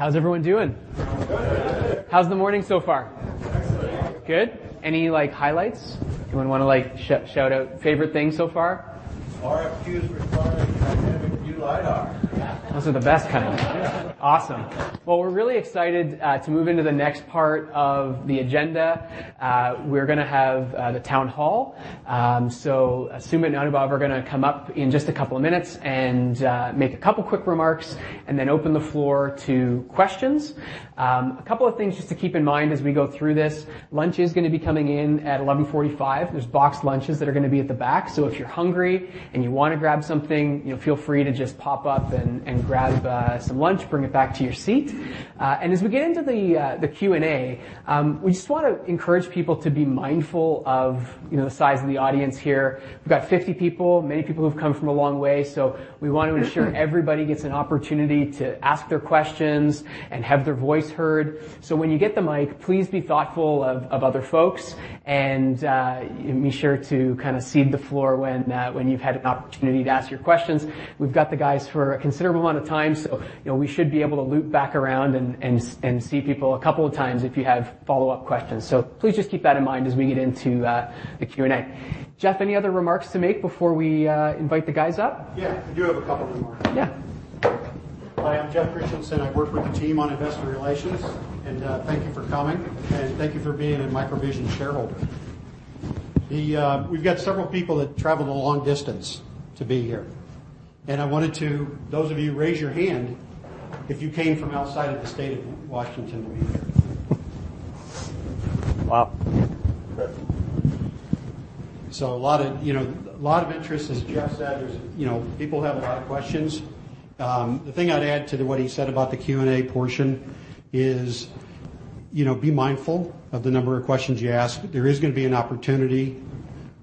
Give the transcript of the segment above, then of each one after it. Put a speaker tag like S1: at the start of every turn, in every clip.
S1: How's everyone doing?
S2: Good.
S1: How's the morning so far?
S2: Excellent.
S1: Good. Any, like, highlights? Anyone wanna, like, shout out favorite things so far?
S2: RFQs for solid and dynamic new lidar.
S1: Those are the best kind. Awesome. Well, we're really excited to move into the next part of the agenda. We're gonna have the town hall. Sumit and Anubhav are gonna come up in just a couple of minutes and make a couple quick remarks and then open the floor to questions. A couple of things just to keep in mind as we go through this. Lunch is gonna be coming in at 11:45 A.M. There's boxed lunches that are gonna be at the back. If you're hungry and you wanna grab something, you know, feel free to just pop up and grab some lunch, bring it back to your seat. As we get into the Q&A, we just wanna encourage people to be mindful of, you know, the size of the audience here. We've got 50 people, many people who've come from a long way, we wanna ensure everybody gets an opportunity to ask their questions and have their voice heard. When you get the mic, please be thoughtful of other folks and be sure to kinda cede the floor when you've had an opportunity to ask your questions. We've got the guys for a considerable amount of time, so, you know, we should be able to loop back around and see people a couple of times if you have follow-up questions. Please just keep that in mind as we get into the Q&A. Jeff, any other remarks to make before we invite the guys up?
S3: Yeah, I do have a couple remarks.
S1: Yeah.
S3: Hi, I'm Jeff Christensen. I work with the team on Investor Relations. Thank you for coming, and thank you for being a MicroVision shareholder. We've got several people that traveled a long distance to be here. Those of you, raise your hand if you came from outside of the state of Washington to be here. Wow. A lot of, you know, a lot of interest. As Jeff Sanders said, there's, you know, people have a lot of questions. The thing I'd add to what he said about the Q&A portion is, you know, be mindful of the number of questions you ask. There is gonna be an opportunity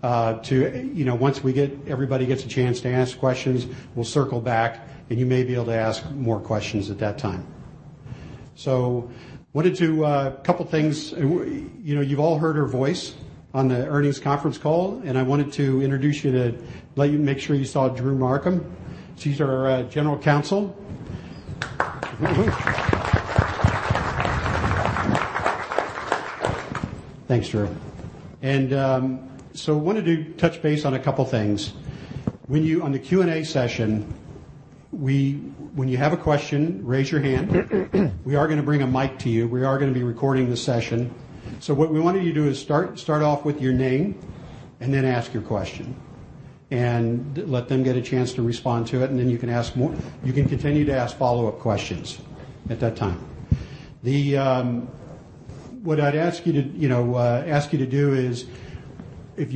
S3: to, you know, once everybody gets a chance to ask questions, we'll circle back, and you may be able to ask more questions at that time. Wanted to, couple things. You know, you've all heard her voice on the earnings conference call, and I wanted to let you make sure you saw Drew Markham. She's our, General Counsel. Thanks, Drew. Wanted to touch base on a couple things. On the Q&A session, when you have a question, raise your hand. We are gonna bring a mic to you. We are gonna be recording the session. What we want you to do is start off with your name and then ask your question. Let them get a chance to respond to it, and then you can ask more. You can continue to ask follow-up questions at that time. The what I'd ask you to, you know, ask you to do is, if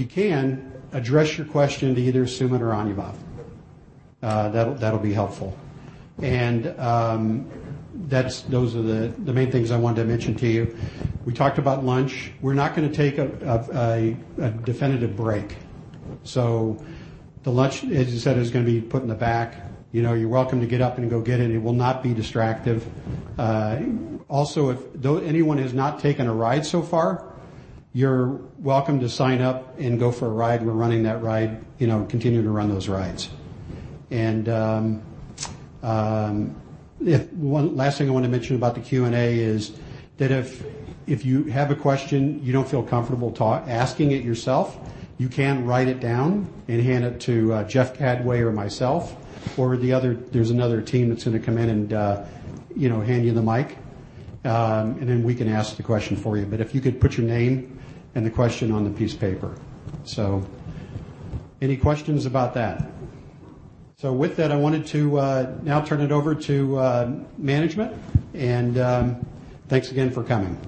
S3: you can, address your question to either Sumit or Anubhav. That'll be helpful. Those are the main things I wanted to mention to you. We talked about lunch. We're not gonna take a definitive break. The lunch, as you said, is gonna be put in the back. You know, you're welcome to get up and go get it. It will not be distractive. Also if anyone has not taken a ride so far, you're welcome to sign up and go for a ride. We're running that ride, you know, continue to run those rides. One last thing I wanna mention about the Q&A is that if you have a question, you don't feel comfortable asking it yourself, you can write it down and hand it to Jeff [Cadway] or myself or there's another team that's gonna come in and, you know, hand you the mic. Then we can ask the question for you. If you could put your name and the question on the piece of paper. Any questions about that? With that, I wanted to now turn it over to management. Thanks again for coming.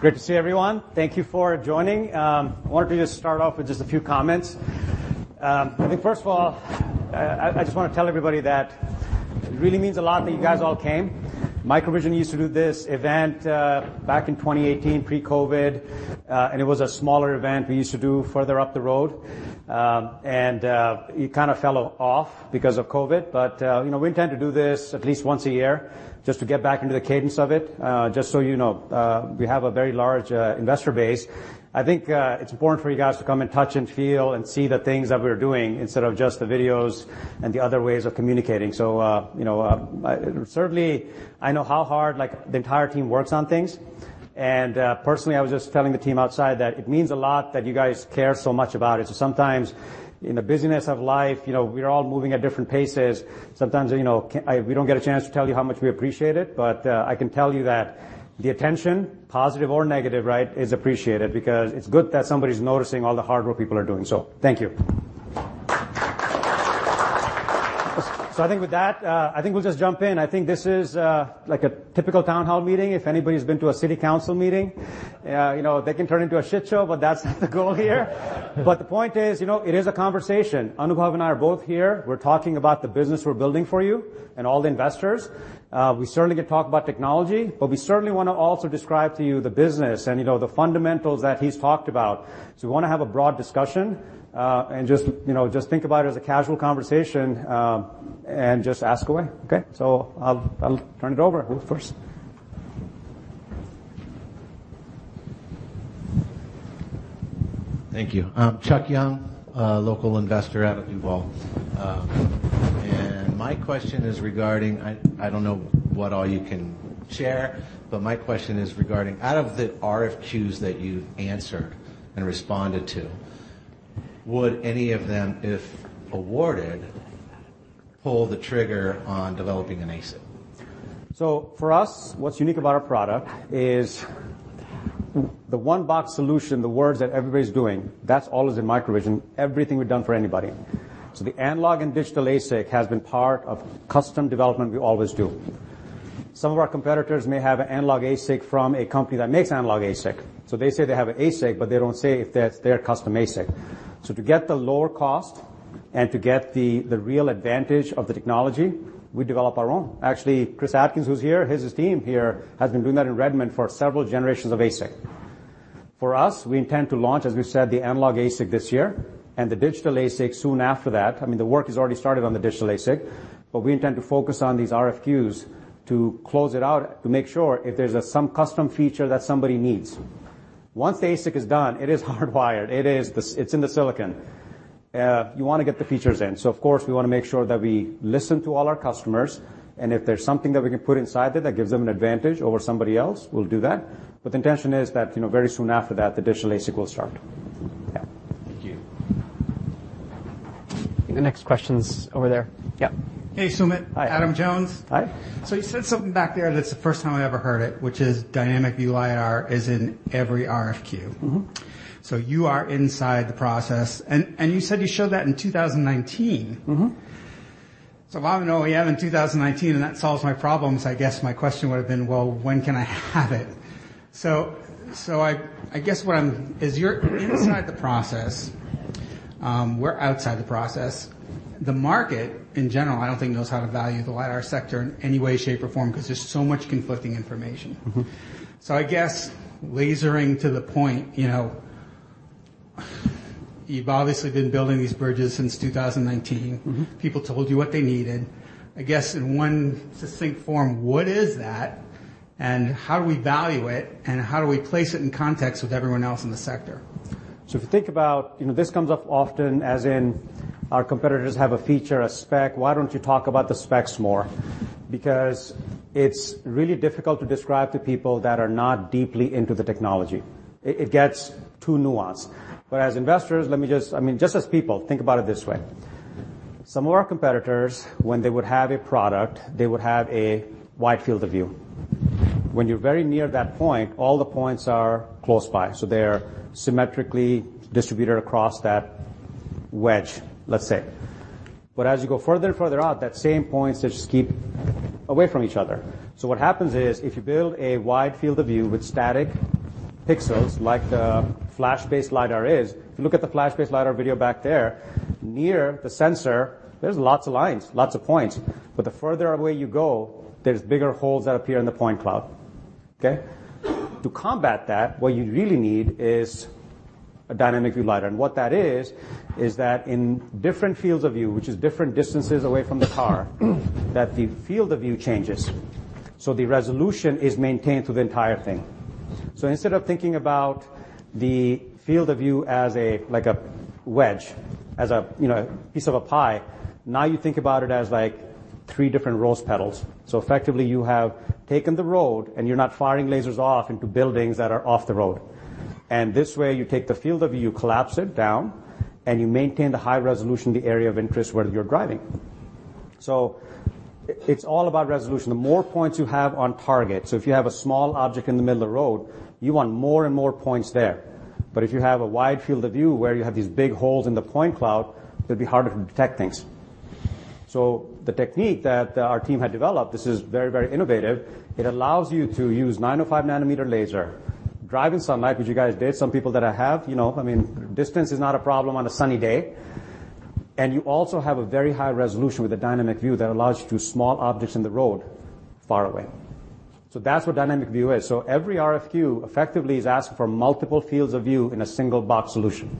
S4: Great to see everyone. Thank you for joining. Wanted to just start off with just a few comments. I think first of all, I just wanna tell everybody that it really means a lot that you guys all came. MicroVision used to do this event back in 2018, pre-COVID. It was a smaller event we used to do further up the road. It kinda fell off because of COVID. You know, we intend to do this at least once a year just to get back into the cadence of it. Just so you know, we have a very large investor base. I think it's important for you guys to come and touch and feel and see the things that we're doing instead of just the videos and the other ways of communicating. You know, certainly I know how hard, like, the entire team works on things. Personally, I was just telling the team outside that it means a lot that you guys care so much about it. Sometimes in the busyness of life, you know, we're all moving at different paces. Sometimes, you know, we don't get a chance to tell you how much we appreciate it. I can tell you that the attention, positive or negative, right, is appreciated because it's good that somebody's noticing all the hard work people are doing. Thank you. I think with that, I think we'll just jump in. I think this is like a typical town hall meeting. If anybody's been to a city council meeting, you know, they can turn into a show, but that's not the goal here. The point is, you know, it is a conversation. Anubhav and I are both here. We're talking about the business we're building for you and all the investors. We certainly can talk about technology, but we certainly wanna also describe to you the business and, you know, the fundamentals that he's talked about. We wanna have a broad discussion, and just, you know, just think about it as a casual conversation, and just ask away. Okay? I'll turn it over. Who first?
S5: Thank you. I'm Chuck Young, a local investor out of Duval. My question is regarding... I don't know what all you can share, but my question is regarding out of the RFQs that you've answered and responded to, would any of them, if awarded, pull the trigger on developing an ASIC?
S4: For us, what's unique about our product is the one box solution, the words that everybody's doing, that's always in MicroVision, everything we've done for anybody. The analog and digital ASIC has been part of custom development we always do. Some of our competitors may have an analog ASIC from a company that makes analog ASIC. They say they have an ASIC, but they don't say if that's their custom ASIC. To get the lower cost and to get the real advantage of the technology, we develop our own. Actually, Chris Atkins, who's here, his team here, has been doing that in Redmond for several generations of ASIC. We intend to launch, as we said, the analog ASIC this year and the digital ASIC soon after that. I mean, the work has already started on the digital ASIC, but we intend to focus on these RFQs to close it out, to make sure if there's some custom feature that somebody needs. Once the ASIC is done, it is hardwired. It's in the silicon. You wanna get the features in. Of course, we wanna make sure that we listen to all our customers, and if there's something that we can put inside there that gives them an advantage over somebody else, we'll do that. The intention is that, you know, very soon after that, the digital ASIC will start. Yeah.
S5: Thank you.
S1: The next question's over there. Yep.
S6: Hey, Sumit.
S4: Hi.
S6: Adam Jones.
S4: Hi.
S6: You said something back there that's the first time I ever heard it, which is dynamic lidar is in every RFQ.
S4: Mm-hmm.
S6: You are inside the process. You said you showed that in 2019.
S4: Mm-hmm.
S6: If I have an OEM in 2019, and that solves my problems, I guess my question would have been, well, when can I have it? I guess what I'm Inside the process, we're outside the process. The market, in general, I don't think knows how to value the lidar sector in any way, shape, or form 'cause there's so much conflicting information.
S4: Mm-hmm.
S6: I guess lasering to the point, you know, you've obviously been building these bridges since 2019.
S4: Mm-hmm.
S6: People told you what they needed. I guess in one succinct form, what is that and how do we value it and how do we place it in context with everyone else in the sector?
S4: If you think about, you know, this comes up often as in our competitors have a feature, a spec. Why don't you talk about the specs more? Because it's really difficult to describe to people that are not deeply into the technology. It gets too nuanced. As investors, let me just, I mean, just as people, think about it this way. Some of our competitors, when they would have a product, they would have a wide field of view. When you're very near that point, all the points are close by, so they're symmetrically distributed across that wedge, let's say. As you go further and further out, that same points just keep away from each other. What happens is, if you build a wide field of view with static pixels like the flash-based lidar is, if you look at the flash-based lidar video back there, near the sensor, there's lots of lines, lots of points. The further away you go, there's bigger holes that appear in the point cloud. Okay? To combat that, what you really need is a dynamic lidar. What that is that in different fields of view, which is different distances away from the car, that the field of view changes. The resolution is maintained through the entire thing. Instead of thinking about the field of view as a, like a wedge, as a, you know, piece of a pie, now you think about it as like three different rose petals. Effectively, you have taken the road, and you're not firing lasers off into buildings that are off the road. This way you take the field of view, you collapse it down, and you maintain the high resolution, the area of interest where you're driving. It's all about resolution. The more points you have on target, so if you have a small object in the middle of the road, you want more and more points there. If you have a wide field of view where you have these big holes in the point cloud, it'd be harder to detect things. The technique that our team had developed, this is very, very innovative. It allows you to use 905 nm laser, drive in sunlight, which you guys did. Some people that I have, you know, I mean, distance is not a problem on a sunny day. You also have a very high resolution with a dynamic view that allows you to do small objects in the road far away. That's what dynamic view is. Every RFQ effectively is asking for multiple fields of view in a single box solution.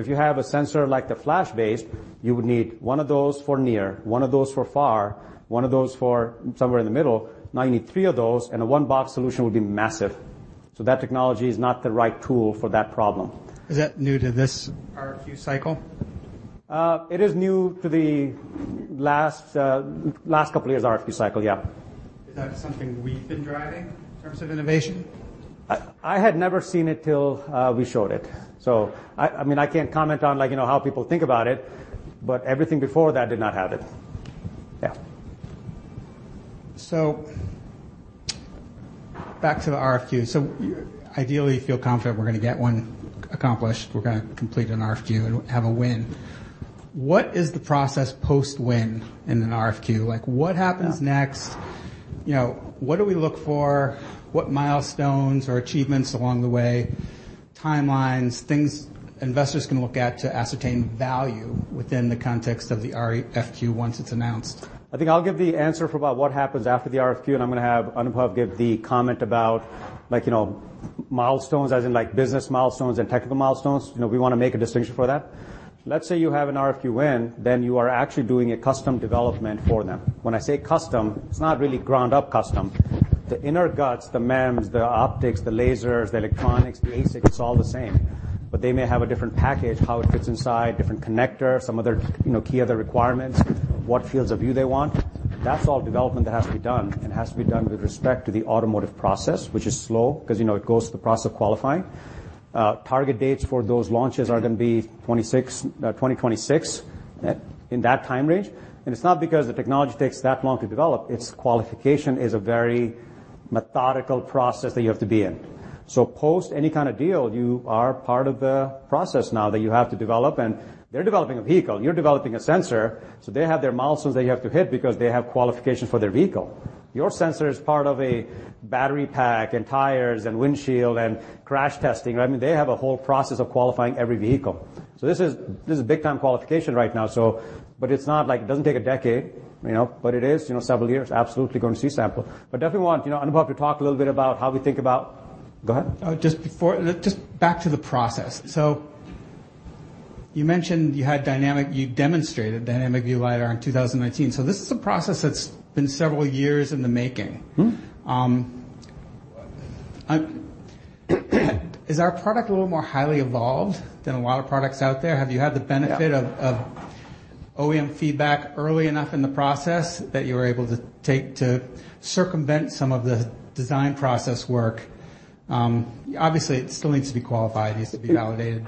S4: If you have a sensor like the flash-based, you would need one of those for near, one of those for far, one of those for somewhere in the middle. Now you need three of those, and a one box solution would be massive. That technology is not the right tool for that problem.
S6: Is that new to this RFQ cycle?
S4: It is new to the last couple of years RFQ cycle, yeah.
S6: Is that something we've been driving in terms of innovation?
S4: I had never seen it till we showed it. I mean, I can't comment on, you know, how people think about it, but everything before that did not have it. Yeah.
S6: Back to the RFQ. Ideally, you feel confident we're gonna get one accomplished, we're gonna complete an RFQ and have a win. What is the process post-win in an RFQ? Like, what happens next? You know, what do we look for? What milestones or achievements along the way, timelines, things investors can look at to ascertain value within the context of the RFQ once it's announced?
S4: I think I'll give the answer for about what happens after the RFQ, and I'm gonna have Anubhav give the comment about, like, you know, milestones as in, like, business milestones and technical milestones. You know, we wanna make a distinction for that. Let's say you have an RFQ win, you are actually doing a custom development for them. When I say custom, it's not really ground-up custom. The inner guts, the MEMS, the optics, the lasers, the electronics, the ASIC, it's all the same. But they may have a different package, how it fits inside, different connector, some other, you know, key other requirements, what fields of view they want. That's all development that has to be done and has to be done with respect to the automotive process, which is slow 'cause, you know, it goes through the process of qualifying. Target dates for those launches are gonna be 2026 in that time range. It's not because the technology takes that long to develop. Its qualification is a very methodical process that you have to be in. Post any kind of deal, you are part of the process now that you have to develop. They're developing a vehicle, you're developing a sensor, they have their milestones they have to hit because they have qualifications for their vehicle. Your sensor is part of a battery pack and tires and windshield and crash testing. I mean, they have a whole process of qualifying every vehicle. This is big time qualification right now, but it's not like it doesn't take a decade, you know. It is, you know, several years, absolutely going to C-sample. Definitely want, you know, Anubhav to talk a little bit about how we think about. Go ahead.
S6: Just back to the process. You mentioned you demonstrated dynamic view lidar in 2019. This is a process that's been several years in the making.
S4: Mm-hmm.
S6: Is our product a little more highly evolved than a lot of products out there? Have you had the benefit of- Yeah.... of OEM feedback early enough in the process that you were able to take to circumvent some of the design process work? Obviously, it still needs to be qualified, needs to be validated.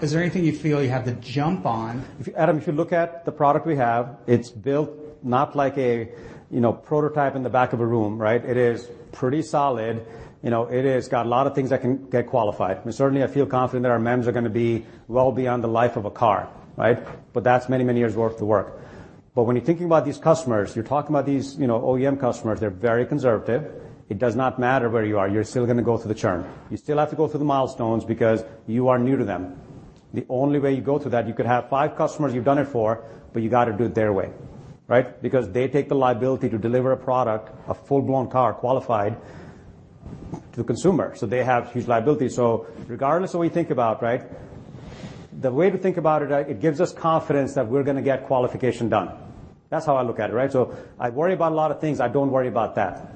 S6: Is there anything you feel you have to jump on? Adam, if you look at the product we have, it's built not like a, you know, prototype in the back of a room, right? It is pretty solid. You know, it has got a lot of things that can get qualified. Certainly, I feel confident that our MEMS are gonna be well beyond the life of a car, right? That's many, many years' worth of work. When you're thinking about these customers, you're talking about these, you know, OEM customers, they're very conservative. It does not matter where you are, you're still gonna go through the churn. You still have to go through the milestones because you are new to them. The only way you go through that, you could have five customers you've done it for, but you gotta do it their way, right?
S4: They take the liability to deliver a product, a full-blown car qualified to the consumer, so they have huge liability. Regardless of what you think about, right, the way to think about it gives us confidence that we're gonna get qualification done. That's how I look at it, right? I worry about a lot of things. I don't worry about that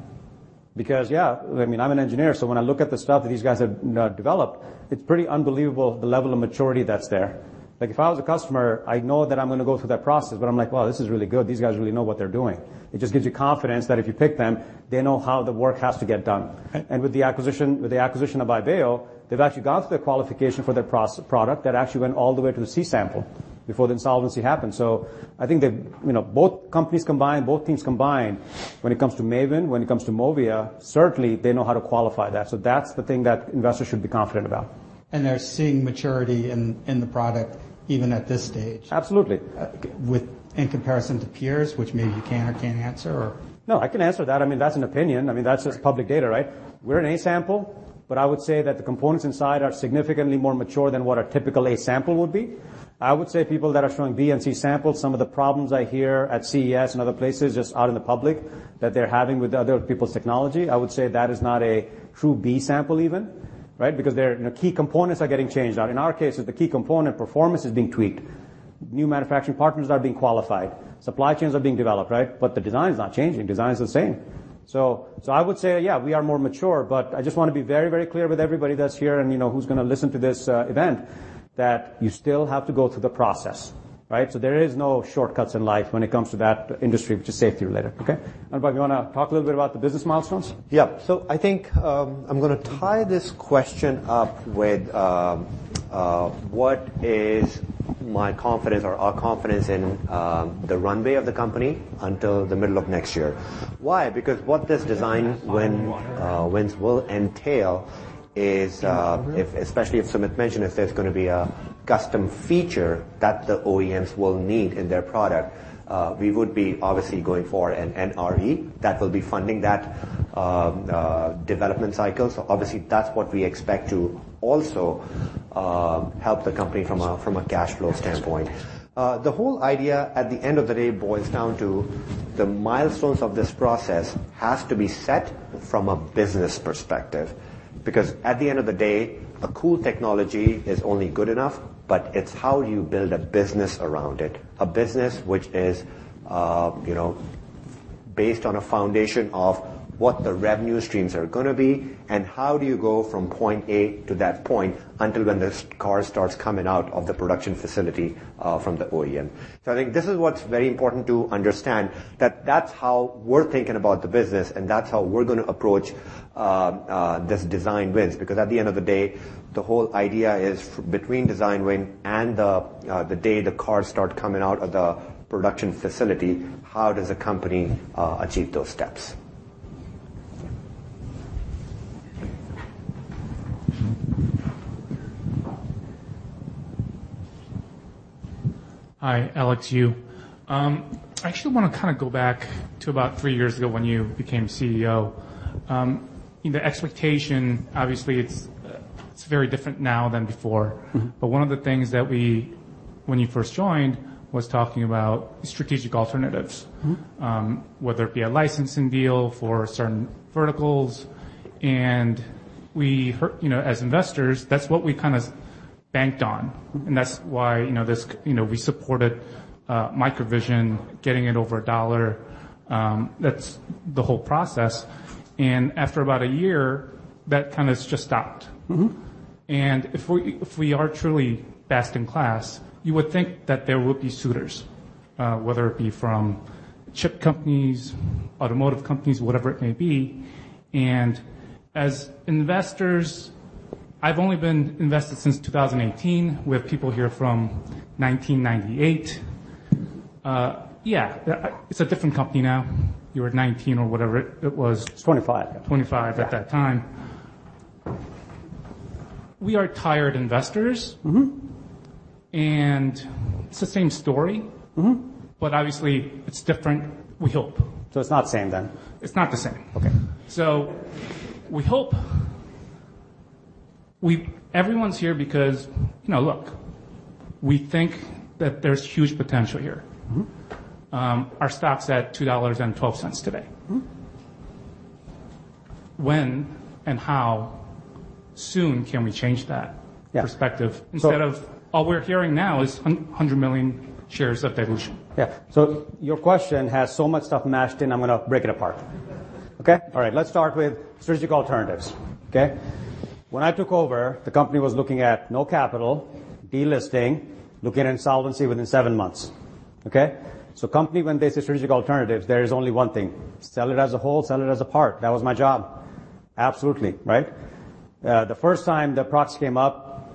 S4: because, yeah, I mean, I'm an engineer, so when I look at the stuff that these guys have developed, it's pretty unbelievable the level of maturity that's there. Like, if I was a customer, I know that I'm gonna go through that process, but I'm like, "Wow, this is really good. These guys really know what they're doing." It just gives you confidence that if you pick them, they know how the work has to get done.
S6: Right.
S4: With the acquisition of Ibeo, they've actually gone through the qualification for their product that actually went all the way to the C-sample before the insolvency happened. I think they've, you know, both companies combined, both teams combined, when it comes to MAVIN, when it comes to MOVIA, certainly they know how to qualify that. That's the thing that investors should be confident about.
S5: They're seeing maturity in the product even at this stage.
S4: Absolutely.
S6: In comparison to peers, which maybe you can or can't answer.
S4: No, I can answer that. I mean, that's an opinion. I mean, that's just public data, right? We're an A-sample, but I would say that the components inside are significantly more mature than what a typical A-sample would be. I would say people that are showing B-sample and C-sample, some of the problems I hear at CES and other places just out in the public that they're having with other people's technology, I would say that is not a true B-sample even, right? Because their, you know, key components are getting changed out. In our case, the key component performance is being tweaked. New manufacturing partners are being qualified. Supply chains are being developed, right? The design is not changing. Design is the same. I would say, yeah, we are more mature, but I just wanna be very, very clear with everybody that's here and, you know, who's gonna listen to this event that you still have to go through the process, right? There is no shortcuts in life when it comes to that industry, which is safety related, okay? Anubhav, you wanna talk a little bit about the business milestones?
S7: Yeah. I think I'm gonna tie this question up with what is my confidence or our confidence in the runway of the company until the middle of next year. Why? Because what this design win wins will entail is if, especially if Sumit mentioned, if there's gonna be a custom feature that the OEMs will need in their product, we would be obviously going for an NRE that will be funding that development cycle. Obviously, that's what we expect to also help the company from a cash flow standpoint. The whole idea at the end of the day boils down to the milestones of this process has to be set from a business perspective. At the end of the day, a cool technology is only good enough, but it's how you build a business around it. A business which is, you know, based on a foundation of what the revenue streams are gonna be and how do you go from point A to that point until when this car starts coming out of the production facility from the OEM. I think this is what's very important to understand that that's how we're thinking about the business and that's how we're gonna approach this design wins because at the end of the day, the whole idea is between design win and the day the cars start coming out of the production facility, how does a company achieve those steps.
S8: Hi. Alex Yu. I actually wanna kinda go back to about three years ago when you became CEO. The expectation, obviously it's very different now than before.
S4: Mm-hmm.
S8: One of the things that we, when you first joined, was talking about strategic alternatives.
S4: Mm-hmm.
S8: Whether it be a licensing deal for certain verticals. We heard, you know, as investors, that's what we kinda banked on.
S4: Mm-hmm.
S8: That's why we supported MicroVision getting it over $1. That's the whole process. After about 1 year, that kind of just stopped.
S4: Mm-hmm.
S8: If we are truly best in class, you would think that there would be suitors. Whether it be from chip companies, automotive companies, whatever it may be. As investors, I've only been invested since 2018. We have people here from 1998. Yeah, it's a different company now. You were 19 or whatever it was.
S4: It's 25.
S8: 25 at that time. We are tired investors.
S4: Mm-hmm.
S8: It's the same story.
S4: Mm-hmm.
S8: Obviously, it's different, we hope.
S4: It's not the same then?
S8: It's not the same.
S4: Okay.
S8: Everyone's here because, you know, look, we think that there's huge potential here.
S4: Mm-hmm.
S8: Our stock's at $2.12 today.
S4: Mm-hmm.
S8: When and how soon can we change that?
S4: Yeah.
S8: -perspective?
S4: So-
S8: Instead of all we're hearing now is 100 million shares of dilution.
S4: Your question has so much stuff mashed in, I'm gonna break it apart. Okay? All right. Let's start with strategic alternatives, okay? When I took over, the company was looking at no capital, delisting, looking at insolvency within seven months, okay? Company, when there's a strategic alternative, there is only one thing: sell it as a whole, sell it as a part. That was my job. Absolutely, right? The first time the proxy came up,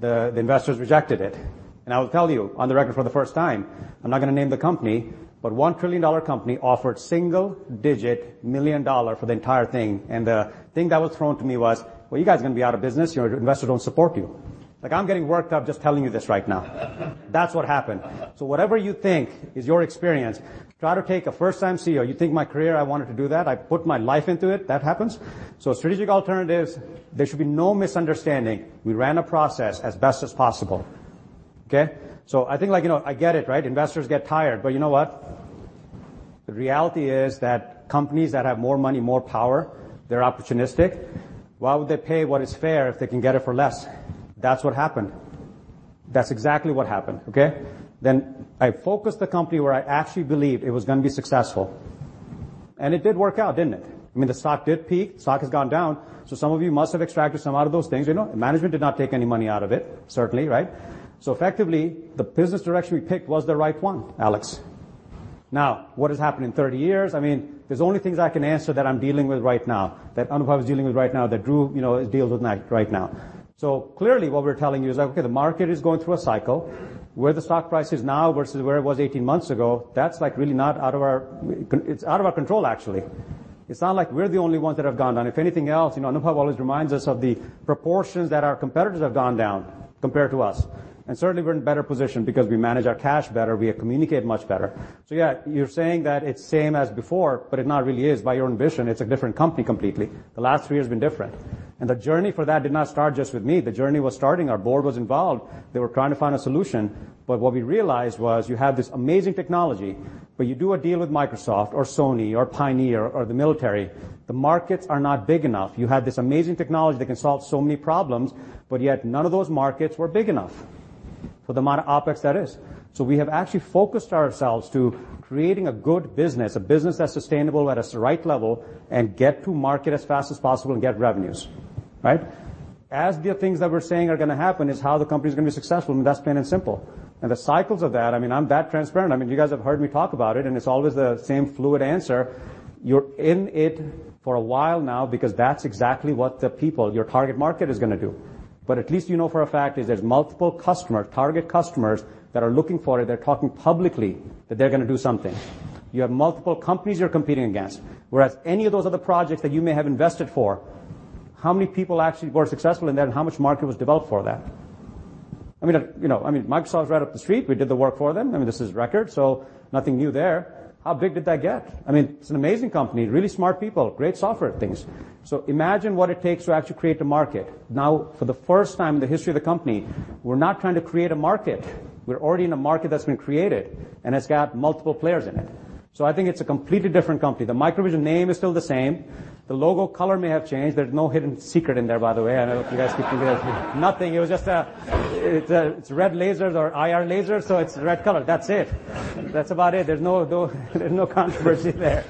S4: the investors rejected it. I will tell you on the record for the first time, I'm not gonna name the company, but one trillion dollar company offered single-digit million dollar for the entire thing, and the thing that was thrown to me was, "Well, you guys are gonna be out of business. Your investors don't support you." Like, I'm getting worked up just telling you this right now. That's what happened. Whatever you think is your experience, try to take a first-time CEO. You think my career, I wanted to do that? I put my life into it. That happens. Strategic alternatives, there should be no misunderstanding. We ran a process as best as possible, okay? I think, like, you know, I get it, right? Investors get tired. You know what? The reality is that companies that have more money, more power, they're opportunistic. Why would they pay what is fair if they can get it for less? That's what happened. That's exactly what happened, okay? I focused the company where I actually believed it was gonna be successful, and it did work out, didn't it? I mean, the stock did peak. Stock has gone down, so some of you must have extracted some out of those things, you know? Management did not take any money out of it, certainly, right? effectively, the business direction we picked was the right one, Alex. Now, what has happened in 30 years? I mean, there's only things I can answer that I'm dealing with right now, that Anubhav is dealing with right now, that Drew, you know, is dealing with right now. clearly, what we're telling you is that, okay, the market is going through a cycle. Where the stock price is now versus where it was 18 months ago, that's like really not out of our it's out of our control, actually. It's not like we're the only ones that have gone down. If anything else, you know, Anubhav always reminds us of the proportions that our competitors have gone down compared to us, and certainly we're in a better position because we manage our cash better, we communicate much better. Yeah, you're saying that it's same as before, but it not really is. By your own vision, it's a different company completely. The last three has been different. The journey for that did not start just with me. The journey was starting. Our board was involved. They were trying to find a solution. What we realized was you have this amazing technology, but you do a deal with Microsoft or Sony or Pioneer or the military, the markets are not big enough. You have this amazing technology that can solve so many problems, but yet none of those markets were big enough for the amount of OpEx that is. We have actually focused ourselves to creating a good business, a business that's sustainable at a right level, and get to market as fast as possible and get revenues, right. As the things that we're saying are gonna happen is how the company's gonna be successful, and that's plain and simple. The cycles of that, I mean, I'm that transparent. I mean, you guys have heard me talk about it, and it's always the same fluid answer. You're in it for a while now because that's exactly what the people, your target market, is gonna do. At least you know for a fact is there's multiple customers, target customers, that are looking for it. They're talking publicly that they're gonna do something. You have multiple companies you're competing against. Any of those other projects that you may have invested for, how many people actually were successful in that and how much market was developed for that? I mean, you know, I mean, Microsoft's right up the street. We did the work for them. I mean, this is record, so nothing new there. How big did that get? I mean, it's an amazing company, really smart people, great software things. Imagine what it takes to actually create the market. Now, for the first time in the history of the company, we're not trying to create a market. We're already in a market that's been created, and it's got multiple players in it. I think it's a completely different company. The MicroVision name is still the same. The logo color may have changed. There's no hidden secret in there, by the way. I know you guys keep thinking there's nothing. It's red lasers or IR lasers, so it's red color. That's it. That's about it. There's no, though there's no controversy there.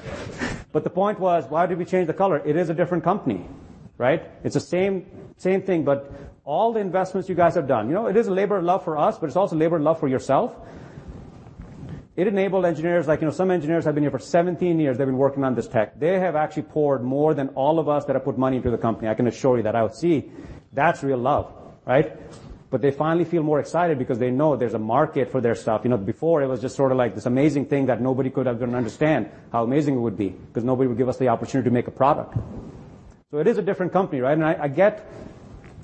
S4: The point was why did we change the color? It is a different company, right? It's the same thing, but all the investments you guys have done. You know, it is a labor of love for us, but it's also labor of love for yourself. It enabled engineers like, you know, some engineers have been here for 17 years. They've been working on this tech. They have actually poured more than all of us that have put money into the company. I can assure you that. I would see. That's real love, right? They finally feel more excited because they know there's a market for their stuff. You know, before it was just sort of like this amazing thing that nobody could have gonna understand how amazing it would be because nobody would give us the opportunity to make a product. It is a different company, right? I get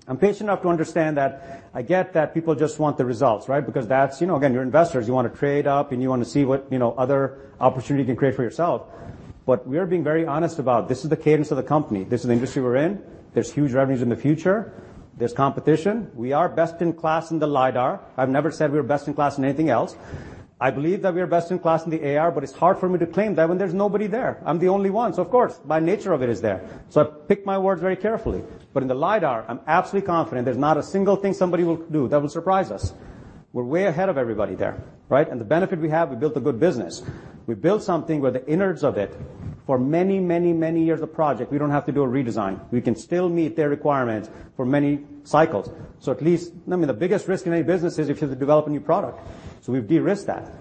S4: I'm patient enough to understand that. I get that people just want the results, right? Because that's, you know, again, you're investors. You wanna trade up, and you wanna see what, you know, other opportunity you can create for yourself. We are being very honest about this is the cadence of the company. This is the industry we're in. There's huge revenues in the future. There's competition. We are best in class in the lidar. I've never said we're best in class in anything else. I believe that we are best in class in the AR, but it's hard for me to claim that when there's nobody there. I'm the only one, so of course, by nature of it is there. I pick my words very carefully. In the lidar, I'm absolutely confident there's not a single thing somebody will do that will surprise us. We're way ahead of everybody there, right? The benefit we have, we built a good business. We built something where the innards of it. For many years of project, we don't have to do a redesign. We can still meet their requirements for many cycles. I mean, the biggest risk in any business is if you have to develop a new product. We've de-risked that.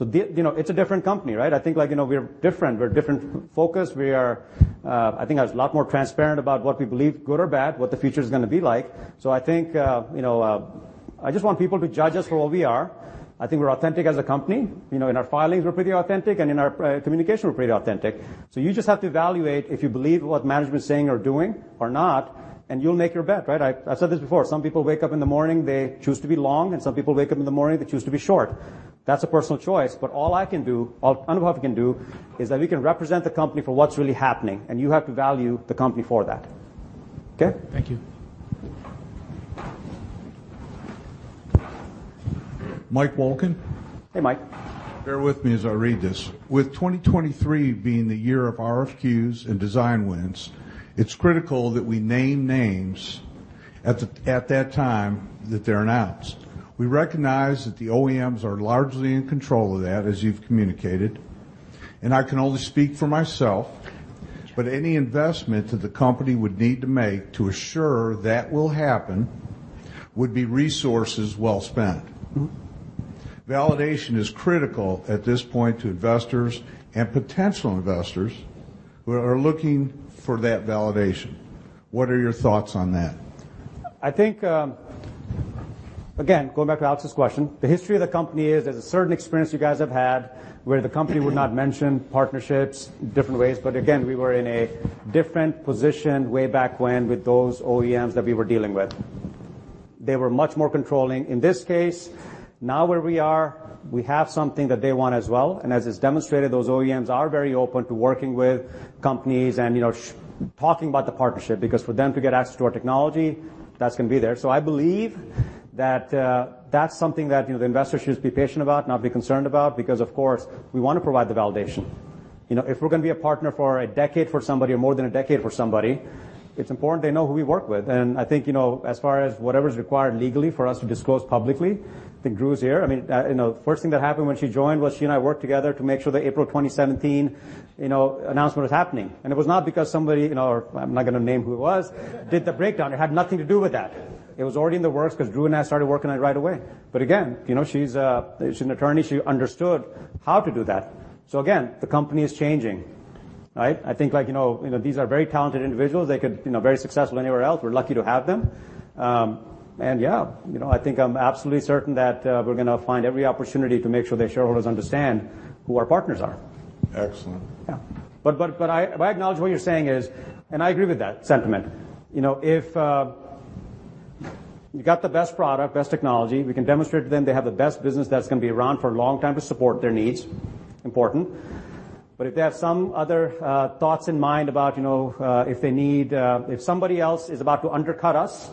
S4: You know, it's a different company, right? I think, like, you know, we're different. We're different focus. We are. I think I was a lot more transparent about what we believe, good or bad, what the future's gonna be like. I think, you know, I just want people to judge us for who we are. I think we're authentic as a company. You know, in our filings, we're pretty authentic, and in our communication, we're pretty authentic. You just have to evaluate if you believe what management's saying or doing or not, and you'll make your bet, right? I've said this before. Some people wake up in the morning, they choose to be long, and some people wake up in the morning, they choose to be short. That's a personal choice, but all I can do, all any of us can do is that we can represent the company for what's really happening, and you have to value the company for that. Okay?
S8: Thank you.
S9: Mike Wolken.
S4: Hey, Mike.
S9: Bear with me as I read this. With 2023 being the year of RFQs and design wins, it's critical that we name names at that time that they're announced. We recognize that the OEMs are largely in control of that, as you've communicated, and I can only speak for myself, but any investment that the company would need to make to assure that will happen would be resources well spent.
S4: Mm-hmm.
S9: Validation is critical at this point to investors and potential investors who are looking for that validation. What are your thoughts on that?
S4: I think, again, going back to Alex's question, the history of the company is there's a certain experience you guys have had where the company would not mention partnerships, different ways, but again, we were in a different position way back when with those OEMs that we were dealing with. They were much more controlling. In this case, now where we are, we have something that they want as well, and as is demonstrated, those OEMs are very open to working with companies and, you know, talking about the partnership because for them to get access to our technology, that's gonna be there. I believe that's something that, you know, the investor should just be patient about, not be concerned about because of course, we wanna provide the validation. You know, if we're gonna be a partner for a decade for somebody or more than a decade for somebody, it's important they know who we work with. I think, you know, as far as whatever is required legally for us to disclose publicly, I think Drew's here. I mean, you know, first thing that happened when she joined was she and I worked together to make sure the April 2017, you know, announcement was happening. It was not because somebody, you know, or I'm not gonna name who it was, did the breakdown. It had nothing to do with that. It was already in the works 'cause Drew and I started working on it right away. Again, you know, she's an attorney. She understood how to do that. Again, the company is changing, right? I think like, you know, these are very talented individuals. They could, you know, very successful anywhere else. We're lucky to have them. Yeah, you know, I think I'm absolutely certain that, we're gonna find every opportunity to make sure the shareholders understand who our partners are.
S9: Excellent.
S4: I acknowledge what you're saying is, and I agree with that sentiment. You know, if you got the best product, best technology, we can demonstrate to them they have the best business that's gonna be around for a long time to support their needs. Important. If they have some other thoughts in mind about, you know, if they need, if somebody else is about to undercut us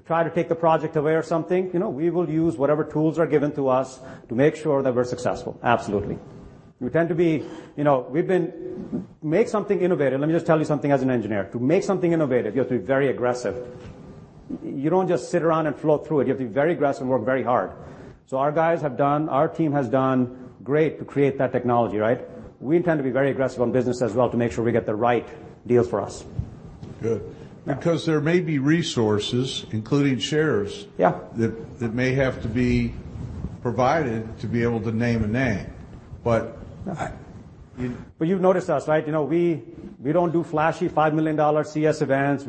S4: to try to take the project away or something, you know, we will use whatever tools are given to us to make sure that we're successful. Absolutely. We tend to be, you know, make something innovative. Let me just tell you something as an engineer. To make something innovative, you have to be very aggressive. You don't just sit around and flow through it. You have to be very aggressive and work very hard. Our team has done great to create that technology, right? We intend to be very aggressive on business as well to make sure we get the right deals for us.
S9: Good.
S4: Yeah.
S9: There may be resources, including shares-
S4: Yeah.
S9: That may have to be provided to be able to name a name.
S4: You've noticed us, right? You know, we don't do flashy $5 million CES events.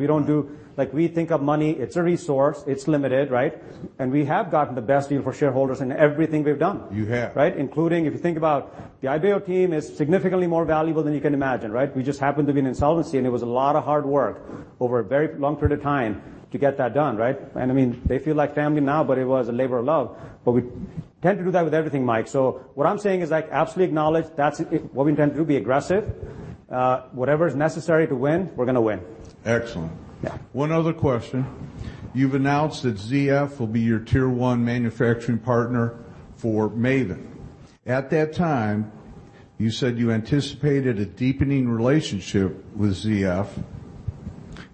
S4: Like, we think of money, it's a resource, it's limited, right? We have gotten the best deal for shareholders in everything we've done.
S9: You have.
S4: Right? Including, if you think about the Ibeo team is significantly more valuable than you can imagine, right? We just happened to be in insolvency, and it was a lot of hard work over a very long period of time to get that done, right? I mean, they feel like family now, but it was a labor of love. We tend to do that with everything, Mike. What I'm saying is I absolutely acknowledge that's what we intend to do, be aggressive. Whatever is necessary to win, we're gonna win.
S9: Excellent.
S4: Yeah. One other question. You've announced that ZF will be your Tier 1 manufacturing partner for MAVIN. At that time, you said you anticipated a deepening relationship with ZF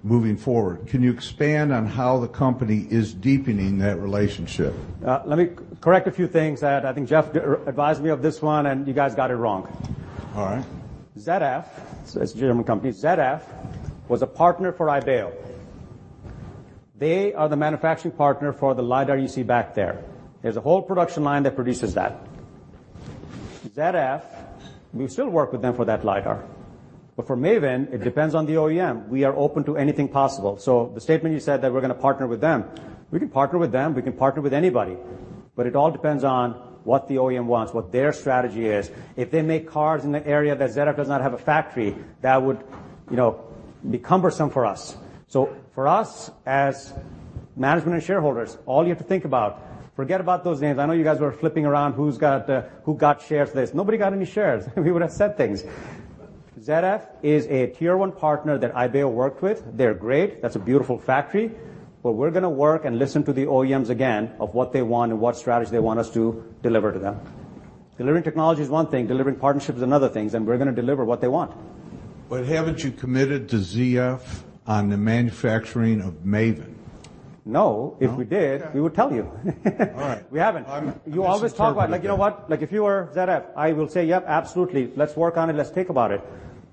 S4: moving forward. Can you expand on how the company is deepening that relationship?
S9: Let me correct a few things. I think Jeff advised me of this one, and you guys got it wrong. All right.
S4: ZF, it's a German company. ZF was a partner for Ibeo. They are the manufacturing partner for the lidar you see back there. There's a whole production line that produces that. ZF, we still work with them for that lidar. For MAVIN, it depends on the OEM. We are open to anything possible. The statement you said that we're gonna partner with them, we can partner with them, we can partner with anybody. It all depends on what the OEM wants, what their strategy is. If they make cars in the area that ZF does not have a factory, that would, you know, be cumbersome for us. For us, as management and shareholders, all you have to think about, forget about those names. I know you guys were flipping around who's got who got shares this. Nobody got any shares. We would have said things. ZF is a Tier 1 partner that Ibeo worked with. They're great. That's a beautiful factory. We're gonna work and listen to the OEMs again of what they want and what strategy they want us to deliver to them. Delivering technology is one thing, delivering partnerships is another things, we're gonna deliver what they want.
S9: Haven't you committed to ZF on the manufacturing of MAVIN?
S4: No. If we did, we would tell you.
S9: All right.
S4: We haven't. You always talk about like, you know what? Like, if you were ZF, I will say, "Yep, absolutely. Let's work on it. Let's think about it."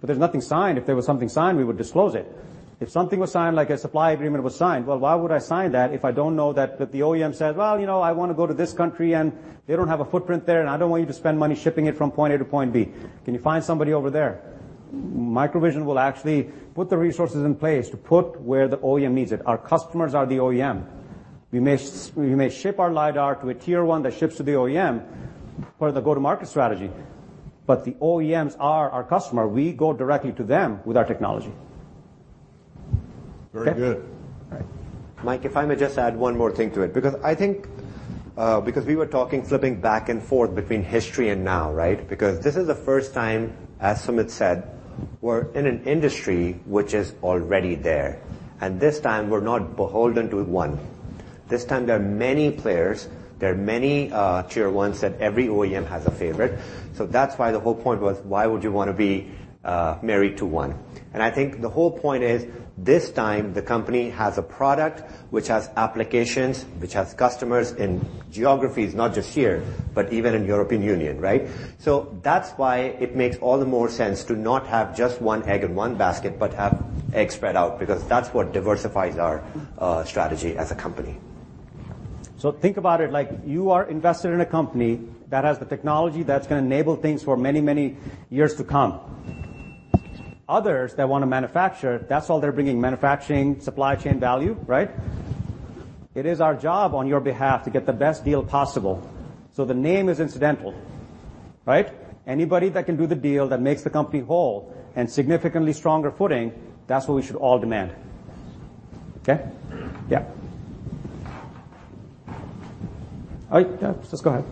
S4: There's nothing signed. If there was something signed, we would disclose it. If something was signed, like a supply agreement was signed, well, why would I sign that if I don't know that the OEM says, "Well, you know, I wanna go to this country, and they don't have a footprint there, and I don't want you to spend money shipping it from point A to point B. Can you find somebody over there?" MicroVision will actually put the resources in place to put where the OEM needs it. Our customers are the OEM. We may ship our lidar to a Tier 1 that ships to the OEM for the go-to-market strategy, but the OEMs are our customer. We go directly to them with our technology.
S9: Very good.
S4: All right.
S7: Mike, if I may just add one more thing to it, because I think, because we were talking, flipping back and forth between history and now, right? This is the first time, as Sumit said, we're in an industry which is already there, and this time we're not beholden to one. This time there are many players. There are many, Tier 1s, and every OEM has a favorite. That's why the whole point was why would you wanna be married to one? I think the whole point is, this time the company has a product which has applications, which has customers in geographies, not just here, but even in European Union, right? That's why it makes all the more sense to not have just one egg in one basket, but have eggs spread out, because that's what diversifies our strategy as a company.
S4: Think about it like you are invested in a company that has the technology that's gonna enable things for many, many years to come. Others that wanna manufacture, that's all they're bringing, manufacturing, supply chain value, right? It is our job on your behalf to get the best deal possible, so the name is incidental, right? Anybody that can do the deal that makes the company whole and significantly stronger footing, that's what we should all demand. Okay? Yeah. All right. Yeah. Just go ahead.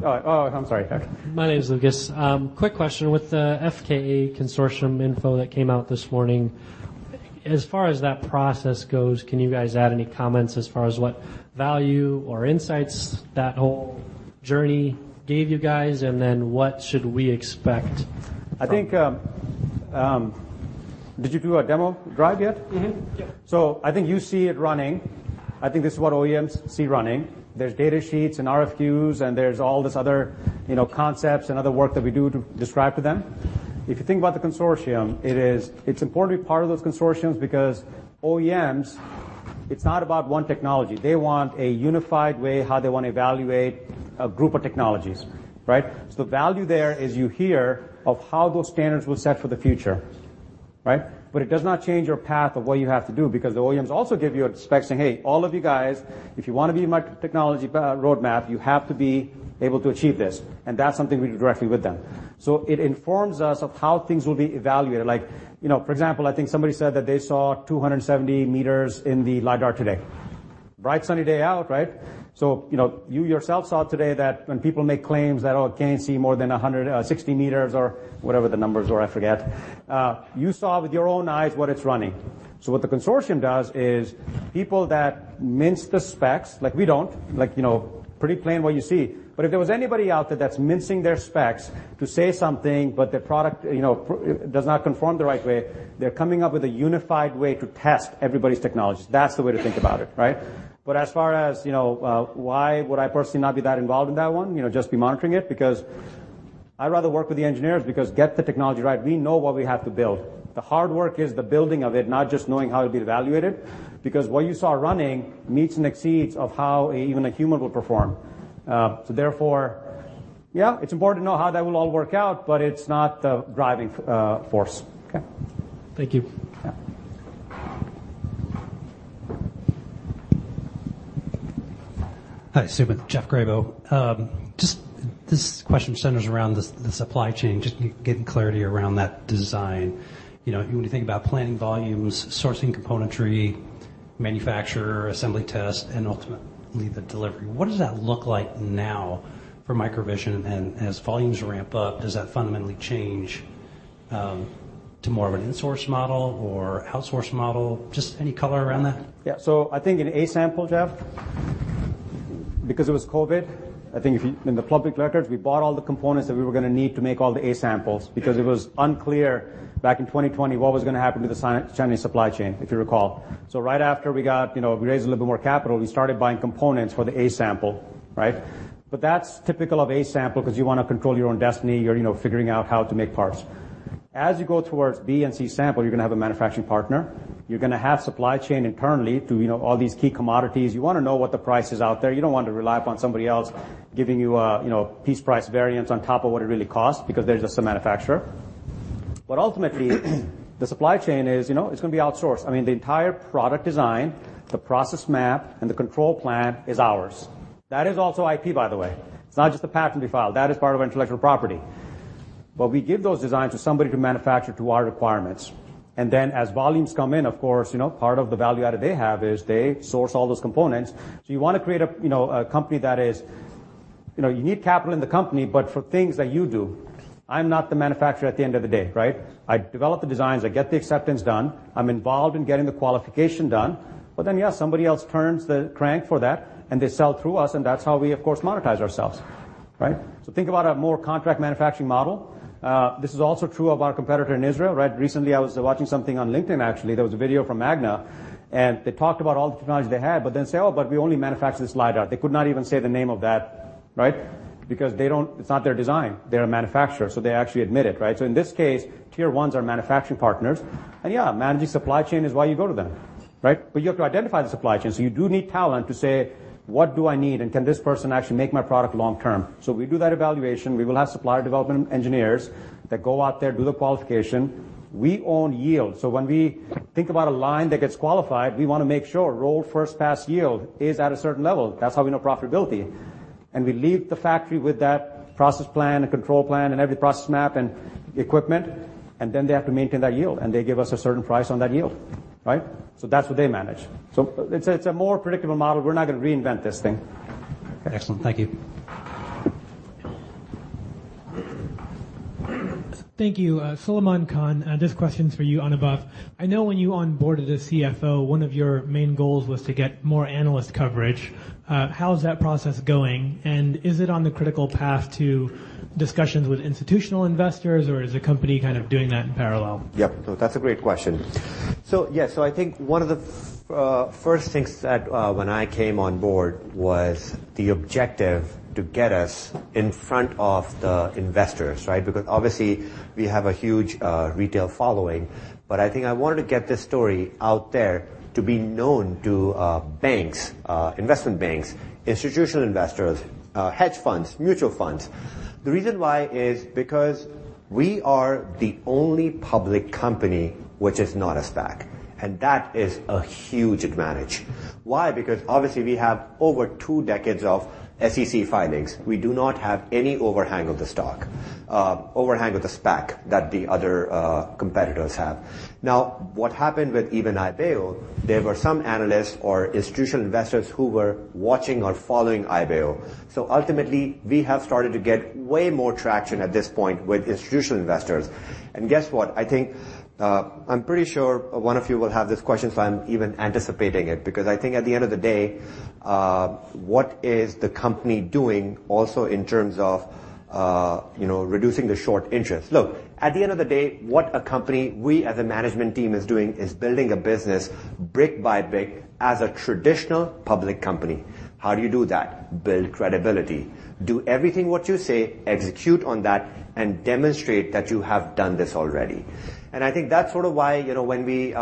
S9: Sorry. Oh, oh, I'm sorry. Yeah.
S10: My name is Lucas. Quick question. With the fka consortium info that came out this morning, as far as that process goes, can you guys add any comments as far as what value or insights that whole journey gave you guys? What should we expect?
S4: I think, did you do a demo drive yet?
S10: Mm-hmm. Yeah.
S4: I think you see it running. I think this is what OEMs see running. There's data sheets and RFQs, and there's all this other, you know, concepts and other work that we do to describe to them. If you think about the consortium, it's important to be part of those consortiums because OEMs, it's not about one technology. They want a unified way, how they wanna evaluate a group of technologies, right? The value there is you hear of how those standards were set for the future, right? It does not change your path of what you have to do, because the OEMs also give you specs saying, "Hey, all of you guys, if you wanna be in my technology roadmap, you have to be able to achieve this." That's something we do directly with them. It informs us of how things will be evaluated. Like, you know, for example, I think somebody said that they saw 270 m in the lidar today. Bright sunny day out, right? You know, you yourself saw today that when people make claims that, "Oh, I can't see more than 160 m," or whatever the numbers were, I forget. You saw with your own eyes what it's running. What the consortium does is people that mince the specs, like we don't, like, you know, pretty plain what you see. If there was anybody out there that's mincing their specs to say something, but their product, you know, does not conform the right way, they're coming up with a unified way to test everybody's technologies. That's the way to think about it, right? As far as, you know, why would I personally not be that involved in that one, you know, just be monitoring it. I'd rather work with the engineers because get the technology right. We know what we have to build. The hard work is the building of it, not just knowing how it'll be evaluated. What you saw running meets and exceeds of how even a human would perform. Therefore, yeah, it's important to know how that will all work out, but it's not the driving force. Okay.
S10: Thank you.
S4: Yeah.
S11: Hi, Sumit. Jeff Grabo. Just this question centers around the supply chain, getting clarity around that design. You know, when you think about planning volumes, sourcing componentry, manufacturer, assembly test, and ultimately the delivery, what does that look like now for MicroVision? As volumes ramp up, does that fundamentally change to more of an insource model or outsource model? Just any color around that?
S4: I think in A-sample, Jeff, because it was COVID, I think in the public records, we bought all the components that we were gonna need to make all the A-samples because it was unclear back in 2020 what was gonna happen to the Chinese supply chain, if you recall. Right after we got, you know, we raised a little bit more capital, we started buying components for the A-sample, right? That's typical of A-sample 'cause you wanna control your own destiny. You're, you know, figuring out how to make parts. As you go towards B- and C-sample, you're gonna have a manufacturing partner. You're gonna have supply chain internally to, you know, all these key commodities. You wanna know what the price is out there. You don't want to rely upon somebody else giving you a, you know, piece price variance on top of what it really costs because they're just a manufacturer. Ultimately, the supply chain is, you know, it's gonna be outsourced. The entire product design, the process map, and the control plan is ours. That is also IP, by the way. It's not just the patent we filed. That is part of intellectual property. We give those designs to somebody to manufacture to our requirements. Then as volumes come in, of course, you know, part of the value added they have is they source all those components. You wanna create a, you know, a company that is, you know, you need capital in the company, but for things that you do. I'm not the manufacturer at the end of the day, right? I develop the designs. I get the acceptance done. I'm involved in getting the qualification done. Yeah, somebody else turns the crank for that, and they sell through us, and that's how we, of course, monetize ourselves. Right? Think about a more contract manufacturing model. This is also true of our competitor in Israel, right? Recently, I was watching something on LinkedIn, actually. There was a video from Magna, and they talked about all the technology they had, but then say, "Oh, but we only manufacture this lidar." They could not even say the name of that, right? It's not their design. They're a manufacturer, they actually admit it, right? In this case, Tier 1s are manufacturing partners. Yeah, managing supply chain is why you go to them, right? You have to identify the supply chain, so you do need talent to say, "What do I need, and can this person actually make my product long term?" We do that evaluation. We will have supplier development engineers that go out there, do the qualification. We own yield. When we think about a line that gets qualified, we wanna make sure roll first pass yield is at a certain level. That's how we know profitability. We leave the factory with that process plan and control plan and every process map and equipment, and then they have to maintain that yield, and they give us a certain price on that yield, right? That's what they manage. It's a, it's a more predictable model. We're not gonna reinvent this thing.
S11: Excellent. Thank you.
S12: Thank you. Solomon Khan. This question's for you, Anubhav. I know when you onboarded a CFO, one of your main goals was to get more analyst coverage. How is that process going? Is it on the critical path to discussions with institutional investors, or is the company kind of doing that in parallel?
S7: Yep. That's a great question. Yeah. I think one of the first things that when I came on board was the objective to get us in front of the investors, right? Obviously we have a huge retail following, but I think I wanted to get this story out there to be known to banks, investment banks, institutional investors, hedge funds, mutual funds. The reason why is because we are the only public company which is not a SPAC, and that is a huge advantage. Why? Obviously we have over two decades of SEC filings. We do not have any overhang of the stock, overhang of the SPAC that the other competitors have. What happened with even Ibeo, there were some analysts or institutional investors who were watching or following Ibeo. Ultimately, we have started to get way more traction at this point with institutional investors. Guess what? I think, I'm pretty sure one of you will have this question, so I'm even anticipating it, because I think at the end of the day, what is the company doing also in terms of, you know, reducing the short interest? Look, at the end of the day, what a company, we as a management team is doing is building a business brick by brick as a traditional public company. How do you do that? Build credibility. Do everything what you say, execute on that, and demonstrate that you have done this already. I think that's sort of why, you know, when we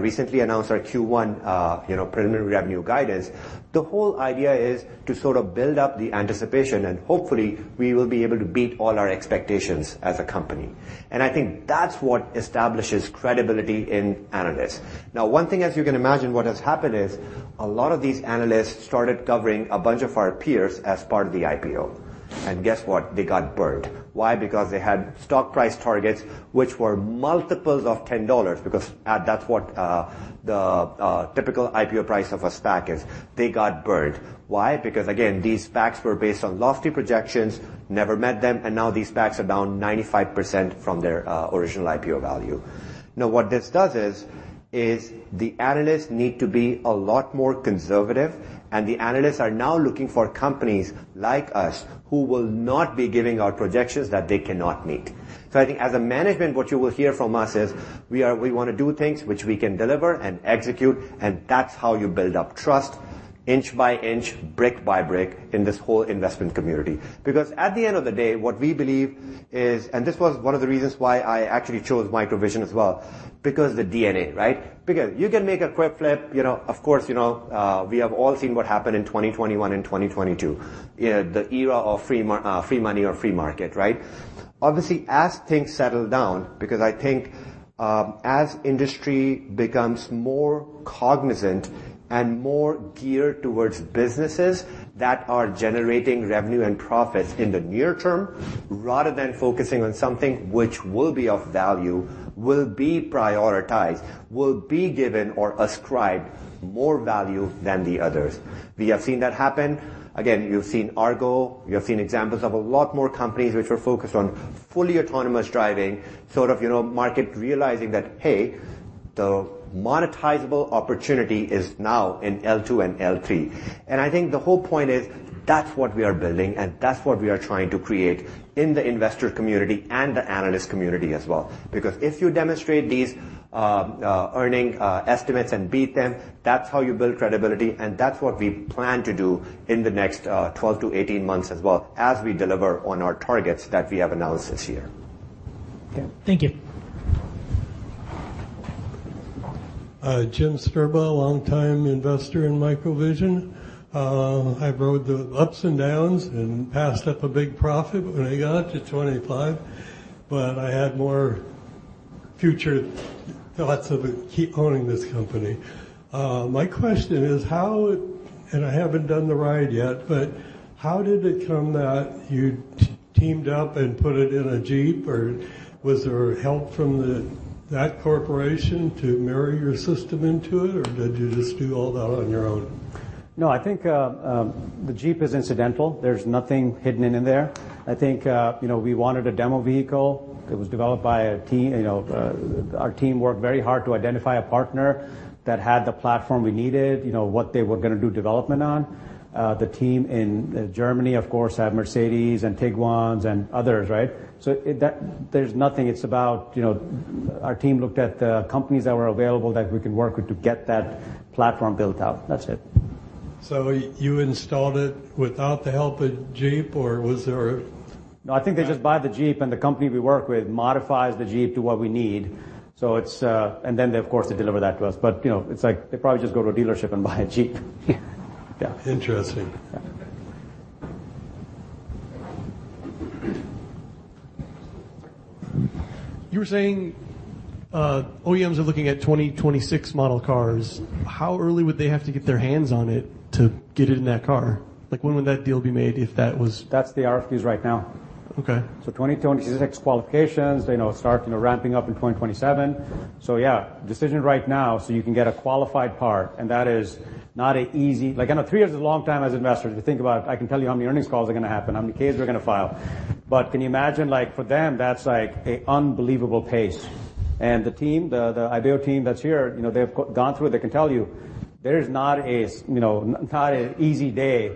S7: recently announced our Q1, you know, preliminary revenue guidance, the whole idea is to sort of build up the anticipation. Hopefully we will be able to beat all our expectations as a company. I think that's what establishes credibility in analysts. Now, one thing, as you can imagine, what has happened is a lot of these analysts started covering a bunch of our peers as part of the IPO. Guess what? They got burned. Why? Because they had stock price targets which were multiples of $10, because that's what the typical IPO price of a SPAC is. They got burned. Why? Because again, these SPACs were based on lofty projections, never met them, and now these SPACs are down 95% from their original IPO value. What this does is, the analysts need to be a lot more conservative, and the analysts are now looking for companies like us who will not be giving out projections that they cannot meet. I think as a management, what you will hear from us is we wanna do things which we can deliver and execute, and that's how you build up trust inch by inch, brick by brick in this whole investment community. At the end of the day, what we believe is. This was one of the reasons why I actually chose MicroVision as well, because the DNA, right? You can make a quick flip, you know. Of course, you know, we have all seen what happened in 2021 and 2022. You know, the era of free money or free market, right? Obviously, as things settle down, because I think, as industry becomes more cognizant and more geared towards businesses that are generating revenue and profits in the near term, rather than focusing on something which will be of value, will be prioritized, will be given or ascribed more value than the others. We have seen that happen. Again, you've seen Argo, you have seen examples of a lot more companies which were focused on fully autonomous driving, sort of, you know, market realizing that, hey, the monetizable opportunity is now in L2 and L3. I think the whole point is that's what we are building, and that's what we are trying to create in the investor community and the analyst community as well. If you demonstrate these earning estimates and beat them, that's how you build credibility, and that's what we plan to do in the next 12 to 18 months as well as we deliver on our targets that we have announced this year.
S12: Okay. Thank you.
S13: Jim Sperber, longtime investor in MicroVision. I've rode the ups and downs and passed up a big profit when I got to $25, but I had more future thoughts of keep owning this company. My question is how. I haven't done the ride yet, but how did it come that you teamed up and put it in a Jeep, or was there help from that corporation to marry your system into it, or did you just do all that on your own?
S4: I think, the Jeep is incidental. There's nothing hidden in there. I think, you know, we wanted a demo vehicle that was developed by a team, you know, our team worked very hard to identify a partner that had the platform we needed, you know, what they were gonna do development on. The team in Germany, of course, have Mercedes and Tiguans and others, right? There's nothing it's about, you know, our team looked at the companies that were available that we could work with to get that platform built out. That's it.
S13: You installed it without the help of Jeep, or was there?
S4: No, I think they just buy the Jeep, and the company we work with modifies the Jeep to what we need. It's, and then they of course, they deliver that to us. You know, it's like they probably just go to a dealership and buy a Jeep. Yeah.
S13: Interesting.
S4: Yeah.
S13: You were saying, OEMs are looking at 2026 model cars. How early would they have to get their hands on it to get it in that car? When would that deal be made?
S4: That's the RFQs right now.
S13: Okay.
S4: 2026 qualifications, they now start, you know, ramping up in 2027. Yeah, decision right now, so you can get a qualified car and that is not easy, like I know three years is a long time as investors. If you think about it, I can tell you how many earnings calls are gonna happen, how many Ks we're gonna file. Can you imagine like for them, that's like an unbelievable pace. The team, the Ibeo team that's here, you know, they've gone through it, they can tell you there is not a, you know, not an easy day.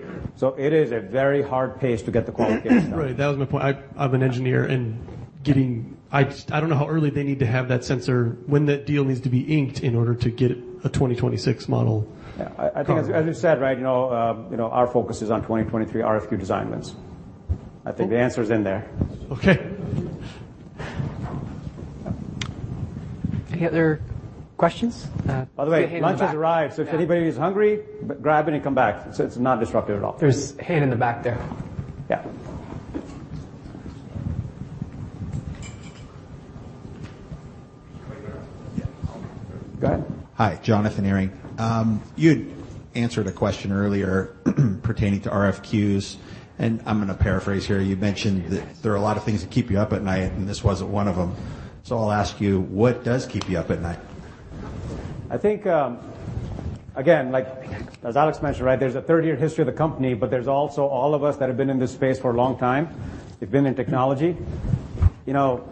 S4: It is a very hard pace to get the qualifications done.
S13: Right. That was my point. I'm an engineer, I don't know how early they need to have that sensor when that deal needs to be inked in order to get a 2026 model.
S4: Yeah. I think as you said, right, you know, you know, our focus is on 2023 RFQ design wins. I think the answer is in there.
S13: Okay.
S1: Any other questions? I see a hand in the back.
S4: By the way, lunch has arrived, so if anybody is hungry, grab it and come back. It's not disruptive at all.
S1: There's a hand in the back there.
S4: Yeah.
S1: Right there?
S4: Yeah. Go ahead.
S14: Hi, Jonathan Erin. You had answered a question earlier pertaining to RFQs, I'm gonna paraphrase here. You mentioned that there are a lot of things that keep you up at night, this wasn't one of them. I'll ask you, what does keep you up at night?
S4: I think, again, like as Alex mentioned, right, there's a 30-year history of the company, but there's also all of us that have been in this space for a long time. We've been in technology. You know,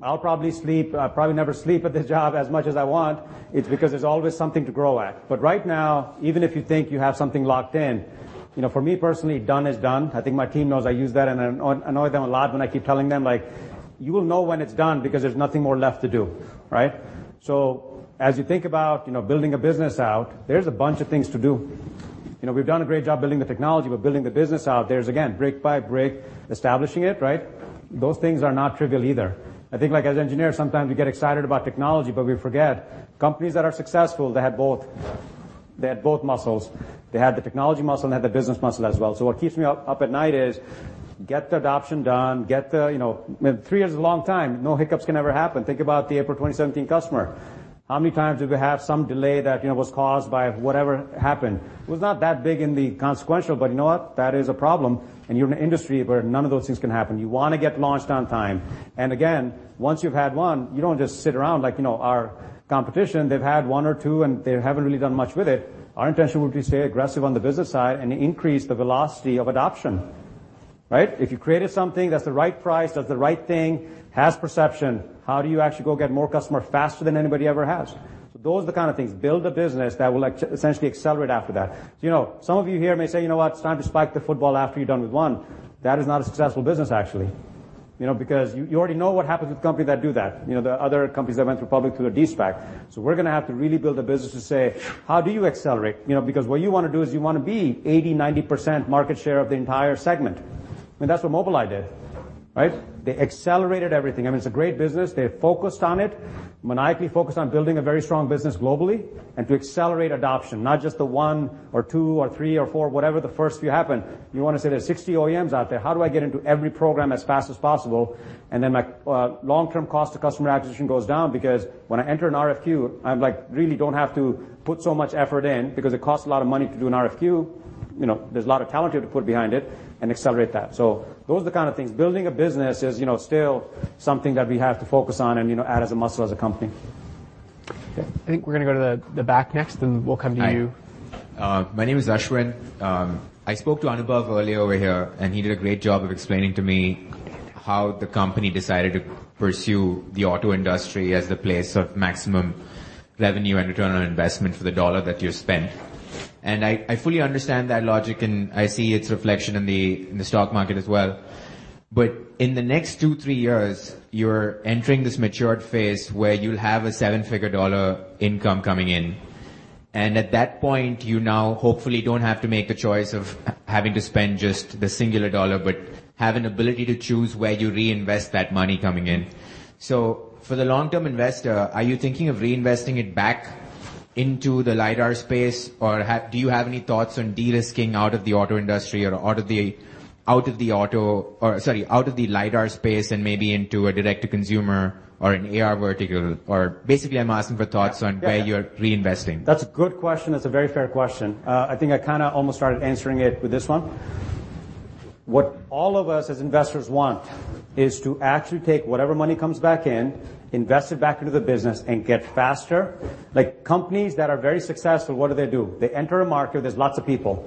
S4: I'll probably sleep, I'll probably never sleep at this job as much as I want. It's because there's always something to grow at. Right now, even if you think you have something locked in, you know, for me personally, done is done. I think my team knows I use that, and I annoy them a lot when I keep telling them, like, "You will know when it's done because there's nothing more left to do." Right? As you think about, you know, building a business out, there's a bunch of things to do. You know, we've done a great job building the technology, but building the business out, there's again, brick by brick establishing it, right? Those things are not trivial either. I think like as engineers, sometimes we get excited about technology, but we forget companies that are successful, they had both muscles. They had the technology muscle, and they had the business muscle as well. What keeps me up at night is get the adoption done, get the, you know. Three years is a long time. No hiccups can ever happen. Think about the April 2017 customer. How many times did we have some delay that, you know, was caused by whatever happened? It was not that big in the consequential, but you know what? That is a problem. You're in an industry where none of those things can happen. You wanna get launched on time. Again, once you've had one, you don't just sit around like, you know, our competition, they've had one or two, and they haven't really done much with it. Our intention would be to stay aggressive on the business side and increase the velocity of adoption, right? If you created something that's the right price, that's the right thing, has perception, how do you actually go get more customer faster than anybody ever has? Those are the kind of things. Build a business that will essentially accelerate after that. You know, some of you here may say, "You know what? It's time to spike the football after you're done with one." That is not a successful business, actually. You know, because you already know what happens with companies that do that. There are other companies that went public through a de-SPAC. We're gonna have to really build a business to say, "How do you accelerate?" Because what you wanna do is you wanna be 80%-90% market share of the entire segment. That's what Mobileye did, right? They accelerated everything. It's a great business. They're focused on it. Maniacally focused on building a very strong business globally and to accelerate adoption, not just the one or two or three or four, whatever the first few happen. You wanna say there's 60 OEMs out there. How do I get into every program as fast as possible? Then my long-term cost to customer acquisition goes down because when I enter an RFQ, I'm like, really don't have to put so much effort in because it costs a lot of money to do an RFQ. You know, there's a lot of talent you have to put behind it and accelerate that. Those are the kind of things. Building a business is, you know, still something that we have to focus on and, you know, add as a muscle as a company.
S1: Okay. I think we're gonna go to the back next, and we'll come to you.
S15: Hi. My name is Ashwin. I spoke to Anubhav earlier over here, and he did a great job of explaining to me how the company decided to pursue the auto industry as the place of maximum revenue and ROI for the dollar that you spent. I fully understand that logic, and I see its reflection in the stock market as well. In the next two, three years, you're entering this matured phase where you'll have a seven figure dollar income coming in. At that point, you now hopefully don't have to make the choice of having to spend just the singular dollar but have an ability to choose where you reinvest that money coming in. For the long-term investor, are you thinking of reinvesting it back into the lidar space, or do you have any thoughts on de-risking out of the auto industry or sorry, out of the lidar space and maybe into a direct-to-consumer or an AR vertical? Basically, I'm asking for thoughts on where you're reinvesting.
S4: That's a good question. That's a very fair question. I think I kinda almost started answering it with this one. What all of us as investors want is to actually take whatever money comes back in, invest it back into the business, and get faster. Like, companies that are very successful, what do they do? They enter a market. There's lots of people.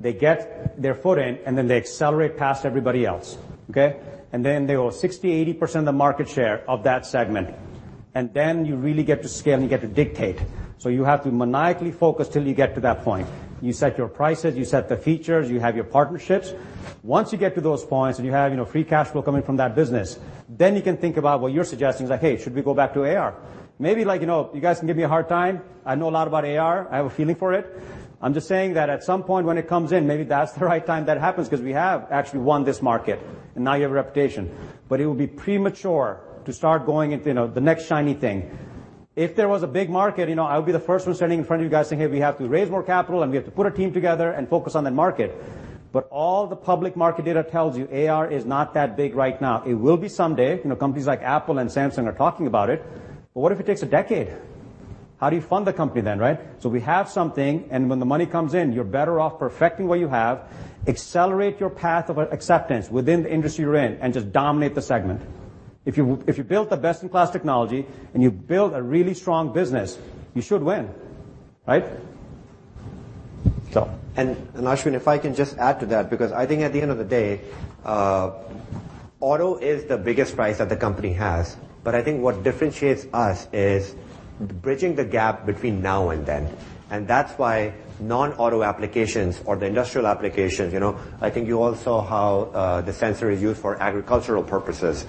S4: They get their foot in, and then they accelerate past everybody else, okay? Then they own 60%, 80% of the market share of that segment. Then you really get to scale, and you get to dictate. You have to maniacally focus till you get to that point. You set your prices, you set the features, you have your partnerships. Once you get to those points, and you have, you know, free cash flow coming from that business, then you can think about what you're suggesting, is like, "Hey, should we go back to AR?" Maybe, like, you know, you guys can give me a hard time. I know a lot about AR, I have a feeling for it. I'm just saying that at some point when it comes in, maybe that's the right time that happens 'cause we have actually won this market, and now you have a reputation. It would be premature to start going into, you know, the next shiny thing. If there was a big market, you know, I would be the first one standing in front of you guys saying, "Hey, we have to raise more capital, and we have to put a team together and focus on that market." All the public market data tells you AR is not that big right now. It will be someday. You know, companies like Apple and Samsung are talking about it. What if it takes a decade? How do you fund the company then, right? We have something, and when the money comes in, you're better off perfecting what you have, accelerate your path of a-acceptance within the industry you're in, and just dominate the segment. If you, if you build the best-in-class technology and you build a really strong business, you should win, right?.
S7: Ashwin, if I can just add to that, because I think at the end of the day, auto is the biggest price that the company has. I think what differentiates us is bridging the gap between now and then, and that's why non-auto applications or the industrial applications, you know, I think you all saw how the sensor is used for agricultural purposes.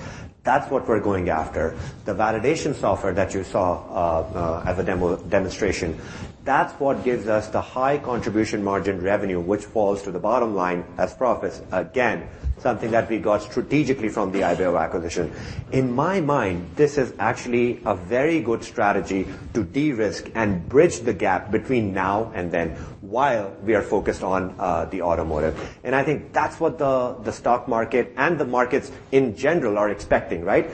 S7: That's what we're going after. The validation software that you saw as a demonstration, that's what gives us the high contribution margin revenue, which falls to the bottom line as profits. Something that we got strategically from the Ibeo acquisition. In my mind, this is actually a very good strategy to de-risk and bridge the gap between now and then, while we are focused on the automotive. I think that's what the stock market and the markets in general are expecting, right?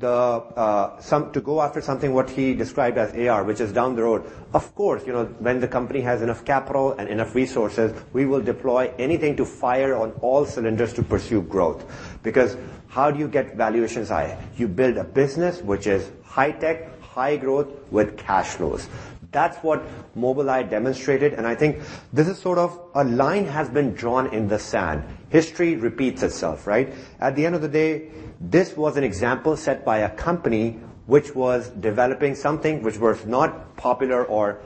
S7: To go after something what he described as AR, which is down the road, of course, you know, when the company has enough capital and enough resources, we will deploy anything to fire on all cylinders to pursue growth. How do you get valuations high? You build a business which is high-tech, high growth with cash flows. That's what Mobileye demonstrated, and I think this is sort of a line has been drawn in the sand. History repeats itself, right? At the end of the day, this was an example set by a company which was developing something which was not popular or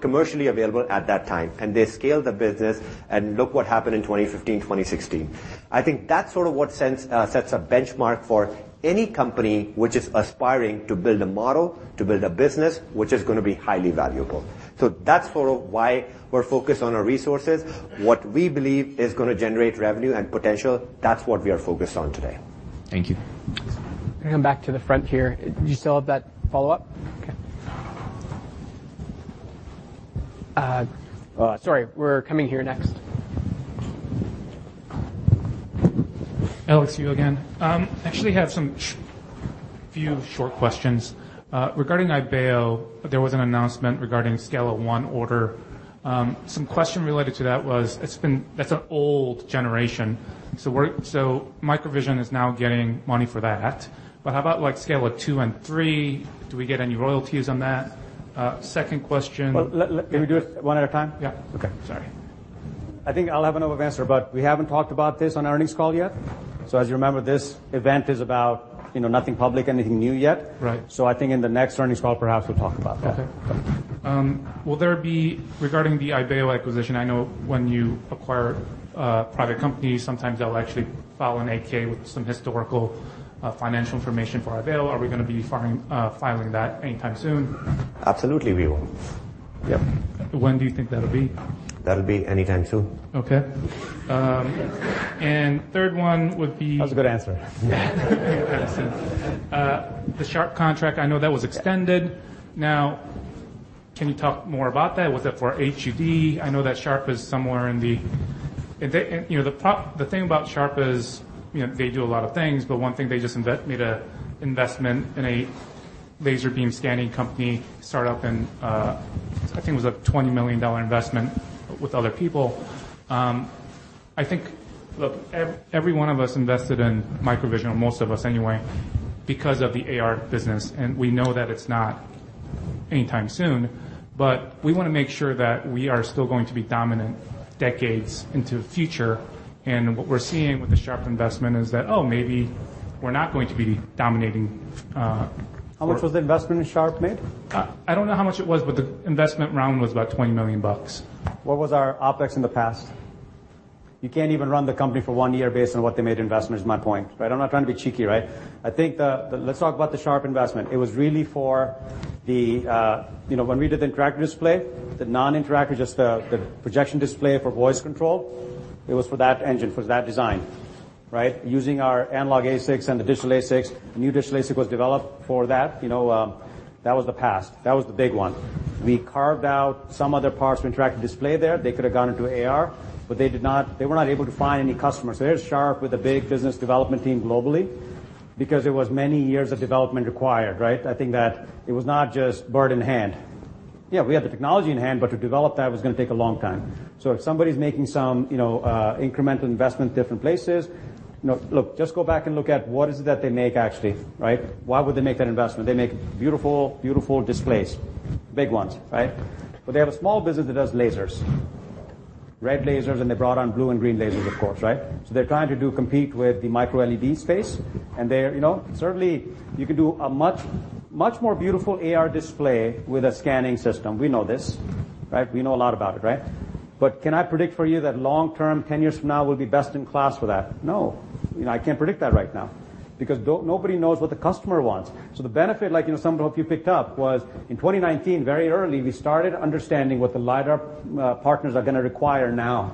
S7: commercially available at that time, and they scaled the business and look what happened in 2015, 2016. I think that's sort of what sets a benchmark for any company which is aspiring to build a model, to build a business which is gonna be highly valuable. That's sort of why we're focused on our resources. What we believe is gonna generate revenue and potential, that's what we are focused on today.
S15: Thank you.
S4: Yes.
S1: Gonna come back to the front here. Do you still have that follow-up? Okay. Sorry, we're coming here next.
S8: Alex Yu again. Actually have some a few short questions. Regarding Ibeo, there was an announcement regarding scale of one order. Some question related to that was it's been. That's an old generation. MicroVision is now getting money for that. How about like scale of two and three? Do we get any royalties on that? Second question-
S4: Well, let, Can we do it one at a time?
S8: Yeah.
S4: Okay.
S8: Sorry.
S4: I think I'll have enough answer, but we haven't talked about this on earnings call yet. As you remember, this event is about, you know, nothing public, anything new yet.
S8: Right.
S4: I think in the next earnings call, perhaps we'll talk about that.
S8: Okay. Regarding the Ibeo acquisition, I know when you acquire private companies, sometimes they'll actually file an 8-K with some historical financial information for Ibeo. Are we gonna be filing that anytime soon?
S7: Absolutely, we will.
S4: Yep.
S8: When do you think that'll be?
S7: That'll be anytime soon.
S8: Okay. third one.
S4: That was a good answer.
S8: Yeah. The Sharp contract, I know that was extended. Can you talk more about that? Was that for HUD? I know that Sharp is somewhere in the... you know, the thing about Sharp is, you know, they do a lot of things, but one thing they just made a investment in a laser beam scanning company, startup, and I think it was a $20 million investment with other people. I think, look, every one of us invested in MicroVision, or most of us anyway, because of the AR business, and we know that it's not anytime soon. We wanna make sure that we are still going to be dominant decades into the future, and what we're seeing with the Sharp investment is that, oh, maybe we're not going to be dominating.
S4: How much was the investment that Sharp made?
S8: I don't know how much it was, but the investment round was about $20 million.
S4: What was our OpEx in the past? You can't even run the company for one year based on what they made investment is my point, right? I'm not trying to be cheeky, right? I think let's talk about the Sharp investment. It was really for the, you know, when we did the interactive display, the non-interactive, just the projection display for voice control, it was for that engine, for that design, right? Using our analog ASICs and the digital ASICs. The new digital ASIC was developed for that. You know, that was the past. That was the big one. We carved out some other parts of interactive display there. They could have gone into AR, but they did not. They were not able to find any customers. There's Sharp with a big business development team globally because it was many years of development required, right? I think that it was not just bread in hand. Yeah, we have the technology in hand, but to develop that was gonna take a long time. If somebody's making some, you know, incremental investment, different places, you know, look, just go back and look at what is it that they make actually, right? Why would they make that investment? They make beautiful displays. Big ones, right? They have a small business that does lasers. Red lasers, they brought on blue and green lasers, of course, right? They're trying to compete with the micro-LED space, and they're Certainly, you can do a much, much more beautiful AR display with a scanning system. We know this, right? We know a lot about it, right? Can I predict for you that long-term, 10 years from now, we'll be best in class for that? No. You know, I can't predict that right now because nobody knows what the customer wants. The benefit, like, you know, some of you picked up, was in 2019, very early, we started understanding what the lidar partners are gonna require now.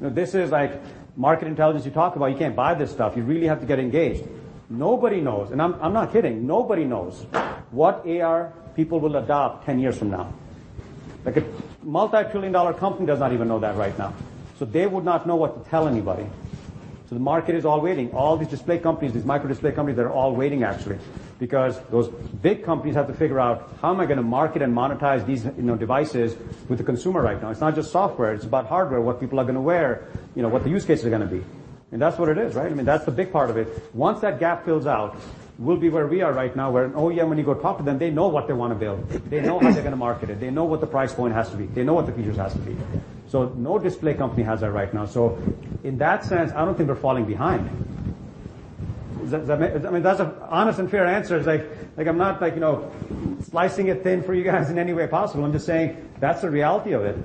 S4: This is like market intelligence you talk about. You can't buy this stuff. You really have to get engaged. Nobody knows, and I'm not kidding, nobody knows what AR people will adopt 10 years from now. Like, a multi-billion-dollar company does not even know that right now. The market is all waiting. All these display companies, these micro display companies are all waiting actually, because those big companies have to figure out, how am I gonna market and monetize these, you know, devices with the consumer right now? It's not just software, it's about hardware, what people are gonna wear, you know, what the use cases are gonna be. That's what it is, right? I mean, that's the big part of it. Once that gap fills out, we'll be where we are right now, where an OEM, when you go talk to them, they know what they wanna build. They know how they're gonna market it. They know what the price point has to be. They know what the features has to be. No display company has that right now. In that sense, I don't think we're falling behind. I mean, that's a honest and fair answer. It's like, I'm not like, you know, slicing it thin for you guys in any way possible. I'm just saying that's the reality of it.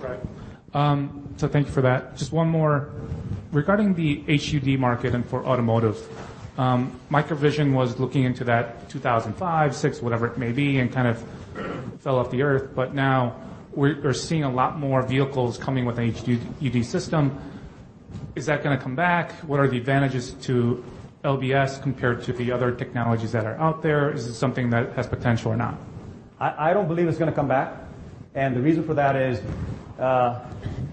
S8: Right. Thank you for that. Just one more. Regarding the HUD market and for automotive, MicroVision was looking into that in 2005, 2006, whatever it may be, and kind of fell off the Earth. Now we're seeing a lot more vehicles coming with an HUD system. Is that gonna come back? What are the advantages to LBS compared to the other technologies that are out there? Is it something that has potential or not?
S4: I don't believe it's gonna come back. The reason for that is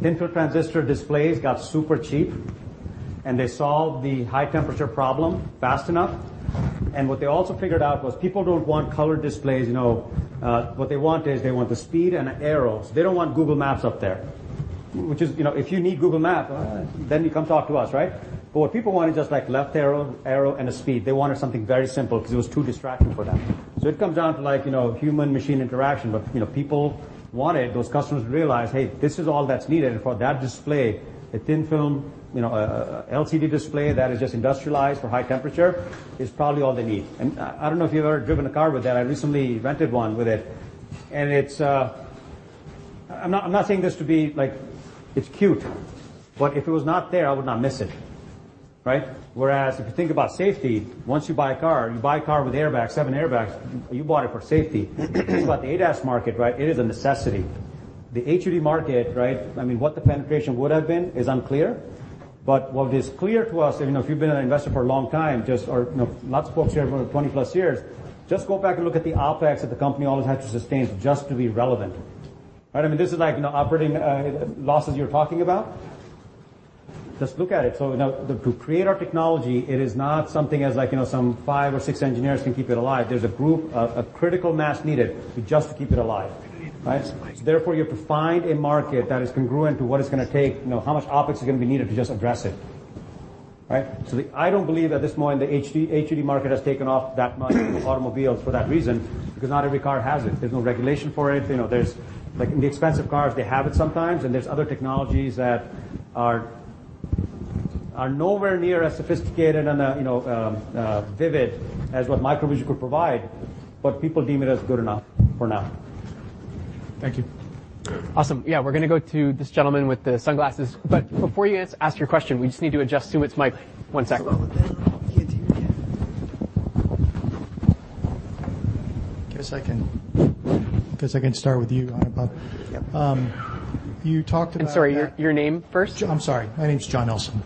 S4: thin-film transistor displays got super cheap, and they solved the high temperature problem fast enough. What they also figured out was people don't want color displays, you know. What they want is they want the speed and arrows. They don't want Google Maps up there. You know, if you need Google Map, you come talk to us, right? What people wanted, just like left arrow and a speed. They wanted something very simple 'cause it was too distracting for them. It comes down to like, you know, human machine interaction. You know, people, those customers realized, "Hey, this is all that's needed." For that display, a thin-film, you know, LCD display that is just industrialized for high temperature is probably all they need. I don't know if you've ever driven a car with that. I recently rented one with it, and it's I'm not saying this to be like... It's cute, but if it was not there, I would not miss it, right? Whereas if you think about safety, once you buy a car, you buy a car with airbags, seven airbags. You bought it for safety. It's about the ADAS market, right? It is a necessity. The HUD market, right? I mean, what the penetration would have been is unclear. What is clear to us, you know, if you've been an investor for a long time, just or, you know, lots of folks here for 20+ years, just go back and look at the OpEx that the company always had to sustain just to be relevant, right? I mean, this is like, you know, operating losses you're talking about. Just look at it. Now to create our technology, it is not something as like, you know, some five or six engineers can keep it alive. There's a group of critical mass needed to just keep it alive, right? You have to find a market that is congruent to what it's gonna take, you know, how much OpEx is gonna be needed to just address it, right? I don't believe that at this point, the HUD market has taken off that much in automobiles for that reason, because not every car has it. There's no regulation for it. You know, like in the expensive cars, they have it sometimes, and there's other technologies that are nowhere near as sophisticated and, you know, vivid as what MicroVision could provide, but people deem it as good enough for now.
S8: Thank you.
S1: Awesome. Yeah, we're gonna go to this gentleman with the sunglasses. Before you ask your question, we just need to adjust Sumit's mic. One second.
S4: Is that all with that? Can't hear you.
S16: Guess I can start with you, Anubhav.
S4: Yep.
S16: You talked about-
S1: I'm sorry, your name first.
S16: I'm sorry. My name's John Nelson.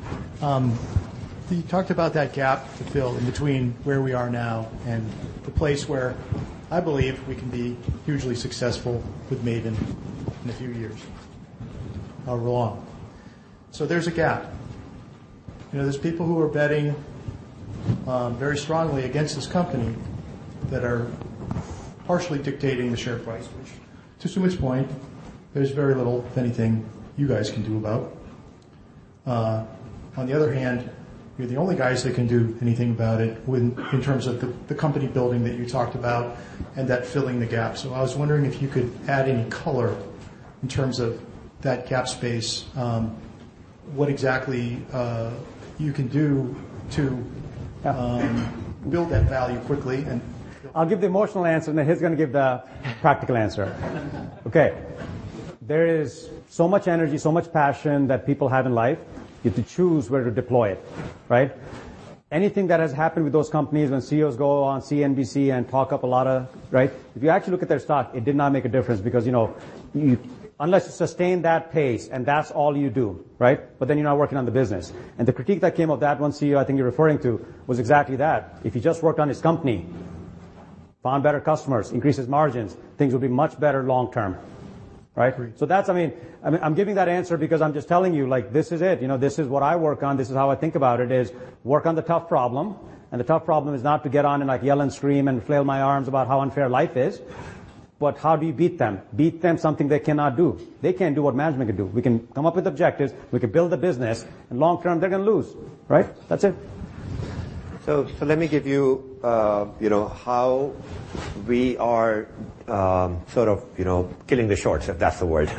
S16: You talked about that gap to fill in between where we are now and the place where I believe we can be hugely successful with MAVIN in a few years are wrong. There's a gap. You know, there's people who are betting very strongly against this company that are partially dictating the share price, which to Sumit's point, there's very little, if anything, you guys can do about. On the other hand, you're the only guys that can do anything about it in terms of the company building that you talked about and that filling the gap. I was wondering if you could add any color in terms of that gap space, what exactly you can do to build that value quickly.
S4: I'll give the emotional answer, and then he's gonna give the practical answer. Okay. There is so much energy, so much passion that people have in life. You have to choose where to deploy it, right? Anything that has happened with those companies, when CEOs go on CNBC and talk up a lot of... Right? If you actually look at their stock, it did not make a difference because, you know, unless you sustain that pace and that's all you do, right? you're not working on the business. The critique that came of that one CEO I think you're referring to was exactly that. If he just worked on his company, found better customers, increases margins, things would be much better long term. Right? I mean, I'm giving that answer because I'm just telling you, like, this is it. You know, this is what I work on. This is how I think about it, is work on the tough problem. The tough problem is not to get on and, like, yell and scream and flail my arms about how unfair life is. How do you beat them? Beat them something they cannot do. They can't do what management can do. We can come up with objectives. We can build a business. Long term, they're gonna lose, right? That's it.
S7: Let me give you know, how we are, sort of, you know, killing the shorts, if that's the word.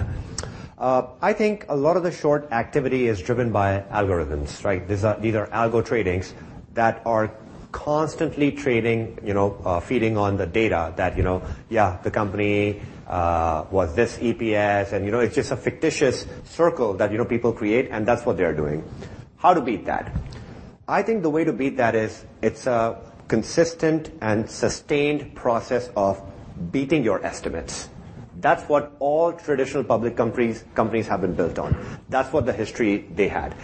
S7: I think a lot of the short activity is driven by algorithms, right? These are algo tradings that are constantly trading, you know, feeding on the data that, you know, yeah, the company was this EPS. You know, it's just a fictitious circle that, you know, people create, and that's what they are doing. How to beat that? I think the way to beat that is it's a consistent and sustained process of beating your estimates. That's what all traditional public companies have been built on. That's what the history they had.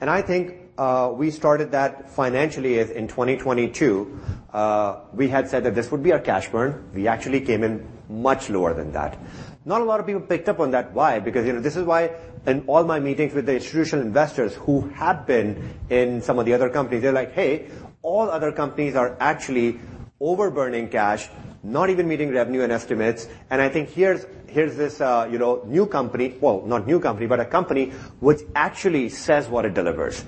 S7: I think, we started that financially is in 2022. We had said that this would be a cash burn. We actually came in much lower than that. Not a lot of people picked up on that. Why? Because, you know, this is why in all my meetings with the institutional investors who have been in some of the other companies, they're like, "Hey, all other companies are actually over-burning cash, not even meeting revenue and estimates." I think here's this, you know, new company. Well, not new company, but a company which actually says what it delivers.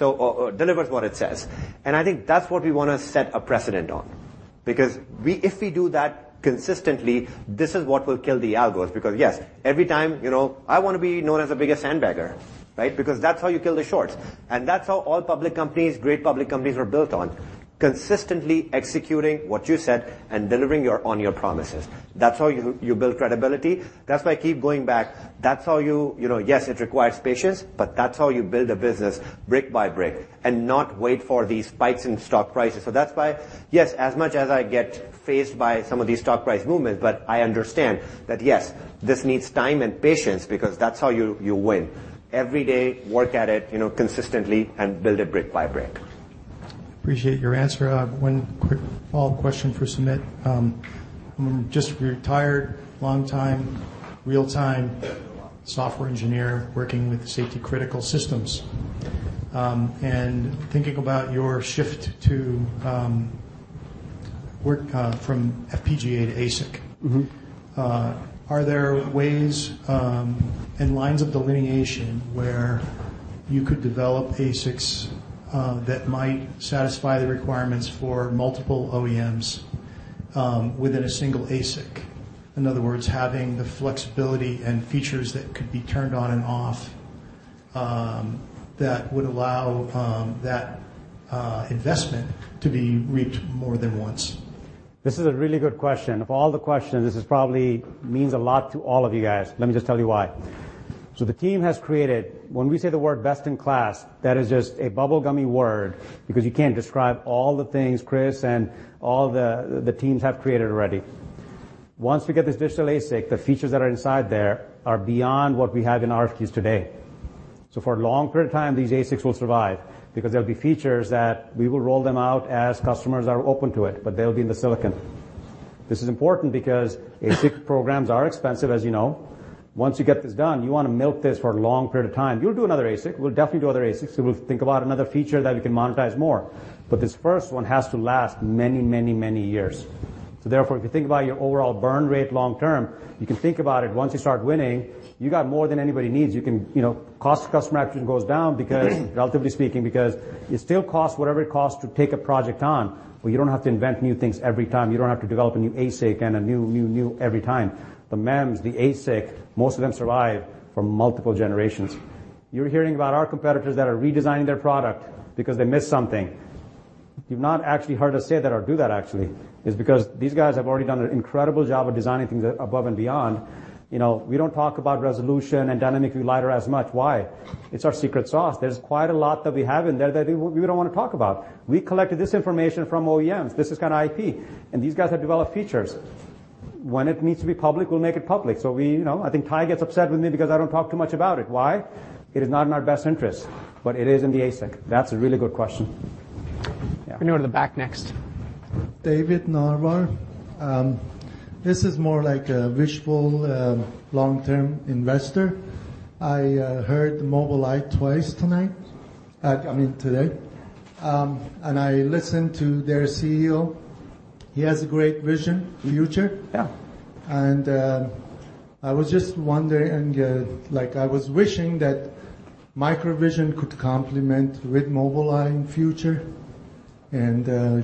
S7: Or delivers what it says. I think that's what we wanna set a precedent on. Because if we do that consistently, this is what will kill the algos. Yes, every time, you know, I wanna be known as the biggest sandbagger, right? Because that's how you kill the shorts. That's how all public companies, great public companies are built on, consistently executing what you said and delivering on your promises. That's how you build credibility. That's why I keep going back. That's how you know, yes, it requires patience, but that's how you build a business brick by brick and not wait for these spikes in stock prices. That's why, yes, as much as I get fazed by some of these stock price movements, but I understand that, yes, this needs time and patience because that's how you win. Every day, work at it, you know, consistently and build it brick by brick.
S16: Appreciate your answer. One quick follow-up question for Sumit. I'm just a retired longtime real-time software engineer working with safety-critical systems. Thinking about your shift to work from FPGA to ASIC.
S4: Mm-hmm.
S16: Are there ways, and lines of delineation where you could develop ASICs, that might satisfy the requirements for multiple OEMs, within a single ASIC? In other words, having the flexibility and features that could be turned on and off, that would allow, that investment to be reaped more than once.
S4: This is a really good question. Of all the questions, this is probably means a lot to all of you guys. Let me just tell you why. The team has created-- When we say the word best in class, that is just a bubble gummy word because you can't describe all the things Chris and all the teams have created already. Once we get this digital ASIC, the features that are inside there are beyond what we have in RFQs today. For a long period of time, these ASICs will survive because there'll be features that we will roll them out as customers are open to it, but they'll be in the silicon. This is important because ASIC programs are expensive, as you know. Once you get this done, you wanna milk this for a long period of time. We'll do another ASIC. We'll definitely do other ASICs, we'll think about another feature that we can monetize more. This first one has to last many, many, many years. Therefore, if you think about your overall burn rate long term, you can think about it. Once you start winning, you got more than anybody needs. You can, you know, cost to customer acquisition goes down because, relatively speaking, because it still costs whatever it costs to take a project on, but you don't have to invent new things every time. You don't have to develop a new ASIC and a new every time. The MEMS, the ASIC, most of them survive for multiple generations. You're hearing about our competitors that are redesigning their product because they missed something. You've not actually heard us say that or do that actually. It's because these guys have already done an incredible job of designing things above and beyond. You know, we don't talk about resolution and dynamic lidar as much. Why? It's our secret sauce. There's quite a lot that we have in there that we don't wanna talk about. We collected this information from OEMs. This is kinda IP, and these guys have developed features. When it needs to be public, we'll make it public. We, you know, I think Ty gets upset with me because I don't talk too much about it. Why? It is not in our best interest, but it is in the ASIC. That's a really good question. Yeah.
S1: Can we go to the back next?
S17: David Narvar. This is more like a wishful, long-term investor. I heard Mobileye twice tonight. I mean today. I listened to their CEO. He has a great vision for the future.
S4: Yeah.
S17: I was just wondering, like I was wishing that MicroVision could complement with Mobileye in future.
S4: Yeah.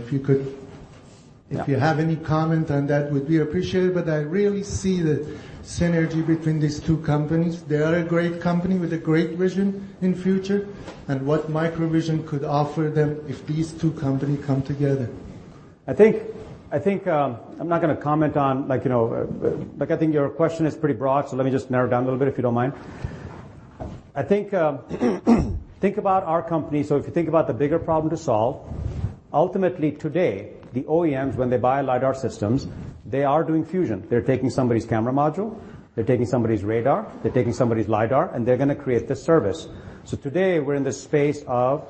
S17: If you have any comment on that, would be appreciated. I really see the synergy between these two companies. They are a great company with a great vision in future, what MicroVision could offer them if these two company come together.
S4: I think, I'm not gonna comment on like, you know. Like, I think your question is pretty broad, so let me just narrow it down a little bit, if you don't mind. I think about our company. If you think about the bigger problem to solve, ultimately today, the OEMs, when they buy lidar systems, they are doing fusion. They're taking somebody's camera module, they're taking somebody's radar, they're taking somebody's lidar, and they're gonna create this service. Today, we're in the space of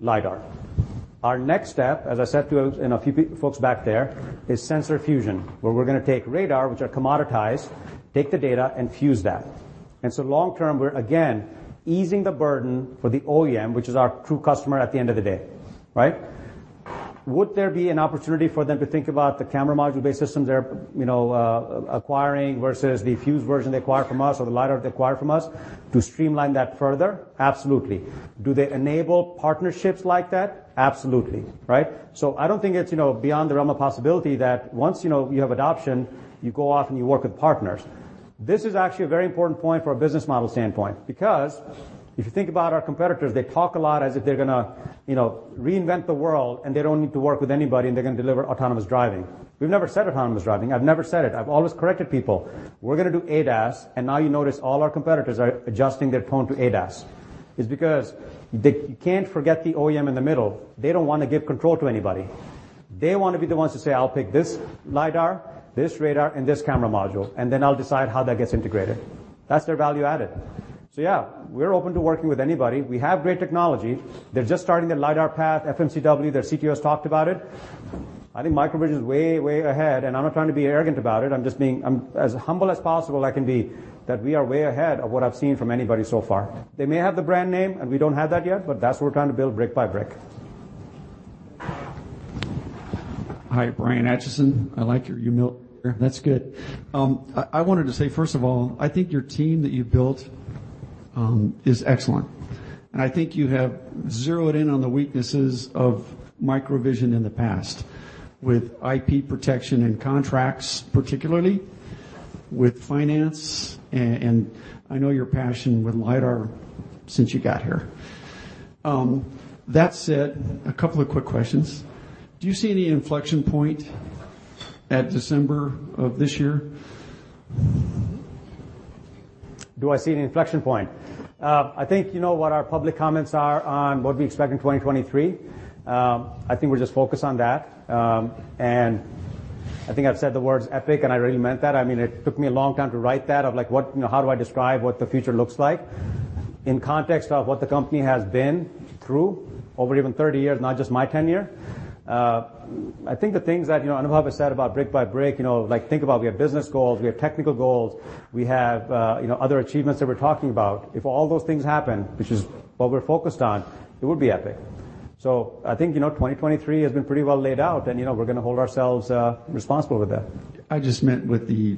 S4: lidar. Our next step, as I said to a, you know, a few folks back there, is sensor fusion, where we're gonna take radar, which are commoditized, take the data, and fuse that. Long term, we're again easing the burden for the OEM, which is our true customer at the end of the day, right? Would there be an opportunity for them to think about the camera module-based systems they're, you know, acquiring versus the fused version they acquire from us or the lidar they acquire from us to streamline that further? Absolutely. Do they enable partnerships like that? Absolutely, right? I don't think it's, you know, beyond the realm of possibility that once, you know, you have adoption, you go off, and you work with partners. This is actually a very important point from a business model standpoint. Because if you think about our competitors, they talk a lot as if they're gonna, you know, reinvent the world, and they don't need to work with anybody, and they're gonna deliver autonomous driving. We've never said autonomous driving. I've never said it. I've always corrected people. We're gonna do ADAS, and now you notice all our competitors are adjusting their tone to ADAS. It's because they can't forget the OEM in the middle. They don't wanna give control to anybody. They wanna be the ones to say, "I'll pick this lidar, this radar, and this camera module, and then I'll decide how that gets integrated." That's their value added. Yeah, we're open to working with anybody. We have great technology. They're just starting their lidar path, FMCW. Their CTO's talked about it. I think MicroVision's way ahead, and I'm not trying to be arrogant about it. I'm just being as humble as possible I can be that we are way ahead of what I've seen from anybody so far. They may have the brand name, and we don't have that yet, but that's what we're trying to build brick by brick.
S18: Hi, Brian Atchison. I like your humility there. That's good. I wanted to say, first of all, I think your team that you built, is excellent, and I think you have zeroed in on the weaknesses of MicroVision in the past with IP protection and contracts, particularly with finance. I know your passion with lidar since you got here. That said, a couple of quick questions. Do you see any inflection point at December of this year?
S4: Do I see an inflection point? I think you know what our public comments are on what we expect in 2023. I think we're just focused on that. I think I've said the words epic, and I really meant that. I mean, it took me a long time to write that, of like, what, you know, how do I describe what the future looks like in context of what the company has been through over even 30 years, not just my tenure. I think the things that, you know, I know I've said about brick by brick, you know, like, think about we have business goals, we have technical goals, we have, you know, other achievements that we're talking about. If all those things happen, which is what we're focused on, it would be epic. I think, you know, 2023 has been pretty well laid out, and, you know, we're gonna hold ourselves responsible with that.
S18: I just meant with the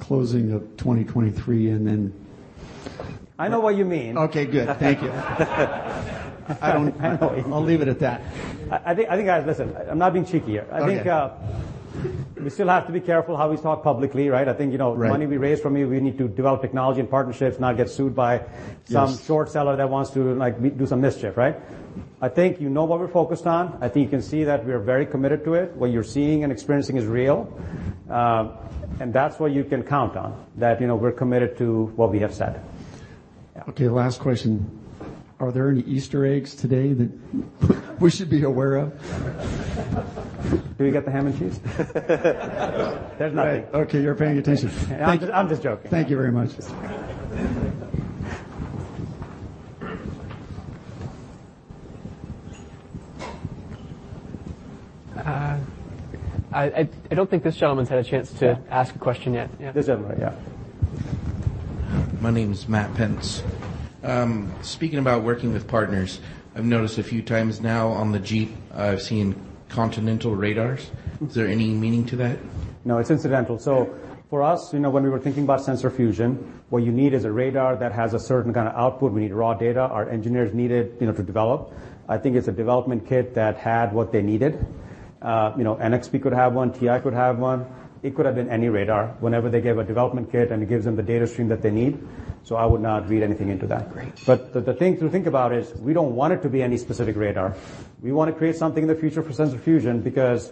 S18: closing of 2023.
S4: I know what you mean.
S18: Okay, good. Thank you.
S4: I know what you mean.
S18: I'll leave it at that.
S4: I think, guys, listen. I'm not being cheeky here.
S18: Okay.
S4: I think, we still have to be careful how we talk publicly, right?
S18: Right.
S4: The money we raised from you, we need to develop technology and partnerships, not get sued by some short seller that wants to, like, do some mischief, right? I think you know what we're focused on. I think you can see that we are very committed to it. What you're seeing and experiencing is real. That's what you can count on, that, you know, we're committed to what we have said.
S18: Okay, last question. Are there any Easter eggs today that we should be aware of?
S4: Did we get the ham and cheese? There's nothing.
S18: Okay, you're paying attention. Thank you.
S4: I'm just joking.
S18: Thank you very much.
S1: I don't think this gentleman's had a chance to ask a question yet. Yeah.
S4: This gentleman. Yeah.
S19: My name's Matt Pence. Speaking about working with partners, I've noticed a few times now on the Jeep, I've seen Continental radars. Is there any meaning to that?
S4: No, it's incidental. For us, you know, when we were thinking about sensor fusion, what you need is a radar that has a certain kind of output. We need raw data our engineers needed, you know, to develop. I think it's a development kit that had what they needed. You know, NXP could have one. TI could have one. It could have been any radar. Whenever they give a development kit, and it gives them the data stream that they need, I would not read anything into that.
S19: Great.
S4: The thing to think about is we don't want it to be any specific radar. We wanna create something in the future for sensor fusion because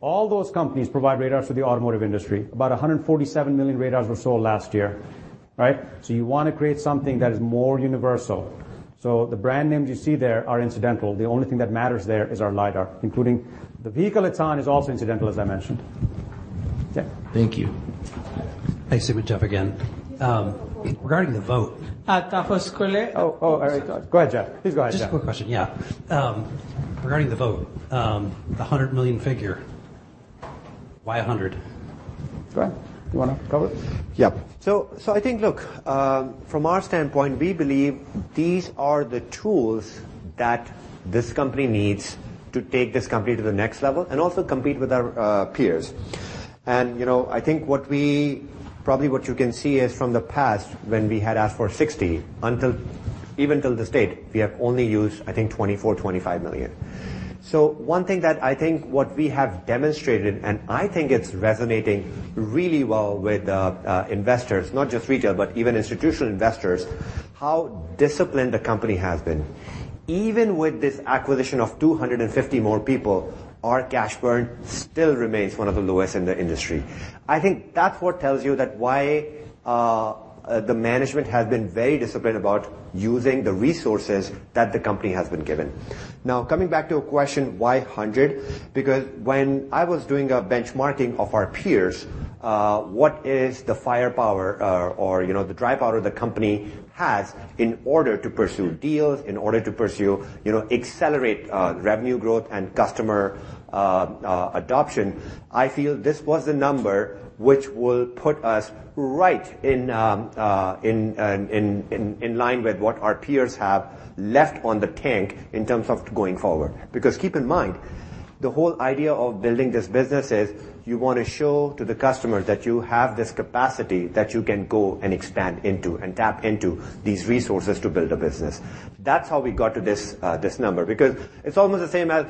S4: all those companies provide radars for the automotive industry. About 147 million radars were sold last year, right? You wanna create something that is more universal. The brand names you see there are incidental. The only thing that matters there is our lidar, including the vehicle it's on is also incidental, as I mentioned. Yeah.
S19: Thank you.
S11: Hey, Steven Jeff again. Regarding the vote-
S20: Tapas Koley.
S4: Oh, all right. Go ahead, Jeff. Please go ahead, Jeff.
S11: Just a quick question. Yeah. Regarding the vote, the $100 million figure, why $100 million? Go ahead. You wanna cover it?
S7: Yeah. I think, look, from our standpoint, we believe these are the tools that this company needs to take this company to the next level and also compete with our peers. You know, I think what you can see is from the past when we had asked for $60 million until, even till this date, we have only used, I think, $24 million-$25 million. One thing that I think what we have demonstrated, and I think it's resonating really well with investors, not just retail, but even institutional investors, how disciplined the company has been. Even with this acquisition of 250 more people, our cash burn still remains one of the lowest in the industry. I think that's what tells you that why the management has been very disciplined about using the resources that the company has been given. Coming back to your question, why $100 million? When I was doing a benchmarking of our peers, what is the firepower or, you know, the dry powder the company has in order to pursue deals, in order to pursue, you know, accelerate revenue growth and customer adoption, I feel this was the number which will put us right in line with what our peers have left on the tank in terms of going forward. Keep in mind- The whole idea of building this business is you wanna show to the customer that you have this capacity that you can go and expand into and tap into these resources to build a business. That's how we got to this number, because it's almost the same as,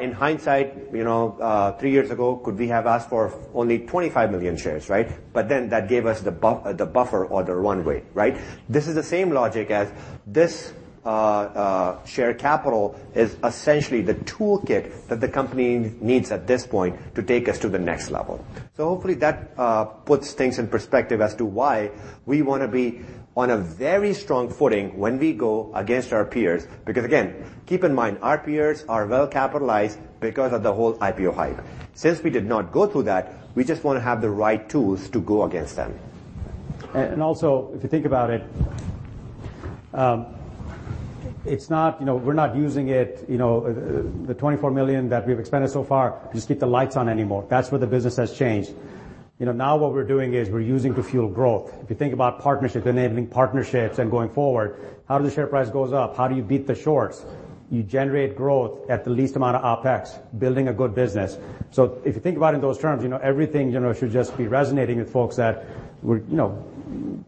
S7: in hindsight, you know, three years ago, could we have asked for only 25 million shares, right? That gave us the buffer or the runway, right? This is the same logic as this, shared capital is essentially the toolkit that the company needs at this point to take us to the next level. Hopefully that puts things in perspective as to why we wanna be on a very strong footing when we go against our peers. Again, keep in mind, our peers are well-capitalized because of the whole IPO hype. Since we did not go through that, we just wanna have the right tools to go against them.
S4: Also, if you think about it, you know, we're not using it, you know, the $24 million that we've expended so far to just keep the lights on anymore. That's where the business has changed. You know, now what we're doing is we're using to fuel growth. If you think about partnership, enabling partnerships and going forward, how do the share price goes up? How do you beat the shorts? You generate growth at the least amount of OpEx, building a good business. If you think about it in those terms, you know, everything, you know, should just be resonating with folks that we're, you know.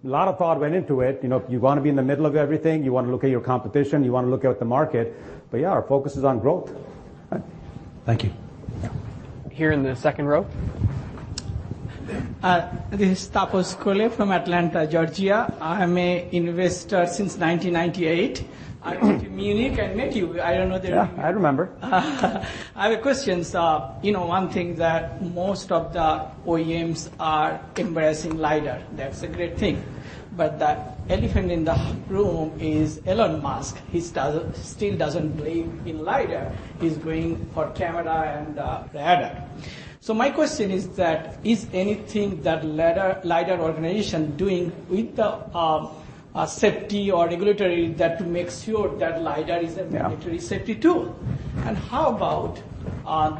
S4: A lot of thought went into it. You know, if you wanna be in the middle of everything, you wanna look at your competition, you wanna look at the market. Yeah, our focus is on growth.
S11: Thank you.
S1: Here in the second row.
S20: This is Tapas Koley from Atlanta, Georgia. I am an investor since 1998. I went to Munich and met you. I don't know.
S4: Yeah, I remember.
S20: I have a question, sir. You know, one thing that most of the OEMs are embracing lidar. That's a great thing. The elephant in the room is Elon Musk. He still doesn't believe in lidar. He's going for camera and the radar. My question is that, is anything that lidar organization doing with the safety or regulatory that makes sure that lidar is a regulatory safety tool?
S4: Yeah.
S20: How about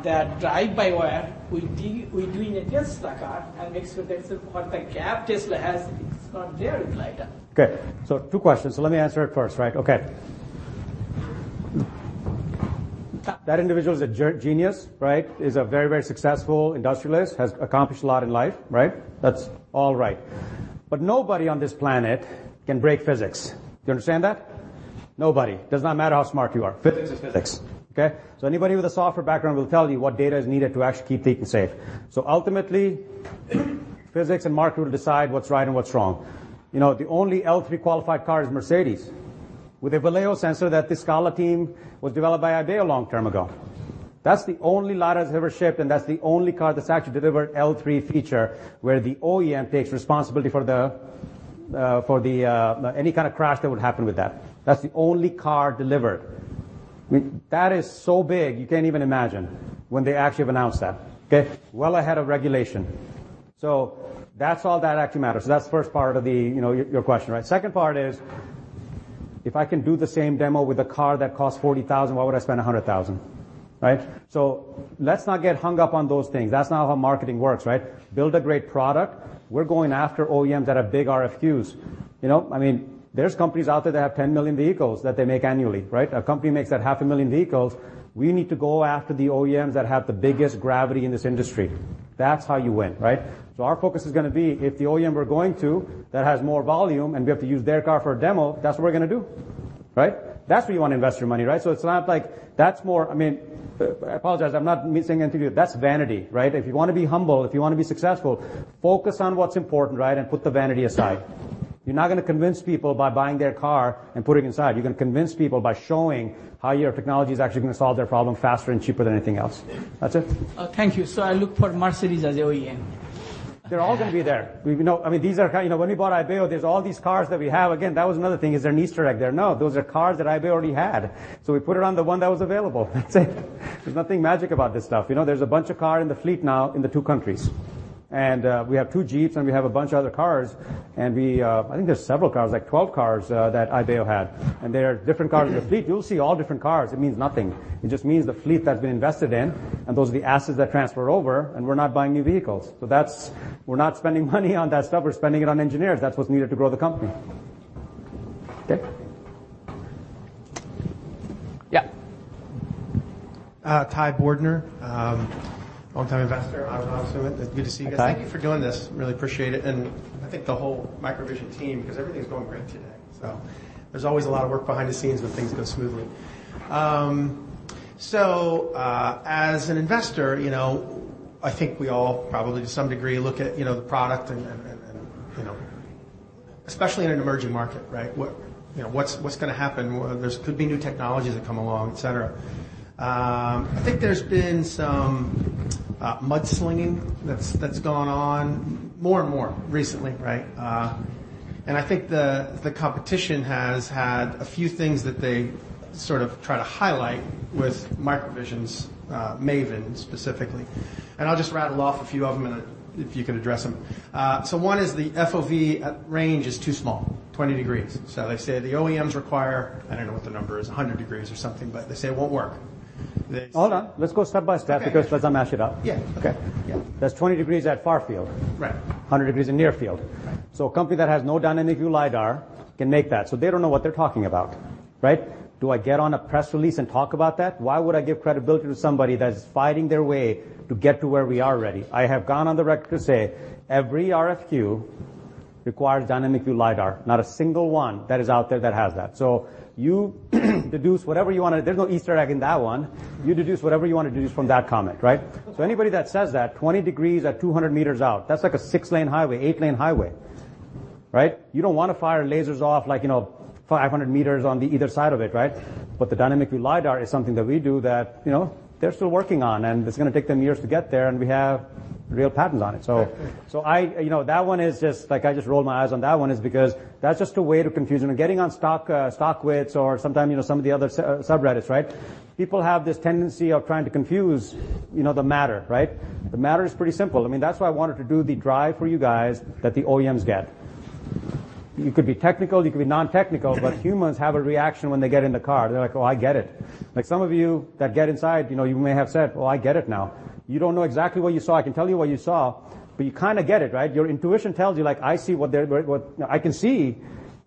S20: that drive-by-wire with doing a test car and make sure that's what the gap Tesla has, it's not there with lidar?
S4: Two questions. Let me answer it first, right? That individual is a genius, right? He's a very, very successful industrialist, has accomplished a lot in life, right? That's all right. Nobody on this planet can break physics. Do you understand that? Nobody. Does not matter how smart you are. Physics is physics. Okay. Anybody with a software background will tell you what data is needed to actually keep people safe. Ultimately, physics and market will decide what's right and what's wrong. You know, the only L3 qualified car is Mercedes with a Valeo sensor that the SCALA team was developed by Ibeo long term ago. That's the only lidar that's ever shipped, and that's the only car that's actually delivered L3 feature where the OEM takes responsibility for the, for the, any kinda crash that would happen with that. That's the only car delivered. I mean, that is so big, you can't even imagine when they actually have announced that, okay? Well ahead of regulation. That's all that actually matters. That's the first part of the, you know, your question, right? Second part is, if I can do the same demo with a car that costs $40,000, why would I spend $100,000, right? Let's not get hung up on those things. That's not how marketing works, right? Build a great product. We're going after OEMs that have big RFQs. You know? I mean, there's companies out there that have 10 million vehicles that they make annually, right? A company makes that 500,000 vehicles, we need to go after the OEMs that have the biggest gravity in this industry. That's how you win, right? Our focus is gonna be, if the OEM we're going to that has more volume and we have to use their car for a demo, that's what we're gonna do, right? That's where you wanna invest your money, right? It's not like that's more... I mean, I apologize, I'm not saying anything to you. That's vanity, right? If you wanna be humble, if you wanna be successful, focus on what's important, right, and put the vanity aside. You're not gonna convince people by buying their car and putting inside. You're gonna convince people by showing how your technology is actually gonna solve their problem faster and cheaper than anything else. That's it.
S20: Thank you. I look for Mercedes as the OEM.
S4: They're all gonna be there. I mean, these are, you know, when we bought Ibeo, there's all these cars that we have. Again, that was another thing. Is there an Easter egg there? No. Those are cars that Ibeo already had. We put it on the one that was available. That's it. There's nothing magic about this stuff. You know, there's a bunch of car in the fleet now in the two countries. We have two Jeeps, and we have a bunch of other cars. We, I think there's several cars, like 12 cars, that Ibeo had. There are different cars in the fleet. You'll see all different cars. It means nothing. It just means the fleet has been invested in, and those are the assets that transfer over, and we're not buying new vehicles. We're not spending money on that stuff. We're spending it on engineers. That's what's needed to grow the company. Okay. Yeah.
S21: Ty Bordner, longtime investor. I was awesome. It's good to see you.
S4: Hi.
S21: Thank you for doing this. Really appreciate it, and I think the whole MicroVision team, because everything's going great today. There's always a lot of work behind the scenes when things go smoothly. As an investor, you know, I think we all probably to some degree look at, you know, the product and, you know, especially in an emerging market, right? What, you know, what's gonna happen? There could be new technologies that come along, et cetera. I think there's been some mudslinging that's gone on more and more recently, right? I think the competition has had a few things that they sort of try to highlight with MicroVision's MAVIN specifically. I'll just rattle off a few of them and if you could address them. One is the FOV range is too small, 20 degrees. They say the OEMs require, I don't know what the number is, 100 degrees or something, but they say it won't work.
S4: Hold on. Let's go step by step because let's not mash it up.
S21: Okay. Yeah.
S4: Okay. That's 20 degrees at far field.
S21: Right.
S4: 100 degrees in near field.
S21: Right.
S4: A company that has no dynamic view lidar can make that. They don't know what they're talking about. Right? Do I get on a press release and talk about that? Why would I give credibility to somebody that is fighting their way to get to where we are already? I have gone on the record to say every RFQ requires dynamic view lidar, not a single one that is out there that has that. You deduce whatever you wanna. There's no Easter egg in that one. You deduce whatever you wanna deduce from that comment, right? Anybody that says that, 20 degrees at 200 m out, that's like a 6-lane highway, 8-lane highway, right? You don't wanna fire lasers off like, you know, 500 m on the either side of it, right? The dynamic view lidar is something that we do that, you know, they're still working on, and it's gonna take them years to get there, and we have real patents on it.
S21: Okay.
S4: You know, that one is Like I just rolled my eyes on that one is because that's just a way to confuse them. Getting on stock, Stocktwits or sometime, you know, some of the other sub-Reddits, right? People have this tendency of trying to confuse, you know, the matter, right? The matter is pretty simple. I mean, that's why I wanted to do the drive for you guys that the OEMs get. You could be technical, you could be non-technical, humans have a reaction when they get in the car. They're like, "Oh, I get it." Like some of you that get inside, you know, you may have said, "Oh, I get it now." You don't know exactly what you saw. I can tell you what you saw, you kinda get it, right? Your intuition tells you, like, I see what they're, I can see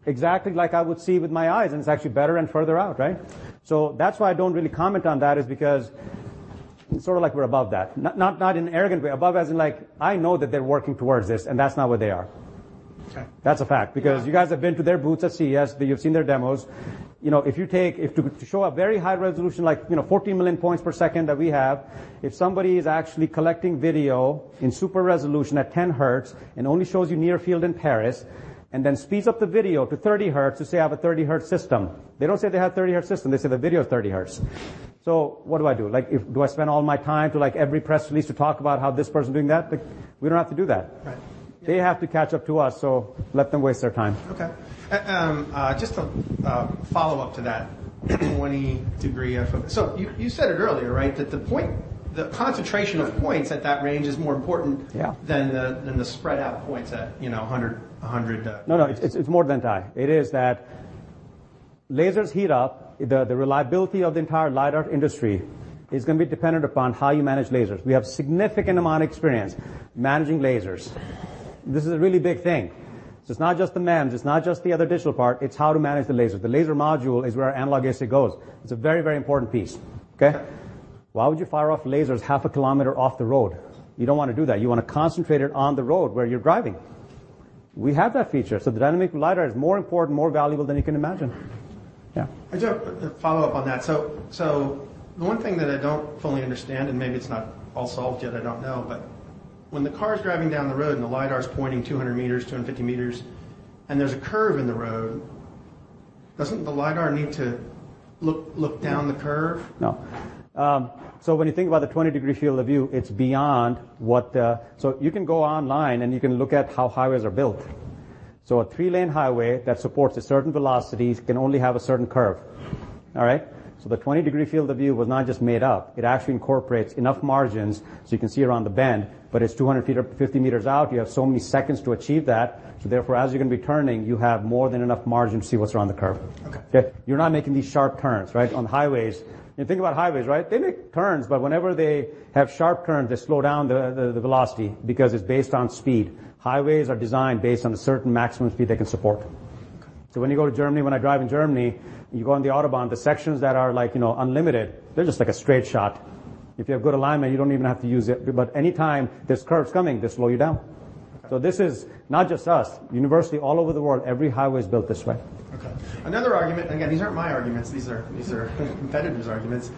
S4: exactly like I would see with my eyes, and it's actually better and further out, right? That's why I don't really comment on that is because it's sorta like we're above that. Not in an arrogant way. Above as in, like, I know that they're working towards this, and that's not where they are.
S21: Okay.
S4: That's a fact, because you guys have been to their booths at CES, you've seen their demos. You know, if to show a very high resolution, like, you know, 14 million points per second that we have, if somebody is actually collecting video in super resolution at 10 Hz and only shows you near field in Paris and then speeds up the video to 30 Hz to say I have a 30 Hz system. They don't say they have 30 Hz system, they say the video is 30 Hz. What do I do? Like, do I spend all my time to like every press release to talk about how this person doing that? Like, we don't have to do that.
S21: Right.
S4: They have to catch up to us, so let them waste their time.
S21: Okay. Just a follow-up to that 20-degree FOV. You said it earlier, right? That the concentration of points at that range is more important...
S4: Yeah.
S21: Than the spread out points at, you know, 100
S4: No, no, it's more than that. It is that lasers heat up. The reliability of the entire lidar industry is gonna be dependent upon how you manage lasers. We have significant amount of experience managing lasers. This is a really big thing. It's not just the MEMS, it's not just the other digital part, it's how to manage the laser. The laser module is where our analog IC goes. It's a very, very important piece. Okay? Why would you fire off lasers half a kilometer off the road? You don't wanna do that. You wanna concentrate it on the road where you're driving. We have that feature. The Dynamic View lidar is more important, more valuable than you can imagine. Yeah.
S21: I just have a follow-up on that. The one thing that I don't fully understand, and maybe it's not all solved yet, I don't know, but when the car's driving down the road and the lidar is pointing 200 m, 250 m, and there's a curve in the road, doesn't the lidar need to look down the curve?
S4: No. When you think about the 20-degree field of view, it's beyond. You can go online, and you can look at how highways are built. A 3-lane highway that supports a certain velocities can only have a certain curve. All right? The 20-degree field of view was not just made up. It actually incorporates enough margins, so you can see around the bend, but it's 200 ft or 50 m out. You have so many seconds to achieve that. Therefore, as you're gonna be turning, you have more than enough margin to see what's around the curve.
S21: Okay.
S4: Okay? You're not making these sharp turns, right, on highways. Think about highways, right? They make turns, but whenever they have sharp turns, they slow down the velocity because it's based on speed. Highways are designed based on a certain maximum speed they can support.
S21: Okay.
S4: When you go to Germany, when I drive in Germany, you go on the Autobahn, the sections that are like, you know, unlimited, they're just like a straight shot. If you have good alignment, you don't even have to use it. Anytime there's curves coming, they slow you down.
S21: Okay.
S4: This is not just us. university all over the world, every highway is built this way.
S21: Another argument, again, these aren't my arguments, these are, these are competitors' arguments.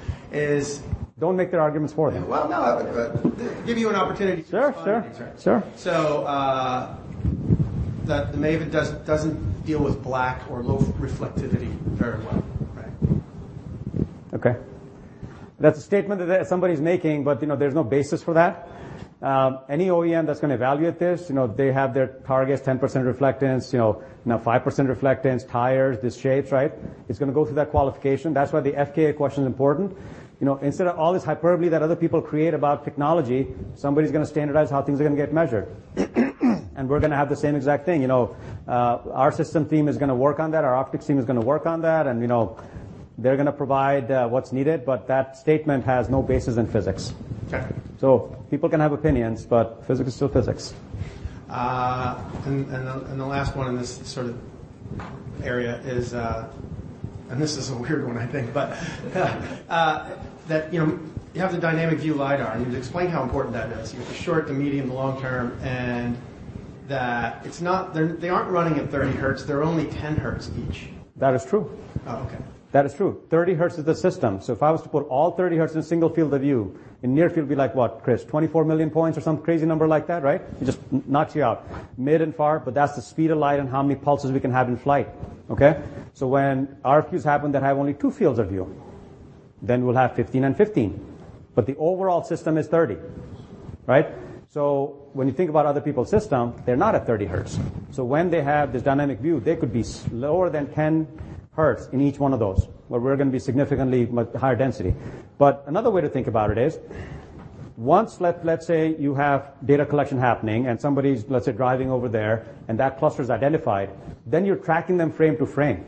S4: Don't make their arguments for them.
S21: Well, no, I would give you an opportunity to respond to these, right?
S4: Sure, sure.
S21: That the MAVIN doesn't deal with black or low reflectivity very well, right?
S4: Okay. That's a statement that somebody's making, but, you know, there's no basis for that. Any OEM that's gonna evaluate this, you know, they have their targets, 10% reflectance, you know, 5% reflectance, tires, the shapes, right? It's gonna go through that qualification. That's why the fka question is important. You know, instead of all this hyperbole that other people create about technology, somebody's gonna standardize how things are gonna get measured. We're gonna have the same exact thing. You know, our system team is gonna work on that, our optics team is gonna work on that, and, you know, they're gonna provide what's needed, but that statement has no basis in physics.
S21: Okay.
S4: People can have opinions, but physics is still physics.
S21: The last one in this sort of area is, and this is a weird one I think, that, you know, you have the dynamic view lidar, and you've explained how important that is. You have the short, the medium, the long term. They aren't running at 30 Hz. They're only 10 Hz each.
S4: That is true.
S21: Oh, okay.
S4: That is true. 30 Hz is the system. If I was to put all 30 Hz in a single field of view, in near field it'd be like what, Chris? 24 million points or some crazy number like that, right? It just knocks you out. Mid and far, but that's the speed of light and how many pulses we can have in flight. Okay? When RFQs happen that have only two fields of view, then we'll have 15 Hz and 15 Hz, but the overall system is 30 Hz, right? When you think about other people's system, they're not at 30 Hz. When they have this dynamic view, they could be slower than 10 Hz in each one of those, where we're gonna be significantly much higher density. Another way to think about it is, once let's say you have data collection happening and somebody's, let's say, driving over there and that cluster is identified, then you're tracking them frame to frame.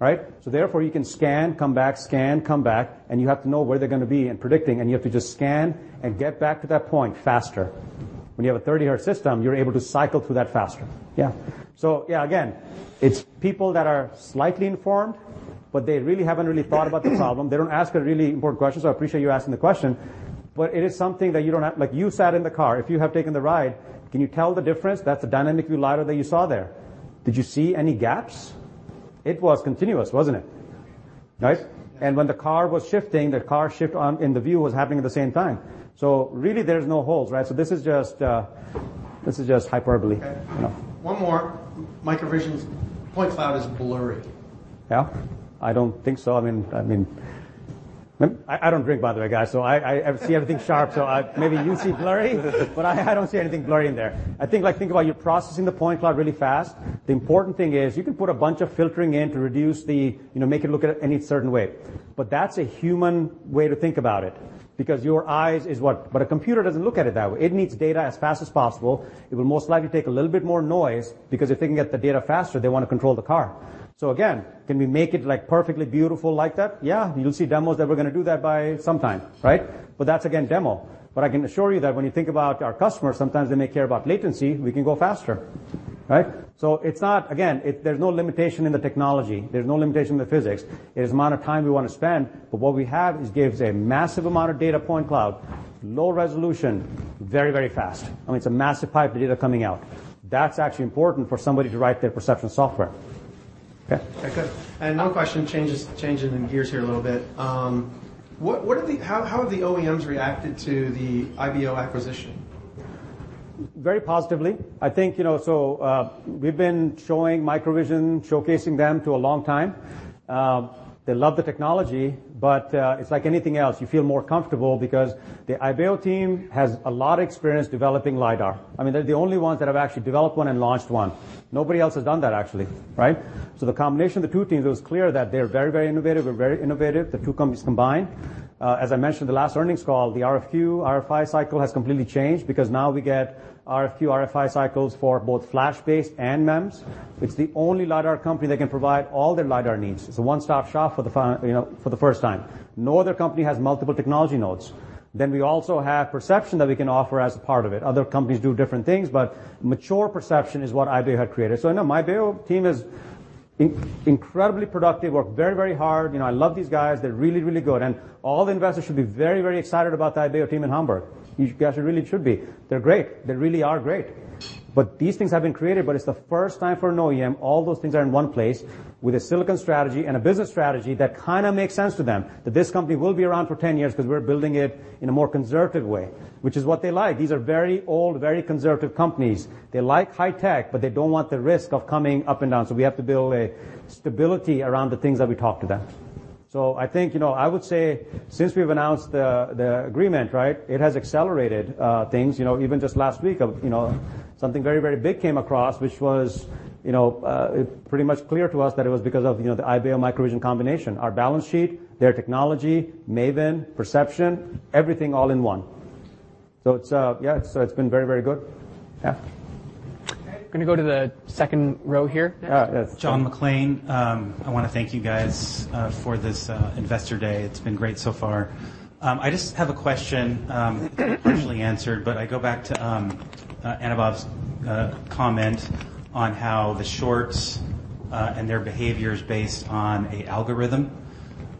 S21: Right.
S4: Right? Therefore, you can scan, come back, scan, come back, and you have to know where they're gonna be and predicting, and you have to just scan and get back to that point faster. When you have a 30 Hz system, you're able to cycle through that faster. Yeah. Yeah, again, it's people that are slightly informed, but they really haven't really thought about the problem. They don't ask a really important question, so I appreciate you asking the question, but it is something that you don't have... Like, you sat in the car. If you have taken the ride, can you tell the difference? That's a dynamic view lidar that you saw there. Did you see any gaps? It was continuous, wasn't it? Right? When the car was shifting, the car shift on and the view was happening at the same time. Really, there's no holes, right? This is just, this is just hyperbole.
S21: Okay.
S4: You know.
S21: One more. MicroVision's point cloud is blurry.
S4: I don't think so. I mean, I don't drink, by the way, guys, so I see everything sharp. Maybe you see blurry, but I don't see anything blurry in there. I think, like, think about you're processing the point cloud really fast. The important thing is you can put a bunch of filtering in to reduce the, you know, make it look at any certain way. That's a human way to think about it because your eyes is what. A computer doesn't look at it that way. It needs data as fast as possible. It will most likely take a little bit more noise because if they can get the data faster, they wanna control the car. Again, can we make it, like, perfectly beautiful like that? You'll see demos that we're gonna do that by sometime, right? That's again demo. I can assure you that when you think about our customers, sometimes they may care about latency, we can go faster, right? It's not. Again, there's no limitation in the technology. There's no limitation in the physics. It is the amount of time we wanna spend. What we have is gives a massive amount of data point cloud, low resolution, very, very fast. I mean, it's a massive pipe of data coming out. That's actually important for somebody to write their perception software. Okay.
S21: Okay, good. another question, changing gears here a little bit. How have the OEMs reacted to the Ibeo acquisition?
S4: Very positively. I think, you know, we've been showing MicroVision, showcasing them to a long time. They love the technology, it's like anything else. You feel more comfortable because the Ibeo team has a lot of experience developing lidar. I mean, they're the only ones that have actually developed one and launched one. Nobody else has done that actually, right? The combination of the two teams, it was clear that they're very, very innovative. We're very innovative. The two companies combined. As I mentioned in the last earnings call, the RFQ, RFI cycle has completely changed because now we get RFQ, RFI cycles for both flash-based and MEMS. It's the only lidar company that can provide all their lidar needs. It's a one-stop shop for the, you know, for the first time. No other company has multiple technology nodes. We also have perception that we can offer as a part of it. Other companies do different things, but mature perception is what Ibeo had created. No, my Ibeo team is incredibly productive, work very, very hard. You know, I love these guys. They're really, really good. And all the investors should be very, very excited about the Ibeo team in Hamburg. You guys really should be. They're great. They really are great. These things have been created, but it's the first time for an OEM, all those things are in one place with a silicon strategy and a business strategy that kinda makes sense to them, that this company will be around for 10 years because we're building it in a more conservative way, which is what they like. These are very old, very conservative companies. They like high tech, but they don't want the risk of coming up and down. We have to build a stability around the things that we talk to them. I think, you know, I would say since we've announced the agreement, right, it has accelerated things. You know, even just last week of, you know, something very, very big came across, which was, you know, pretty much clear to us that it was because of, you know, the Ibeo MicroVision combination. Our balance sheet, their technology, MAVIN, perception, everything all in one. It's, yeah, it's been very, very good. Yeah.
S1: Okay. Gonna go to the second row here next.
S4: Yeah. Yes.
S22: John McLean. I wanna thank you guys for this investor day. It's been great so far. I just have a question, partially answered, but I go back to Anubhav's comment on how the shorts and their behavior is based on a algorithm.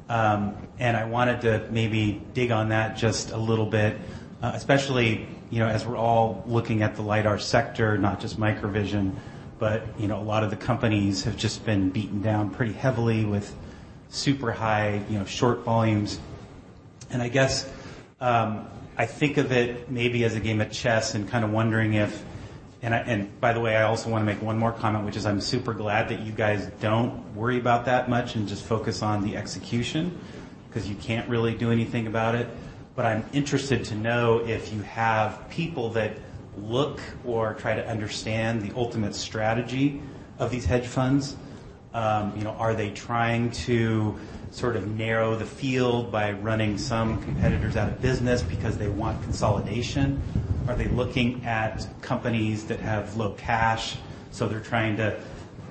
S22: I wanted to maybe dig on that just a little bit, especially, you know, as we're all looking at the lidar sector, not just MicroVision, but, you know, a lot of the companies have just been beaten down pretty heavily with super high, you know, short volumes. I guess, I think of it maybe as a game of chess and kinda wondering if... By the way, I also wanna make one more comment, which is I'm super glad that you guys don't worry about that much and just focus on the execution 'cause you can't really do anything about it. I'm interested to know if you have people that look or try to understand the ultimate strategy of these hedge funds. You know, are they trying to sort of narrow the field by running some competitors out of business because they want consolidation? Are they looking at companies that have low cash, so they're trying to,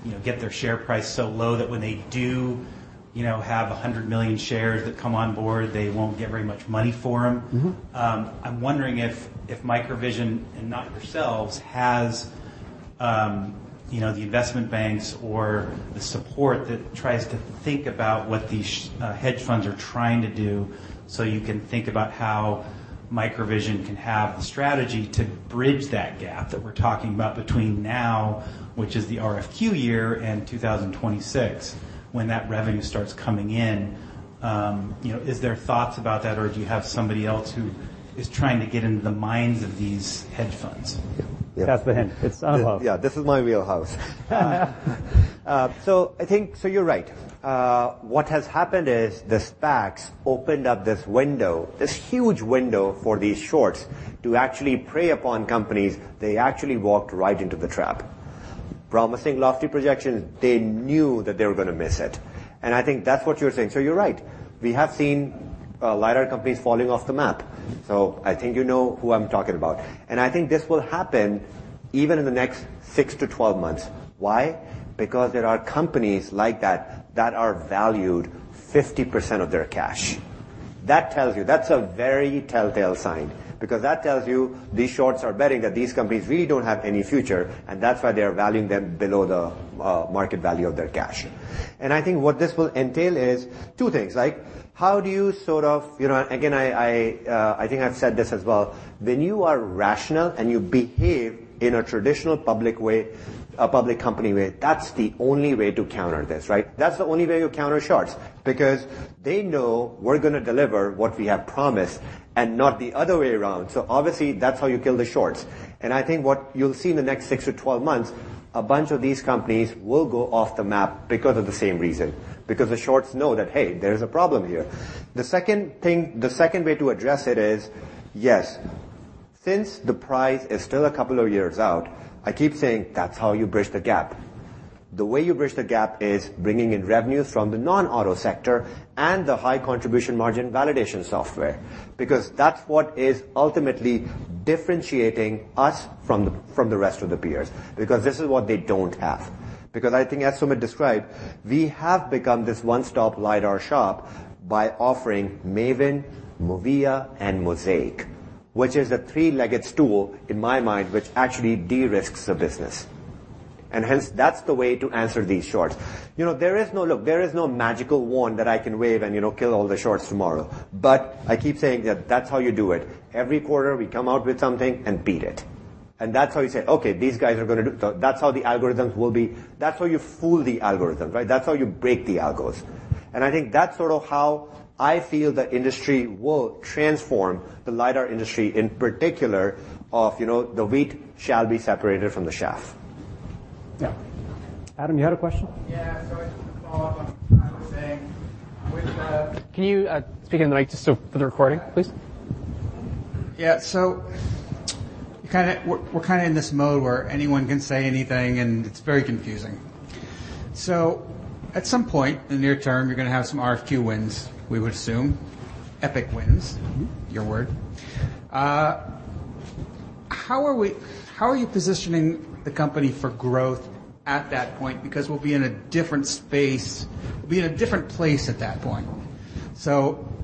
S22: you know, get their share price so low that when they do, you know, have 100 million shares that come on board, they won't get very much money for them?
S4: Mm-hmm.
S22: I'm wondering if MicroVision and not yourselves has, you know, the investment banks or the support that tries to think about what these hedge funds are trying to do, so you can think about how MicroVision can have the strategy to bridge that gap that we're talking about between now, which is the RFQ year, and 2026 when that revenue starts coming in. You know, is there thoughts about that or do you have somebody else who is trying to get into the minds of these hedge funds?
S4: Yeah. Yeah. Pass the hand. It's Anubhav.
S7: Yeah. This is my wheelhouse. You're right. What has happened is the SPACs opened up this window, this huge window for these shorts to actually prey upon companies. They actually walked right into the trap. Promising lofty projections, they knew that they were gonna miss it. I think that's what you're saying. You're right. We have seen lidar companies falling off the map. I think you know who I'm talking about. I think this will happen even in the next six to 12 months. Why? Because there are companies like that are valued 50% of their cash. That tells you that's a very telltale sign because that tells you these shorts are betting that these companies really don't have any future, and that's why they are valuing them below the market value of their cash. I think what this will entail is two things. Like, how do you sort of, you know. Again, I think I've said this as well. When you are rational and you behave in a traditional public way, a public company way, that's the only way to counter this, right? That's the only way you counter shorts because they know we're gonna deliver what we have promised and not the other way around. Obviously, that's how you kill the shorts. I think what you'll see in the next six to 12 months, a bunch of these companies will go off the map because of the same reason, because the shorts know that, hey, there's a problem here. The second way to address it is, yes, since the price is still a couple of years out, I keep saying that's how you bridge the gap. The way you bridge the gap is bringing in revenues from the non-auto sector and the high contribution margin validation software because that's what is ultimately differentiating us from the rest of the peers because this is what they don't have. I think as Sumit described, we have become this one-stop lidar shop by offering MAVIN, MOVIA, and MOSAIK, which is a three-legged stool in my mind, which actually de-risks the business. Hence that's the way to answer these shorts. You know, there is no magical wand that I can wave and, you know, kill all the shorts tomorrow. I keep saying that that's how you do it. Every quarter we come out with something and beat it. That's how you say, "Okay, these guys are gonna do." That's how the algorithms will be. That's how you fool the algorithms, right? That's how you break the algos. I think that's sort of how I feel the industry will transform, the lidar industry in particular of, you know, the wheat shall be separated from the chaff.
S1: Yeah. Adam, you had a question?
S6: Yeah. Just to follow up on what Sumit was saying.
S1: Can you speak in the mic just so for the recording, please?
S6: Yeah. We're kinda in this mode where anyone can say anything and it's very confusing. At some point in the near term you're gonna have some RFQ wins, we would assume. Epic wins, your word. How are you positioning the company for growth at that point? Because we'll be in a different space, we'll be in a different place at that point.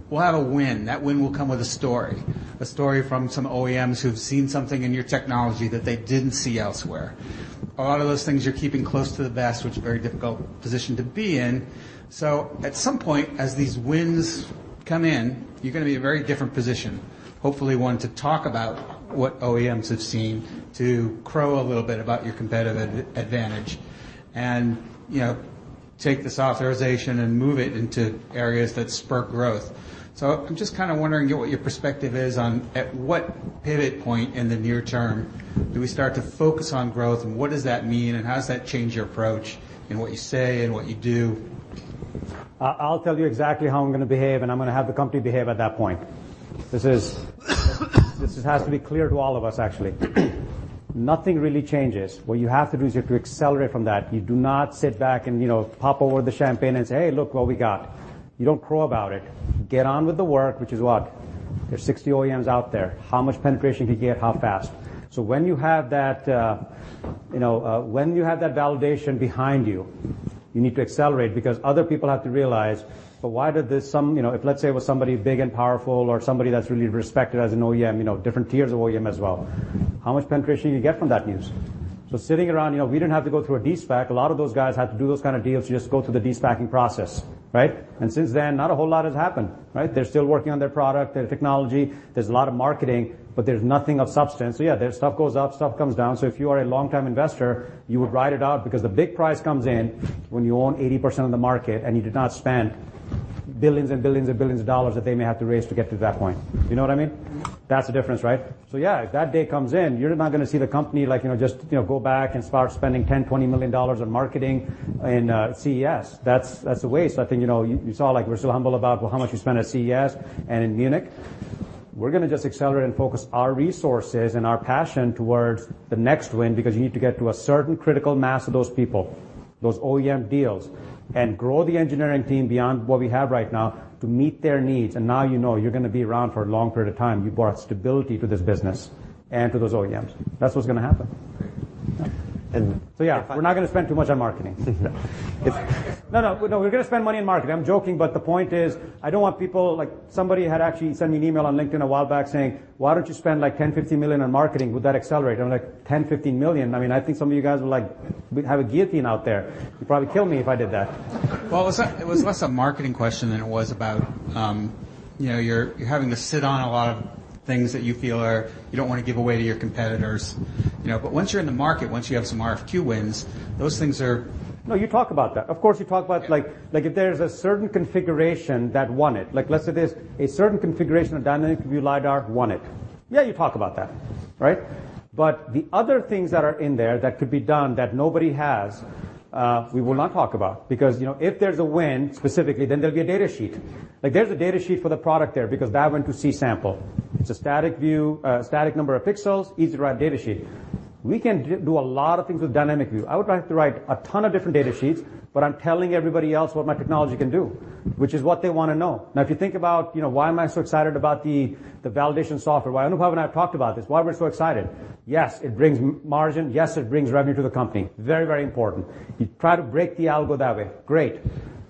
S6: We'll have a win. That win will come with a story, a story from some OEMs who've seen something in your technology that they didn't see elsewhere. A lot of those things you're keeping close to the vest, which is a very difficult position to be in. At some point as these wins come in, you're gonna be in a very different position. Hopefully, one to talk about what OEMs have seen, to crow a little bit about your competitive advantage and, you know, take the authorization and move it into areas that spur growth. I'm just kinda wondering what your perspective is on at what pivot point in the near term do we start to focus on growth and what does that mean and how does that change your approach in what you say and what you do?
S4: I'll tell you exactly how I'm gonna behave and I'm gonna have the company behave at that point. This has to be clear to all of us actually. Nothing really changes. What you have to do is you have to accelerate from that. You do not sit back and, you know, pop open the champagne and say, "Hey, look what we got." You don't crow about it. Get on with the work, which is what? There's 60 OEMs out there. How much penetration can you get? How fast? When you have that, you know, when you have that validation behind you need to accelerate because other people have to realize, but why did this some, you know, if let's say it was somebody big and powerful or somebody that's really respected as an OEM, you know, different tiers of OEM as well, how much penetration you get from that news? Sitting around, you know, we didn't have to go through a de-SPAC. A lot of those guys had to do those kind of deals to just go through the de-SPACing process, right? Since then not a whole lot has happened, right? They're still working on their product, their technology. There's a lot of marketing, but there's nothing of substance. Yeah, their stuff goes up, stuff comes down. If you are a long-term investor you would ride it out because the big price comes in when you own 80% of the market and you did not spend billions and billions and billions of dollars that they may have to raise to get to that point. You know what I mean? That's the difference, right? Yeah, if that day comes in you're not gonna see the company like, you know, just, you know, go back and start spending $10 million, $20 million on marketing in CES. That's a waste. I think, you know, you saw like we're so humble about how much we spent at CES and in Munich. We're gonna just accelerate and focus our resources and our passion towards the next win because you need to get to a certain critical mass of those people, those OEM deals, and grow the engineering team beyond what we have right now to meet their needs and now you know you're gonna be around for a long period of time. You brought stability to this business and to those OEMs. That's what's gonna happen.
S6: Great.
S4: Yeah, we're not gonna spend too much on marketing. No, no. We're gonna spend money on marketing. I'm joking, but the point is I don't want people, like somebody had actually sent me an email on LinkedIn a while back saying, "Why don't you spend like $10 million, $15 million on marketing? Would that accelerate?" I'm like, "$10 million, $15 million?" I mean, I think some of you guys would like have a guillotine out there. You'd probably kill me if I did that.
S6: Well, it was, it was less a marketing question than it was about, you know, you're having to sit on a lot of things that you feel are, you don't wanna give away to your competitors, you know. Once you're in the market, once you have some RFQ wins, those things are.
S4: No, you talk about that. Of course, you talk about like if there's a certain configuration that won it. Like let's say there's a certain configuration of dynamic view lidar won it. Yeah, you talk about that, right? The other things that are in there that could be done that nobody has, we will not talk about because, you know, if there's a win specifically then there'll be a data sheet. Like there's a data sheet for the product there because that went to C-sample. It's a static view, static number of pixels, easy to write data sheet. We can do a lot of things with dynamic views. I would like to write a ton of different data sheets, I'm telling everybody else what my technology can do, which is what they wanna know. If you think about, you know, why am I so excited about the validation software? I don't know if Anubhav and I have talked about this, why we're so excited. Yes, it brings margin. Yes, it brings revenue to the company. Very, very important. You try to break the algo that way. Great.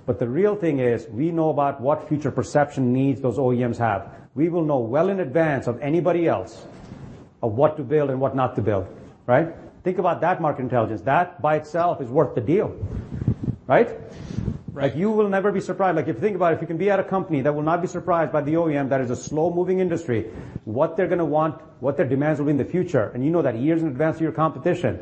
S4: The real thing is we know about what future perception needs those OEMs have. We will know well in advance of anybody else of what to build and what not to build, right? Think about that market intelligence. That by itself is worth the deal, right?
S6: Right.
S4: Like, you will never be surprised. Like, if you think about it, if you can be at a company that will not be surprised by the OEM, that is a slow-moving industry, what they're gonna want, what their demands will be in the future, and you know that years in advance of your competition,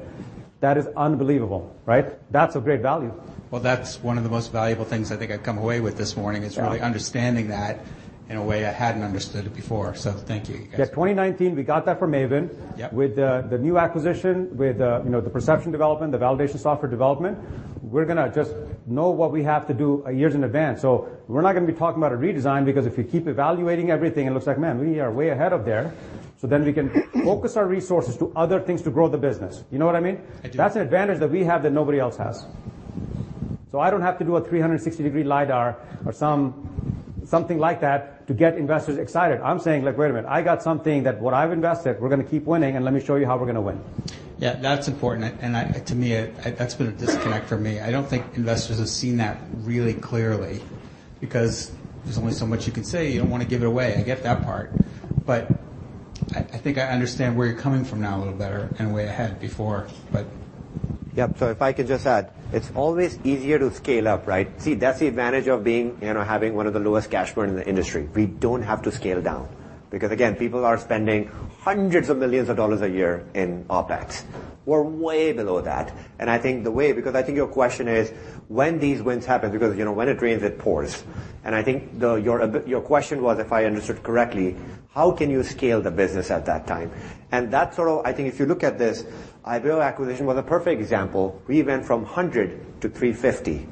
S4: that is unbelievable, right? That's a great value.
S6: Well, that's one of the most valuable things I think I've come away with this morning.
S4: Yeah.
S6: -is really understanding that in a way I hadn't understood it before. Thank you guys.
S4: Yeah. 2019, we got that from MAVIN.
S6: Yeah.
S4: With the new acquisition, with the, you know, the perception development, the validation software development, we're gonna just know what we have to do years in advance. We're not gonna be talking about a redesign, because if you keep evaluating everything, it looks like, man, we are way ahead of there. We can focus our resources to other things to grow the business. You know what I mean?
S6: I do.
S4: That's an advantage that we have that nobody else has. I don't have to do a 360 degree lidar or something like that to get investors excited. I'm saying like, "Wait a minute, I got something that what I've invested, we're gonna keep winning, and let me show you how we're gonna win.
S6: Yeah, that's important. To me, that's been a disconnect for me. I don't think investors have seen that really clearly, because there's only so much you can say. You don't wanna give it away, I get that part. I think I understand where you're coming from now a little better in a way I hadn't before, but.
S7: If I could just add, it's always easier to scale up, right? See, that's the advantage of being, you know, having one of the lowest cash burn in the industry. We don't have to scale down because, again, people are spending hundreds of millions of dollars a year in OpEx. We're way below that. I think your question is when these wins happen, because, you know, when it rains, it pours. I think your question was, if I understood correctly, how can you scale the business at that time? I think if you look at this, Ibeo acquisition was a perfect example. We went from $100 million to $350 million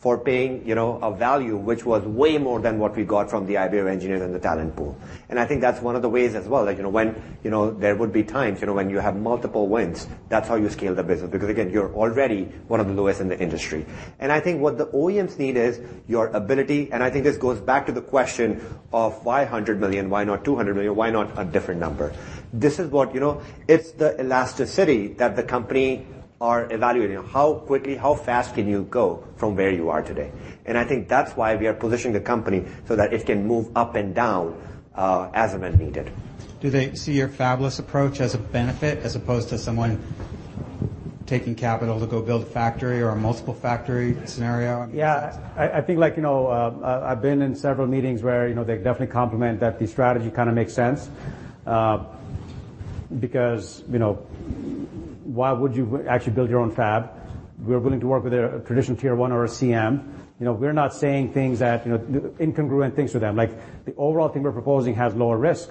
S7: for paying, you know, a value which was way more than what we got from the Ibeo engineers and the talent pool. I think that's one of the ways as well, like, you know, when, you know, there would be times, you know, when you have multiple wins, that's how you scale the business. Again, you're already one of the lowest in the industry. I think what the OEMs need is your ability, and I think this goes back to the question of why $100 million, why not $200 million, why not a different number? This is what, you know, it's the elasticity that the company are evaluating. How quickly, how fast can you go from where you are today? I think that's why we are positioning the company so that it can move up and down as and when needed.
S6: Do they see your fabulous approach as a benefit as opposed to someone taking capital to go build a factory or a multiple factory scenario? I mean.
S4: Yeah. I think, like, you know, I've been in several meetings where, you know, they definitely complement that the strategy kinda makes sense, because, you know, why would you actually build your own fab? We're willing to work with a traditional Tier 1 or a CM. You know, we're not saying things that, you know, incongruent things to them. Like, the overall thing we're proposing has lower risk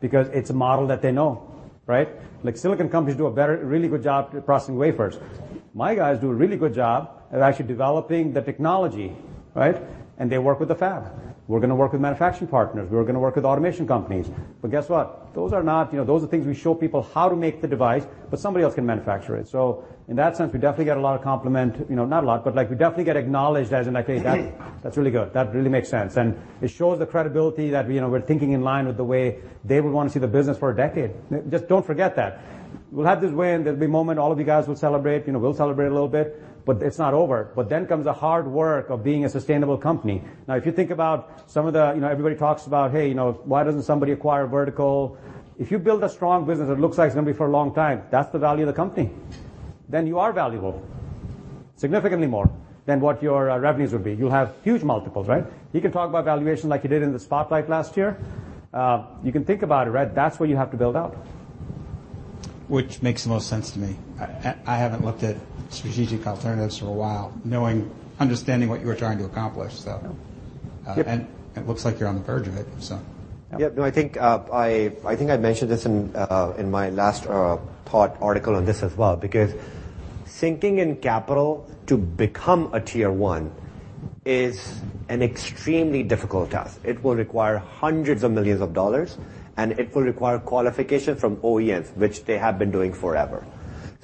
S4: because it's a model that they know, right? Like, silicon companies do a really good job processing wafers. My guys do a really good job at actually developing the technology, right? They work with the fab. We're gonna work with manufacturing partners. We're gonna work with automation companies. Guess what? Those are not, you know, those are things we show people how to make the device, but somebody else can manufacture it. In that sense, we definitely get a lot of compliment, you know, not a lot, but, like, we definitely get acknowledged as in, like, "Hey, that's really good. That really makes sense." It shows the credibility that, you know, we're thinking in line with the way they would wanna see the business for a decade. Just don't forget that. We'll have this win. There'll be a moment all of you guys will celebrate. You know, we'll celebrate a little bit, but it's not over. Then comes the hard work of being a sustainable company. Now, if you think about some of the, you know, everybody talks about, "Hey, you know, why doesn't somebody acquire vertical?" If you build a strong business that looks like it's gonna be for a long time, that's the value of the company, then you are valuable significantly more than what your revenues would be. You'll have huge multiples, right? You can talk about valuation like you did in the spotlight last year. You can think about it, right? That's what you have to build out.
S6: Which makes the most sense to me. I haven't looked at strategic alternatives for a while, knowing, understanding what you're trying to accomplish, so.
S4: Yep.
S6: It looks like you're on the verge of it, so.
S7: Yep. No, I think I mentioned this in my last thought article on this as well, because sinking in capital to become a Tier 1 is an extremely difficult task. It will require hundreds of millions of dollars, and it will require qualification from OEMs, which they have been doing forever.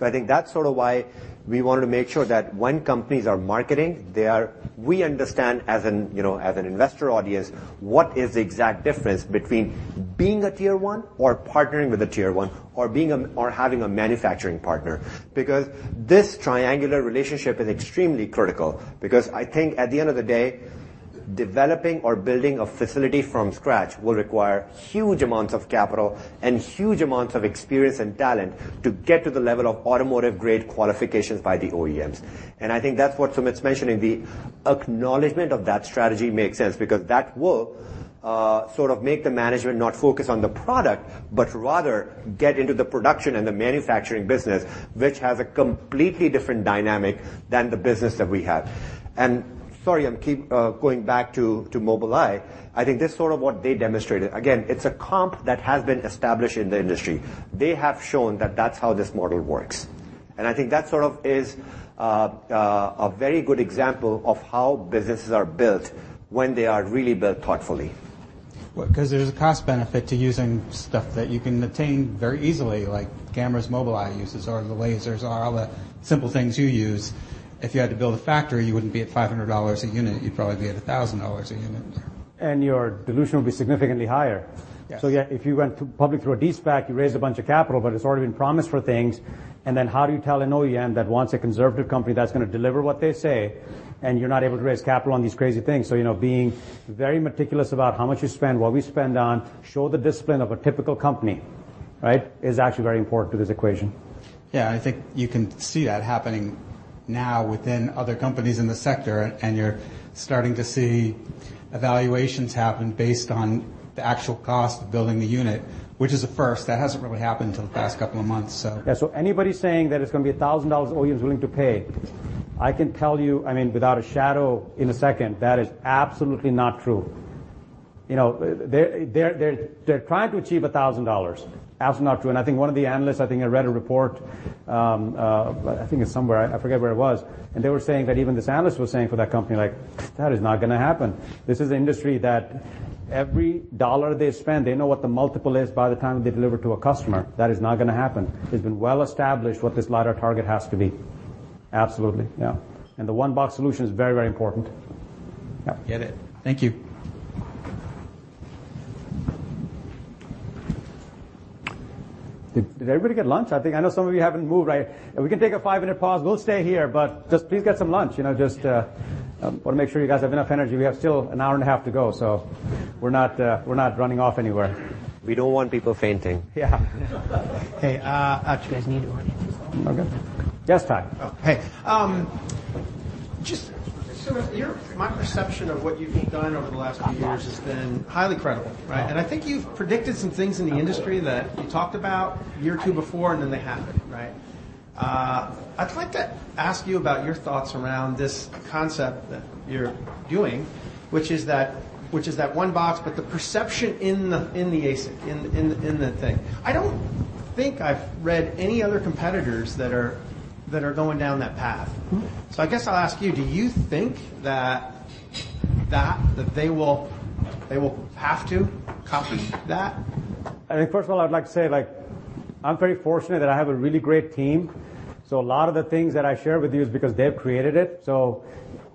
S7: I think that's sort of why we wanted to make sure that when companies are marketing, they are, we understand as an, you know, as an investor audience, what is the exact difference between being a Tier 1 or partnering with a Tier 1 or having a manufacturing partner. Because this triangular relationship is extremely critical because I think at the end of the day, developing or building a facility from scratch will require huge amounts of capital and huge amounts of experience and talent to get to the level of automotive-grade qualifications by the OEMs. I think that's what Sumit's mentioning, the acknowledgement of that strategy makes sense because that will sort of make the management not focus on the product, but rather get into the production and the manufacturing business, which has a completely different dynamic than the business that we have. Sorry, I'm keep going back to Mobileye. I think this is sort of what they demonstrated. Again, it's a comp that has been established in the industry. They have shown that that's how this model works. I think that sort of is a very good example of how businesses are built when they are really built thoughtfully.
S6: Well, 'cause there's a cost benefit to using stuff that you can attain very easily, like cameras Mobileye uses or the lasers or all the simple things you use. If you had to build a factory, you wouldn't be at $500 a unit. You'd probably be at $1,000 a unit.
S4: Your dilution would be significantly higher.
S6: Yes.
S4: If you went public through a de-SPAC, you raised a bunch of capital, but it's already been promised for things, and then how do you tell an OEM that wants a conservative company that's gonna deliver what they say, and you're not able to raise capital on these crazy things? You know, being very meticulous about how much you spend, what we spend on, show the discipline of a typical company. Right? Is actually very important to this equation.
S6: Yeah, I think you can see that happening now within other companies in the sector, and you're starting to see evaluations happen based on the actual cost of building the unit, which is a first. That hasn't really happened until the past couple of months, so.
S4: Yeah. Anybody saying that it's gonna be $1,000 OEM is willing to pay, I can tell you, I mean, without a shadow in a second, that is absolutely not true. You know, they're trying to achieve $1,000. Absolutely not true. And I think one of the analysts, I think I read a report, I think it's somewhere. I forget where it was. And they were saying that even this analyst was saying for that company like, "That is not gonna happen." This is an industry that every dollar they spend, they know what the multiple is by the time they deliver to a customer. That is not gonna happen. It's been well-established what this lidar target has to be. Absolutely. Yeah. And the one box solution is very, very important. Yeah.
S6: Get it. Thank you.
S4: Did everybody get lunch? I know some of you haven't moved. If we can take a five minute pause. We'll stay here, just please get some lunch. You know, just, wanna make sure you guys have enough energy. We have still an hour and a half to go. We're not, we're not running off anywhere.
S7: We don't want people fainting.
S4: Yeah.
S1: Hey, you guys need to.
S4: Okay. Yes, Pat.
S23: Hey. Just my perception of what you've done over the last few years has been highly credible, right? I think you've predicted some things in the industry that you talked about a year or two before, and then they happened, right? I'd like to ask you about your thoughts around this concept that you're doing, which is that one box, but the perception in the ASIC, in the thing. I don't think I've read any other competitors that are going down that path.
S4: Mm-hmm.
S23: I guess I'll ask you, do you think that they will have to copy that?
S4: I think, first of all, I'd like to say, like, I'm very fortunate that I have a really great team. A lot of the things that I share with you is because they've created it.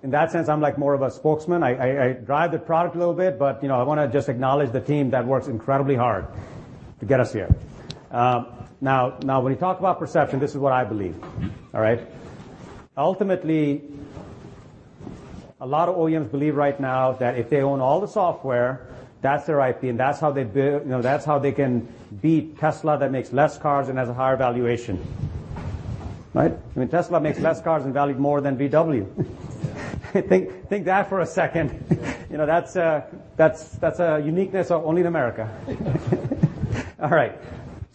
S4: In that sense, I'm like more of a spokesman. I drive the product a little bit, but, you know, I wanna just acknowledge the team that works incredibly hard to get us here. Now, when you talk about perception, this is what I believe. All right? Ultimately, a lot of OEMs believe right now that if they own all the software, that's their IP, and that's how they, you know, that's how they can beat Tesla that makes less cars and has a higher valuation. Right? I mean, Tesla makes less cars and valued more than VW. Think that for a second.
S13: You know, that's a uniqueness of only in America. All right.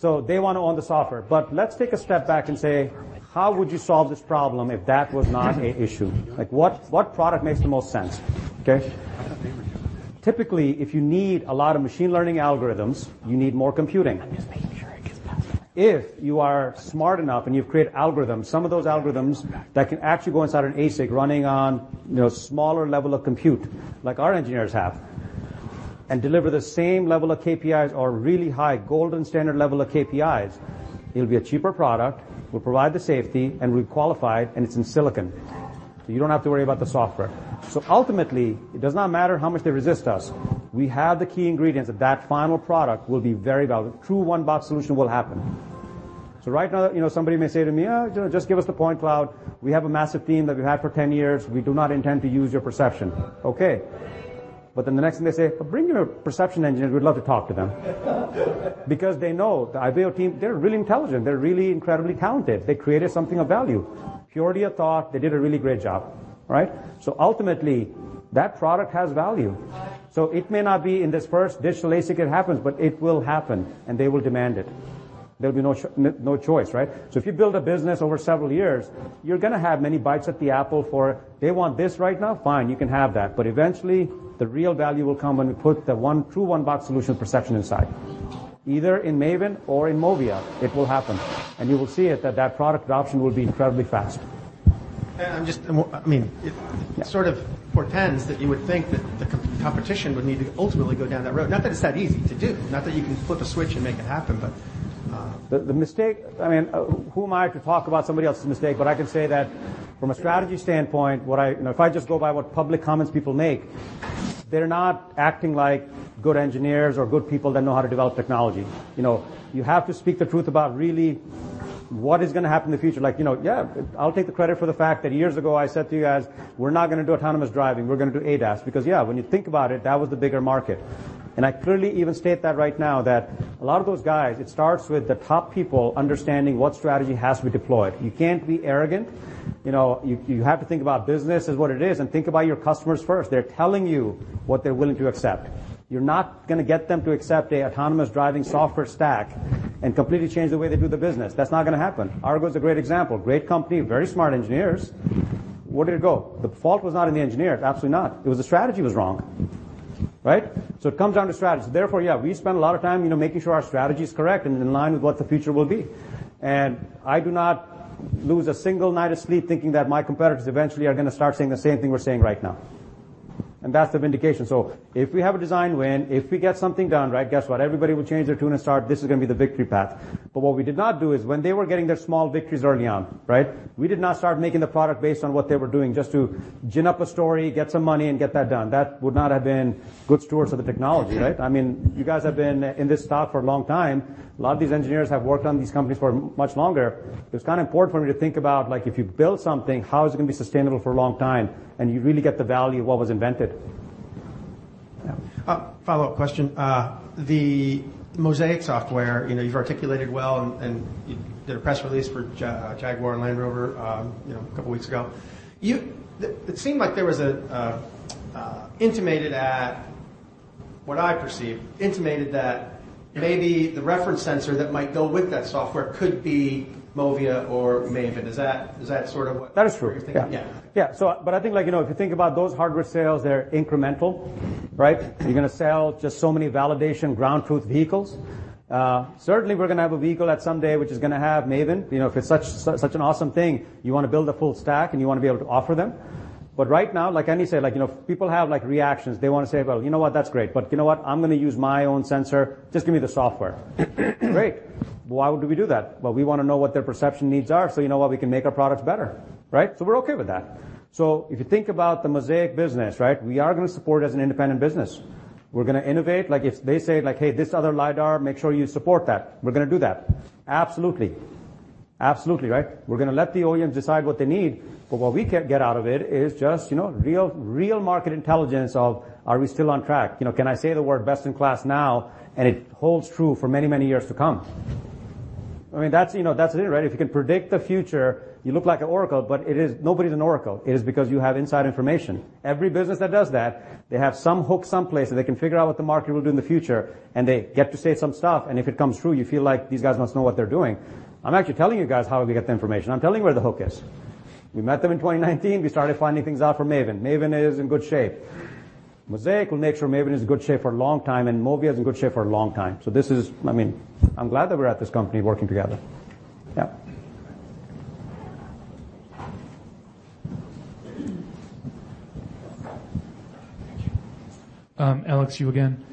S13: They wanna own the software. Let's take a step back and say, how would you solve this problem if that was not a issue? Like, what product makes the most sense? Okay? Typically, if you need a lot of machine learning algorithms, you need more computing.
S23: I'm just making sure I get that.
S4: If you are smart enough, and you've created algorithms, some of those algorithms that can actually go inside an ASIC running on, you know, smaller level of compute, like our engineers have, and deliver the same level of KPIs or really high golden standard level of KPIs, it'll be a cheaper product. We'll provide the safety, and we qualify it, and it's in silicon. You don't have to worry about the software. Ultimately, it does not matter how much they resist us. We have the key ingredients of that final product will be very valid. True one box solution will happen. Right now, you know, somebody may say to me, "Oh, you know, just give us the point cloud. We have a massive team that we've had for 10 years. We do not intend to use your perception." Okay. The next thing they say, "Bring your perception engineers. We'd love to talk to them." They know the Ibeo team, they're really intelligent. They're really incredibly talented. They created something of value. Purity of thought, they did a really great job, right? Ultimately, that product has value. It may not be in this first digital ASIC it happens, but it will happen, and they will demand it. There'll be no choice, right? If you build a business over several years, you're gonna have many bites at the apple for, they want this right now, fine, you can have that. Eventually, the real value will come when you put the one-- true one box solution perception inside. Either in MAVIN or in MOVIA, it will happen. You will see it that that product adoption will be incredibly fast.
S23: I mean, it sort of portends that you would think that the competition would need to ultimately go down that road. Not that it's that easy to do, not that you can flip a switch and make it happen.
S4: The mistake, I mean, who am I to talk about somebody else's mistake? I can say that from a strategy standpoint, you know, if I just go by what public comments people make, they're not acting like good engineers or good people that know how to develop technology. You know, you have to speak the truth about really what is gonna happen in the future. Like, you know, yeah, I'll take the credit for the fact that years ago, I said to you guys, "We're not gonna do autonomous driving. We're gonna do ADAS." Because, yeah, when you think about it, that was the bigger market. I clearly even state that right now that a lot of those guys, it starts with the top people understanding what strategy has to be deployed. You can't be arrogant. You know, you have to think about business as what it is and think about your customers first. They're telling you what they're willing to accept. You're not gonna get them to accept a autonomous driving software stack and completely change the way they do the business. That's not gonna happen. Argo is a great example. Great company, very smart engineers. Where did it go? The fault was not in the engineers. Absolutely not. It was the strategy was wrong. Right? It comes down to strategy. Therefore, yeah, we spend a lot of time, you know, making sure our strategy is correct and in line with what the future will be. I do not lose a single night of sleep thinking that my competitors eventually are gonna start saying the same thing we're saying right now. That's the vindication. If we have a design win, if we get something done right, guess what? Everybody will change their tune and start, this is gonna be the victory path. What we did not do is when they were getting their small victories early on, right, we did not start making the product based on what they were doing just to gin up a story, get some money, and get that done. That would not have been good stewards of the technology, right? I mean, you guys have been in this stock for a long time. A lot of these engineers have worked on these companies for much longer. It's kinda important for me to think about, like, if you build something, how is it gonna be sustainable for a long time, and you really get the value of what was invented.
S23: Follow-up question. The MOSAIK software, you know, you've articulated well and you did a press release for Jaguar and Land Rover, you know, a couple of weeks ago. It seemed like there was a intimated at, what I perceived, intimated that maybe the reference sensor that might go with that software could be MOVIA or MAVIN. Is that sort of what-
S4: That is true.
S23: Yeah.
S4: Yeah. I think, like, you know, if you think about those hardware sales, they're incremental, right? You're gonna sell just so many validation ground truth vehicles. Certainly we're gonna have a vehicle at someday, which is gonna have MAVIN. You know, if it's such an awesome thing, you wanna build a full stack, and you wanna be able to offer them. Right now, like Andy said, like, you know, people have, like, reactions. They wanna say, "Well, you know what? That's great. But you know what? I'm gonna use my own sensor. Just give me the software." Great. Why would we do that? Well, we wanna know what their perception needs are, so you know what? We can make our products better, right? We're okay with that. If you think about the MOSAIK business, right? We are gonna support it as an independent business. We're gonna innovate. Like, if they say, like, "Hey, this other lidar, make sure you support that." We're gonna do that. Absolutely. Absolutely, right? We're gonna let the OEMs decide what they need, but what we can get out of it is just, you know, real market intelligence of, are we still on track? You know, can I say the word best in class now, and it holds true for many, many years to come? I mean, that's, you know, that's it, right? If you can predict the future, you look like an oracle, but nobody's an oracle. It is because you have inside information. Every business that does that, they have some hook someplace, so they can figure out what the market will do in the future, and they get to say some stuff, and if it comes true, you feel like these guys must know what they're doing. I'm actually telling you guys how we get the information. I'm telling you where the hook is. We met them in 2019. We started finding things out for MAVIN. MAVIN is in good shape. MOSAIK will make sure MAVIN is in good shape for a long time, and MOVIA is in good shape for a long time. I mean, I'm glad that we're at this company working together. Yeah.
S8: Thank you. Alex Yu again.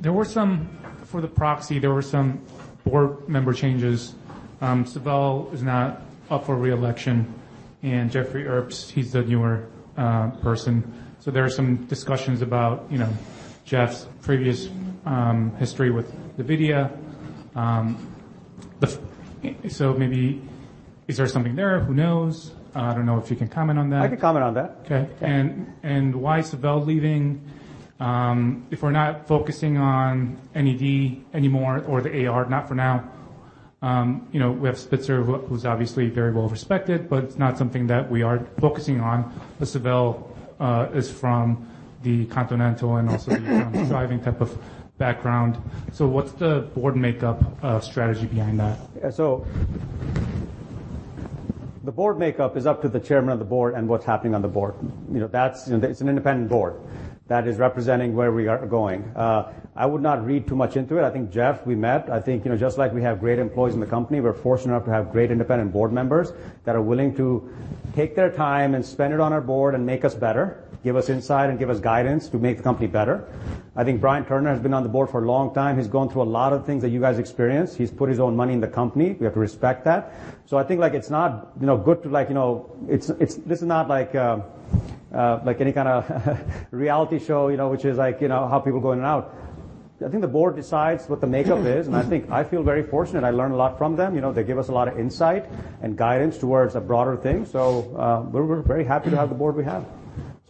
S8: There were some, for the proxy, there were some board member changes. Seval is now up for re-election, and Jeffrey Herbst, he's the newer person. There are some discussions about, you know, Jeff's previous history with NVIDIA. Maybe, is there something there? Who knows? I don't know if you can comment on that.
S4: I can comment on that.
S8: Okay.
S4: Yeah.
S8: Why is Seval leaving, if we're not focusing on NED anymore or the AR, not for now? You know, we have Spitzer who's obviously very well-respected, but it's not something that we are focusing on. Seval is from the Continental and also the driving type of background. What's the board makeup, strategy behind that?
S4: Yeah. The board makeup is up to the Chairman of the Board and what's happening on the board. You know, that's, you know, it's an independent board that is representing where we are going. I would not read too much into it. I think Jeff, we met. I think, you know, just like we have great employees in the company, we're fortunate enough to have great independent board members that are willing to take their time and spend it on our board and make us better, give us insight, and give us guidance to make the company better. I think Brian Turner has been on the board for a long time. He's gone through a lot of things that you guys experience. He's put his own money in the company. We have to respect that. I think, like, it's not, you know, good to, like, you know, it's, this is not like any kinda reality show, you know, which is like, you know, how people go in and out. I think the board decides what the makeup is, and I think I feel very fortunate. I learn a lot from them. You know, they give us a lot of insight and guidance towards a broader thing. We're very happy to have the board we have.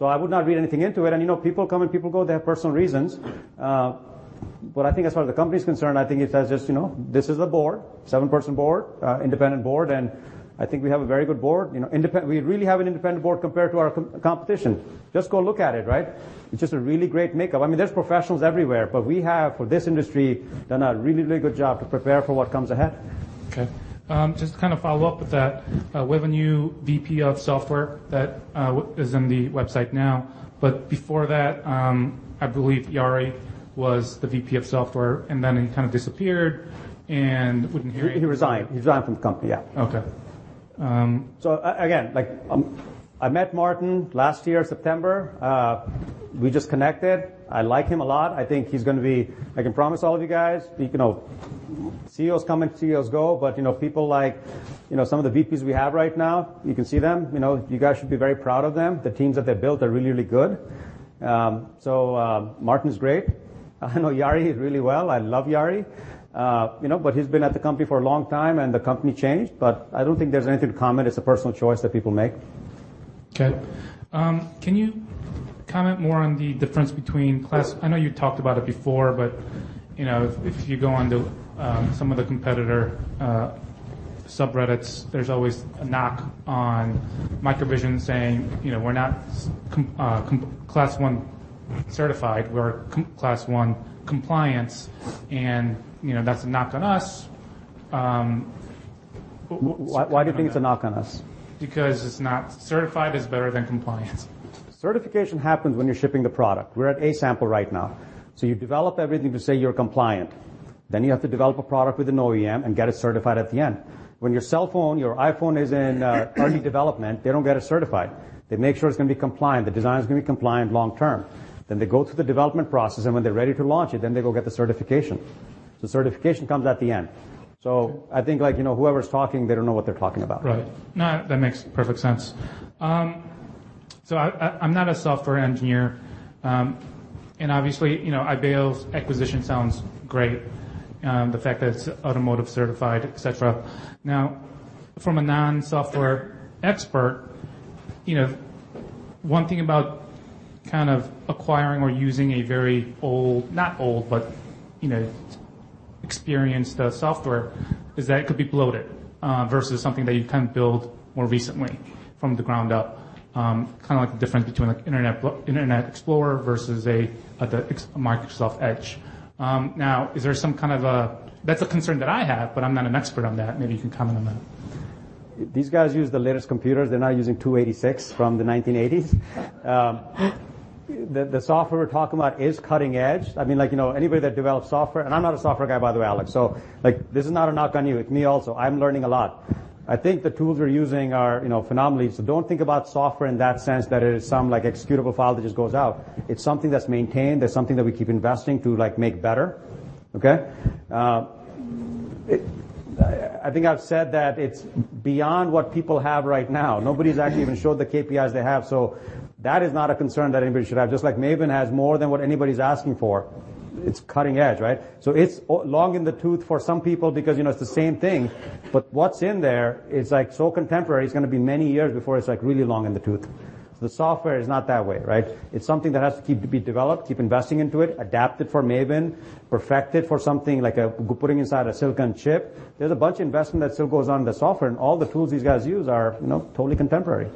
S4: I would not read anything into it. You know, people come and people go. They have personal reasons. I think as far as the company is concerned, I think it's just, you know, this is a board, seven-person board, independent board, and I think we have a very good board. You know, we really have an independent board compared to our competition. Just go look at it, right? It's just a really great makeup. I mean, there's professionals everywhere, but we have, for this industry, done a really, really good job to prepare for what comes ahead.
S8: Okay. Just to kinda follow up with that, we have a new VP of Software that is in the website now. Before that, I believe Jari was the VP of Software, and then he kind of disappeared, and we didn't hear anything.
S4: He resigned. He resigned from the company. Yeah.
S8: Okay.
S4: Again, I met Martin last year, September. We just connected. I like him a lot. I can promise all of you guys, you know, CEOs come and CEOs go, people like, you know, some of the VPs we have right now, you can see them. You know, you guys should be very proud of them. The teams that they built are really, really good. Martin's great. I know Jari really well. I love Jari. You know, he's been at the company for a long time, and the company changed. I don't think there's anything to comment. It's a personal choice that people make.
S8: Okay. Can you comment more on the difference between class... I know you talked about it before, but, you know, if you go onto some of the competitor subreddits, there's always a knock on MicroVision saying, you know, we're not Class 1 certified. We're Class 1 compliance, and, you know, that's a knock on us. w-what's-
S4: Why do you think it's a knock on us?
S8: Because it's not. Certified is better than compliance.
S4: Certification happens when you're shipping the product. We're at A-sample right now. You develop everything to say you're compliant. You have to develop a product with an OEM and get it certified at the end. When your cell phone, your iPhone is in early development, they don't get it certified. They make sure it's gonna be compliant, the design is gonna be compliant long term. They go through the development process, when they're ready to launch it, they go get the certification. The certification comes at the end. I think, like, you know, whoever's talking, they don't know what they're talking about.
S8: Right. No, that makes perfect sense. I, I'm not a software engineer. Obviously, you know, Ibeo's acquisition sounds great. The fact that it's automotive certified, et cetera. Now, from a non-software expert, you know, one thing about kind of acquiring or using a very old, not old, but, you know, experienced software is that it could be bloated versus something that you kind of build more recently from the ground up. Kinda like the difference between like Internet Explorer versus Microsoft Edge. Now is there some kind of a-- That's a concern that I have, but I'm not an expert on that. Maybe you can comment on that.
S4: These guys use the latest computers. They're not using 286 from the 1980s. The software we're talking about is cutting edge. I mean, like, you know anybody that develops software, and I'm not a software guy, by the way, Alex. Like, this is not a knock on you. With me also, I'm learning a lot. I think the tools we're using are, you know, phenomenal. Don't think about software in that sense that it is some, like, executable file that just goes out. It's something that's maintained. It's something that we keep investing to, like, make better, okay? I think I've said that it's beyond what people have right now. Nobody's actually even showed the KPIs they have. That is not a concern that anybody should have. Just like MAVIN has more than what anybody's asking for. It's cutting edge, right? It's long in the tooth for some people because, you know, it's the same thing, but what's in there is, like, so contemporary, it's gonna be many years before it's, like, really long in the tooth. The software is not that way, right? It's something that has to keep to be developed, keep investing into it, adapt it for MAVIN, perfect it for something like putting inside a silicon chip. There's a bunch of investment that still goes on the software, and all the tools these guys use are, you know, totally contemporary.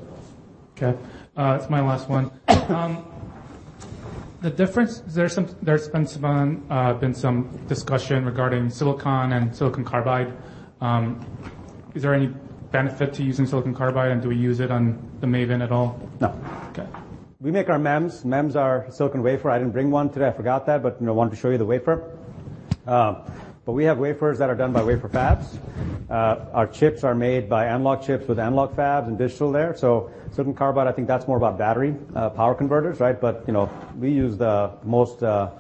S8: Okay. It's my last one. There's been some discussion regarding silicon and silicon carbide. Is there any benefit to using silicon carbide, and do we use it on the MAVIN at all?
S4: No.
S8: Okay.
S4: We make our MEMS. MEMS are silicon wafer. I didn't bring one today. I forgot that, but, you know, wanted to show you the wafer. We have wafers that are done by wafer fabs. Our chips are made by analog chips with analog fabs and digital there. Silicon carbide, I think that's more about battery, power converters, right? You know, we use the most, the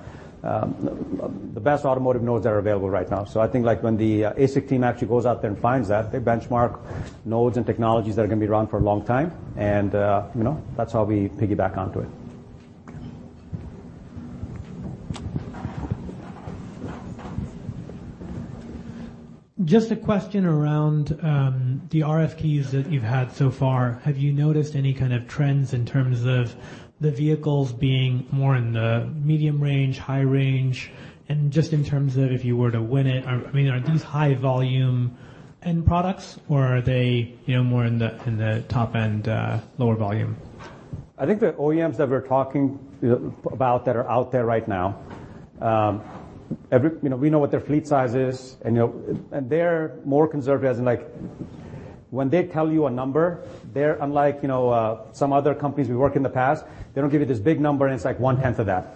S4: best automotive nodes that are available right now. I think, like, when the ASIC team actually goes out there and finds that, they benchmark nodes and technologies that are gonna be around for a long time and, you know, that's how we piggyback onto it.
S8: Just a question around the RFQs that you've had so far. Have you noticed any kind of trends in terms of the vehicles being more in the medium range, high range? Just in terms of if you were to win it, I mean, are these high volume end products or are they, you know, more in the top end, lower volume?
S4: I think the OEMs that we're talking about that are out there right now, you know, we know what their fleet size is and you know, and they're more conservative as in, like, when they tell you a number, they're unlike, you know, some other companies we worked in the past. They don't give you this big number, and it's like one-tenth of that,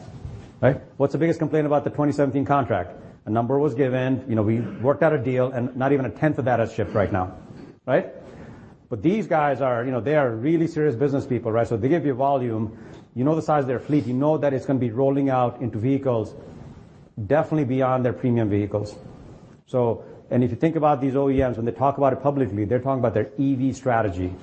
S4: right? What's the biggest complaint about the 2017 contract? A number was given. You know, we worked out a deal, and not even a tenth of that has shipped right now, right? These guys are, you know, they are really serious business people, right? They give you volume. You know the size of their fleet. You know that it's gonna be rolling out into vehicles definitely beyond their premium vehicles. If you think about these OEMs, when they talk about it publicly, they're talking about their EV strategy.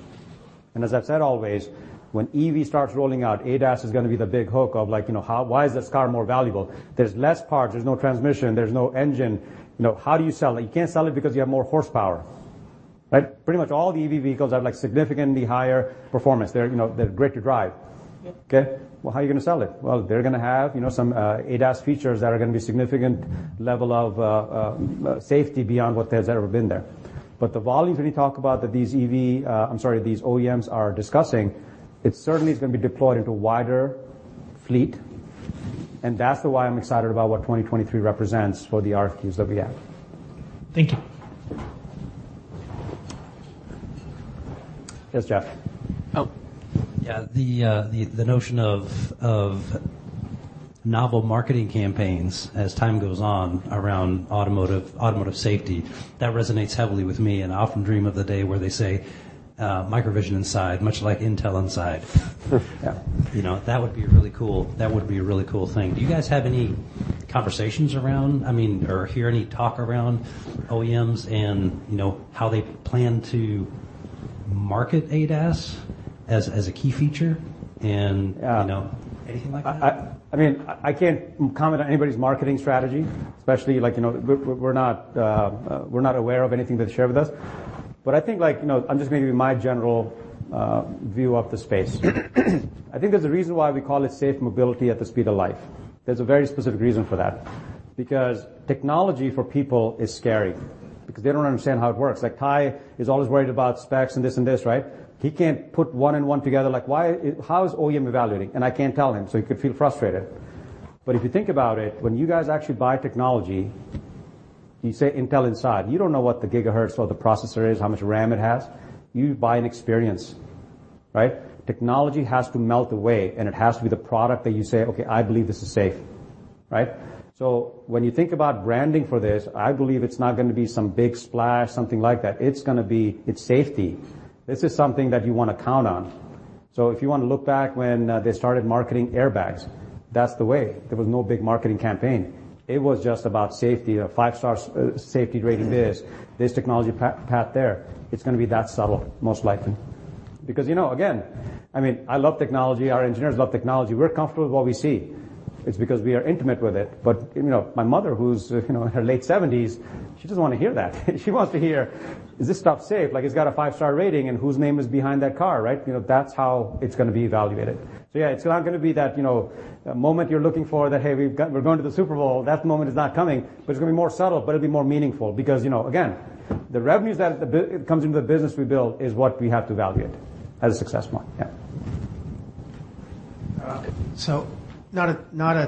S4: As I've said always, when EV starts rolling out, ADAS is gonna be the big hook of like, you know, why is this car more valuable? There's less parts. There's no transmission. There's no engine. You know, how do you sell it? You can't sell it because you have more horsepower, right? Pretty much all the EV vehicles have, like, significantly higher performance. They're, you know, they're great to drive.
S8: Yep.
S4: Okay? How are you gonna sell it? They're gonna have, you know, some ADAS features that are gonna be significant level of safety beyond what has ever been there. The volumes when you talk about that these EV, I'm sorry, these OEMs are discussing, it certainly is gonna be deployed into wider fleet. That's why I'm excited about what 2023 represents for the RFQs that we have.
S8: Thank you.
S4: Yes, Jeff.
S11: Oh. The notion of novel marketing campaigns as time goes on around automotive safety, that resonates heavily with me, and I often dream of the day where they say, "MicroVision inside," much like Intel Inside.
S4: Yeah.
S11: You know, that would be really cool. That would be a really cool thing. Do you guys have any conversations around, I mean, or hear any talk around OEMs and, you know, how they plan to market ADAS as a key feature and?
S4: Uh-
S11: You know, anything like that?
S4: I mean, I can't comment on anybody's marketing strategy, especially like, you know, we're not aware of anything they've shared with us. I think like, you know, I'm just giving you my general view of the space. I think there's a reason why we call it safe mobility at the speed of light. There's a very specific reason for that. Technology for people is scary because they don't understand how it works. Like Ty is always worried about specs and this and this, right? He can't put one and one together, like how is OEM evaluating? I can't tell him, so he could feel frustrated. If you think about it, when you guys actually buy technology, you say Intel Inside. You don't know the gigahertz or the processor is, how much RAM it has. You buy an experience, right? Technology has to melt away, and it has to be the product that you say, "Okay, I believe this is safe." Right? When you think about branding for this, I believe it's not gonna be some big splash, something like that. It's gonna be, it's safety. This is something that you wanna count on. If you wanna look back when they started marketing airbags, that's the way. There was no big marketing campaign. It was just about safety, a five star safety rating this technology path there. It's gonna be that subtle, most likely. You know, again, I mean, I love technology. Our engineers love technology. We're comfortable with what we see. It's because we are intimate with it. But, you know, my mother who's, you know, in her late 70s, she doesn't wanna hear that. She wants to hear, "Is this stuff safe? Like, it's got a five-star rating, and whose name is behind that car?" Right? You know, that's how it's gonna be evaluated. Yeah, it's not gonna be that, you know, moment you're looking for that, "Hey, we're going to the Super Bowl." That moment is not coming, but it's gonna be more subtle, but it'll be more meaningful because, you know, again, the revenues that comes into the business we build is what we have to evaluate as a success point. Yeah.
S11: Not a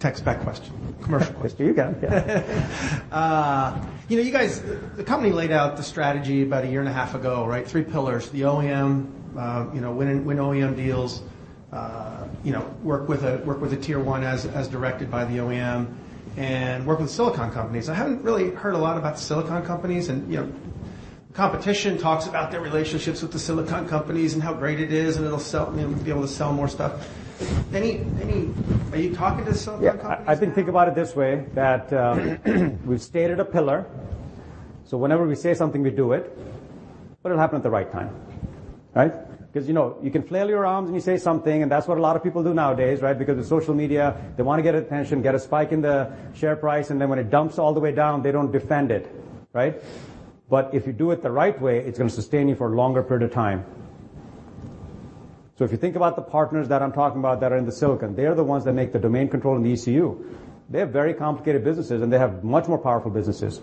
S11: tech spec question. Commercial question.
S4: You got it. Yeah.
S11: You know, you guys, the company laid out the strategy about a year and a half ago, right? Three pillars. The OEM, you know, win OEM deals, you know, work with a Tier 1 as directed by the OEM, and work with silicon companies. I haven't really heard a lot about the silicon companies, and, you know, competition talks about their relationships with the silicon companies and how great it is, and it'll sell, you know, be able to sell more stuff. Any. Are you talking to silicon companies?
S4: I've been thinking about it this way that we've stated a pillar, so whenever we say something, we do it, but it'll happen at the right time, right? 'Cause, you know, you can flail your arms and you say something, and that's what a lot of people do nowadays, right? It's social media, they wanna get attention, get a spike in the share price, and then when it dumps all the way down, they don't defend it, right? If you do it the right way, it's gonna sustain you for a longer period of time. If you think about the partners that I'm talking about that are in the silicon, they are the ones that make the domain controller and the ECU. They have very complicated businesses, and they have much more powerful businesses.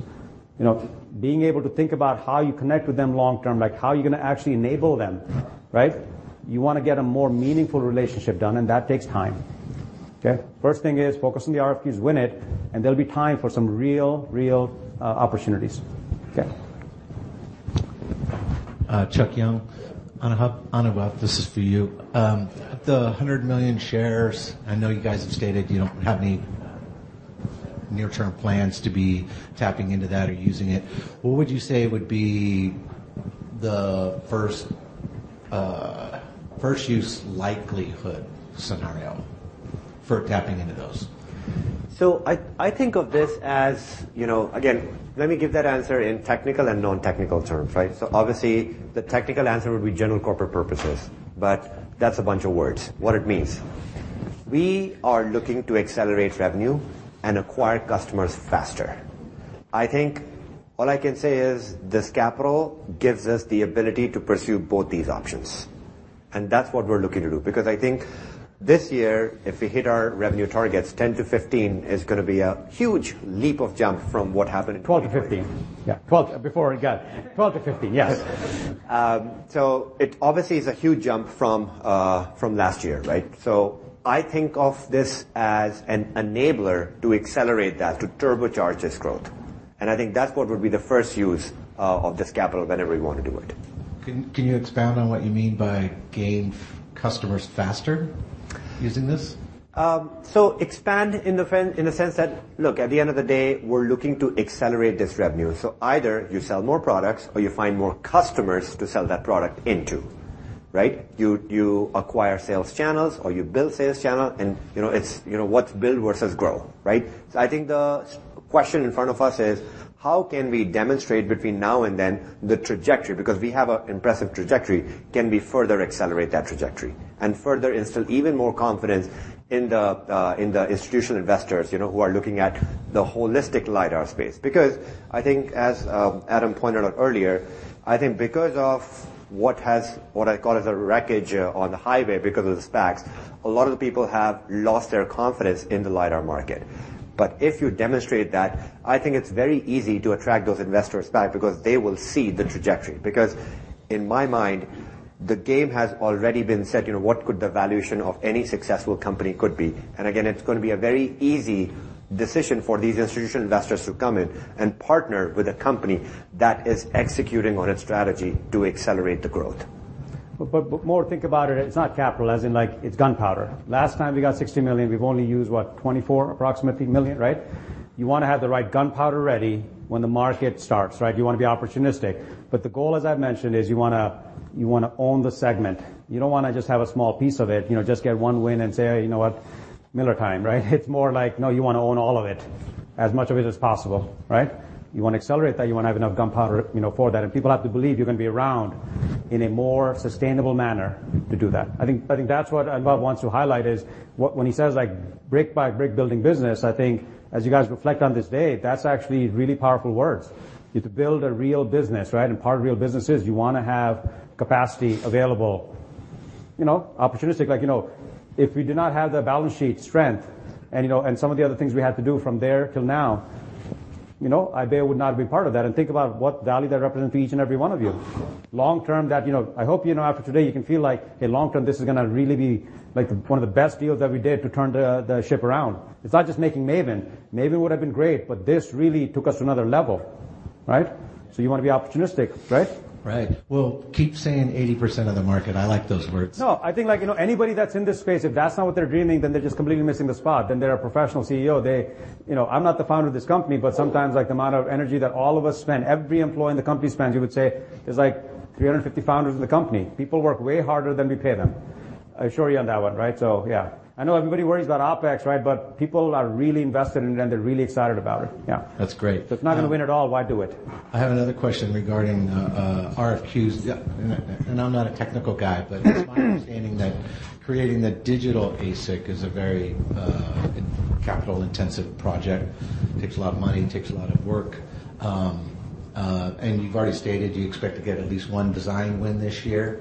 S4: You know, being able to think about how you connect with them long term, like how are you gonna actually enable them, right? You wanna get a more meaningful relationship done. That takes time. Okay? First thing is focus on the RFPs, win it. There'll be time for some real opportunities. Okay.
S5: Chuck Young. Anubhav, this is for you. The 100 million shares, I know you guys have stated you don't have any near-term plans to be tapping into that or using it. What would you say would be the first use likelihood scenario for tapping into those?
S7: I think of this as, you know. Again, let me give that answer in technical and non-technical terms, right? Obviously, the technical answer would be general corporate purposes, but that's a bunch of words. What it means. We are looking to accelerate revenue and acquire customers faster. I think all I can say is this capital gives us the ability to pursue both these options, and that's what we're looking to do. I think this year, if we hit our revenue targets, $10 million-$15 million is gonna be a huge leap of jump from what happened in-
S4: $12 million to $15 million. Yeah. Before it got. $12 million to $15 million. Yes.
S7: It obviously is a huge jump from last year, right? I think of this as an enabler to accelerate that, to turbocharge this growth. I think that's what would be the first use of this capital whenever we wanna do it.
S5: Can you expand on what you mean by gain customers faster using this?
S7: Expand in the sense that, look, at the end of the day, we're looking to accelerate this revenue. Either you sell more products or you find more customers to sell that product into, right? You acquire sales channels or you build sales channel and, you know, it's, you know, what's build versus grow, right? I think the question in front of us is: How can we demonstrate between now and then the trajectory? Because we have a impressive trajectory. Can we further accelerate that trajectory and further instill even more confidence in the in the institutional investors, you know, who are looking at the holistic lidar space? I think, as Adam pointed out earlier, I think because of what has, what I call as a wreckage on the highway because of the SPACs, a lot of the people have lost their confidence in the lidar market. If you demonstrate that, I think it's very easy to attract those investors back because they will see the trajectory. In my mind, the game has already been set, you know, what could the valuation of any successful company could be. Again, it's gonna be a very easy decision for these institutional investors to come in and partner with a company that is executing on its strategy to accelerate the growth.
S4: But more think about it's not capital as in like it's gunpowder. Last time we got $60 million, we've only used, what? $24 approximately million, right? You wanna have the right gunpowder ready when the market starts, right? You wanna be opportunistic. The goal, as I've mentioned, is you wanna own the segment. You don't wanna just have a small piece of it. You know, just get one win and say, "You know what? Miller time," right? It's more like, no, you wanna own all of it, as much of it as possible, right? You wanna accelerate that. You wanna have enough gunpowder, you know, for that, and people have to believe you're gonna be around in a more sustainable manner to do that. I think that's what Anubhav wants to highlight is when he says, like, brick by brick building business, I think as you guys reflect on this day, that's actually really powerful words. You have to build a real business, right? Part of real business is you wanna have capacity available. You know, opportunistic, like, you know, if we do not have the balance sheet strength and, you know, and some of the other things we had to do from there till now, you know, Ibeo would not be part of that. Think about what value that represents for each and every one of you. Long-term that, you know, I hope, you know, after today, you can feel like in long term, this is gonna really be like one of the best deals that we did to turn the ship around. It's not just making MAVIN. MAVIN would have been great, but this really took us to another level, right? You wanna be opportunistic, right?
S5: Right. Well, keep saying 80% of the market. I like those words.
S4: No. I think, like, you know, anybody that's in this space, if that's not what they're dreaming, then they're just completely missing the spot. They're a professional CEO. You know, I'm not the founder of this company, but sometimes, like, the amount of energy that all of us spend, every employee in the company spends, you would say is like 350 founders in the company. People work way harder than we pay them. I assure you on that one, right? Yeah, I know everybody worries about OpEx, right? People are really invested in it and they're really excited about it. Yeah.
S5: That's great.
S4: If it's not gonna win at all, why do it?
S5: I have another question regarding RFQs.
S4: Yeah.
S5: I'm not a technical guy, but it's my understanding that creating the digital ASIC is a very capital-intensive project. Takes a lot of money, takes a lot of work. You've already stated you expect to get at least 1 design win this year.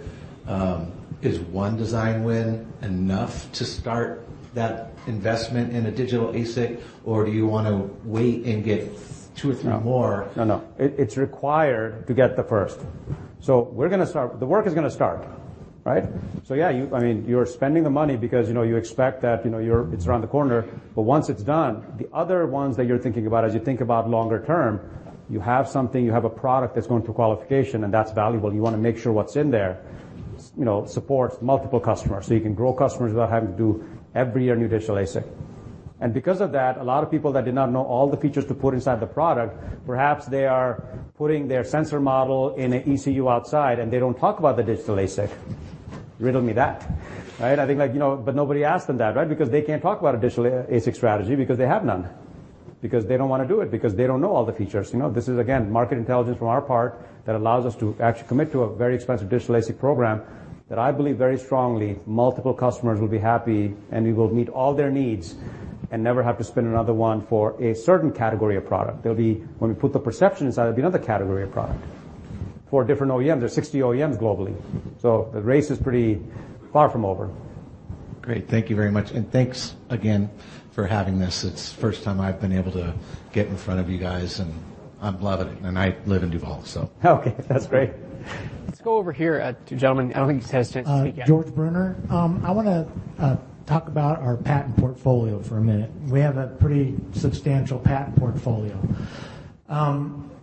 S5: Is one design win enough to start that investment in a digital ASIC, or do you wanna wait and get two or three more?
S4: No, no. It, it's required to get the first. The work is gonna start, right? Yeah, I mean, you're spending the money because, you know, you expect that, you know, it's around the corner. Once it's done, the other ones that you're thinking about as you think about longer term, you have something, you have a product that's going through qualification, and that's valuable. You wanna make sure what's in there, you know, supports multiple customers, so you can grow customers without having to do every year a new digital ASIC. Because of that, a lot of people that did not know all the features to put inside the product, perhaps they are putting their sensor model in an ECU outside, and they don't talk about the digital ASIC. Riddle me that, right? I think, like, you know, nobody asked them that, right? They can't talk about a digital ASIC strategy because they have none. They don't want to do it, because they don't know all the features. You know, this is again, market intelligence from our part that allows us to actually commit to a very expensive digital ASIC program that I believe very strongly multiple customers will be happy, and we will meet all their needs and never have to spin another one for a certain category of product. There'll be, when we put the perception inside, there'll be another category of product. Four different OEMs. There's 60 OEMs globally. The race is pretty far from over.
S5: Great. Thank you very much. Thanks again for having this. It's the first time I've been able to get in front of you guys, and I'm loving it. I live in Duval.
S4: Okay. That's great.
S1: Let's go over here to gentleman. I don't think he's had a chance to speak yet.
S24: George Brunner. I wanna talk about our patent portfolio for a minute. We have a pretty substantial patent portfolio.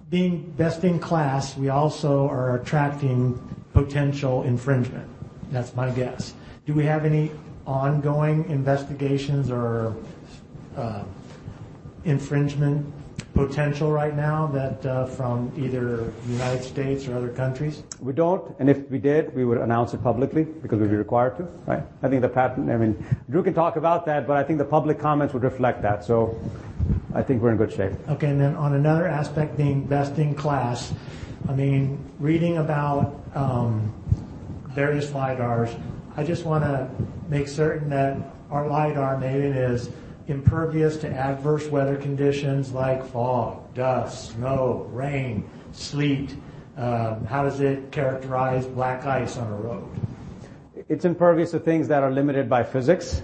S24: Being best in class, we also are attracting potential infringement. That's my guess. Do we have any ongoing investigations or infringement potential right now that from either United States or other countries?
S4: We don't. If we did, we would announce it publicly because we'd be required to, right? I think I mean, Drew can talk about that, but I think the public comments would reflect that. I think we're in good shape.
S24: Okay. On another aspect, being best in class, I mean, reading about various lidars, I just wanna make certain that our lidar, I mean, is impervious to adverse weather conditions like fog, dust, snow, rain, sleet. How does it characterize black ice on a road?
S4: It's impervious to things that are limited by physics.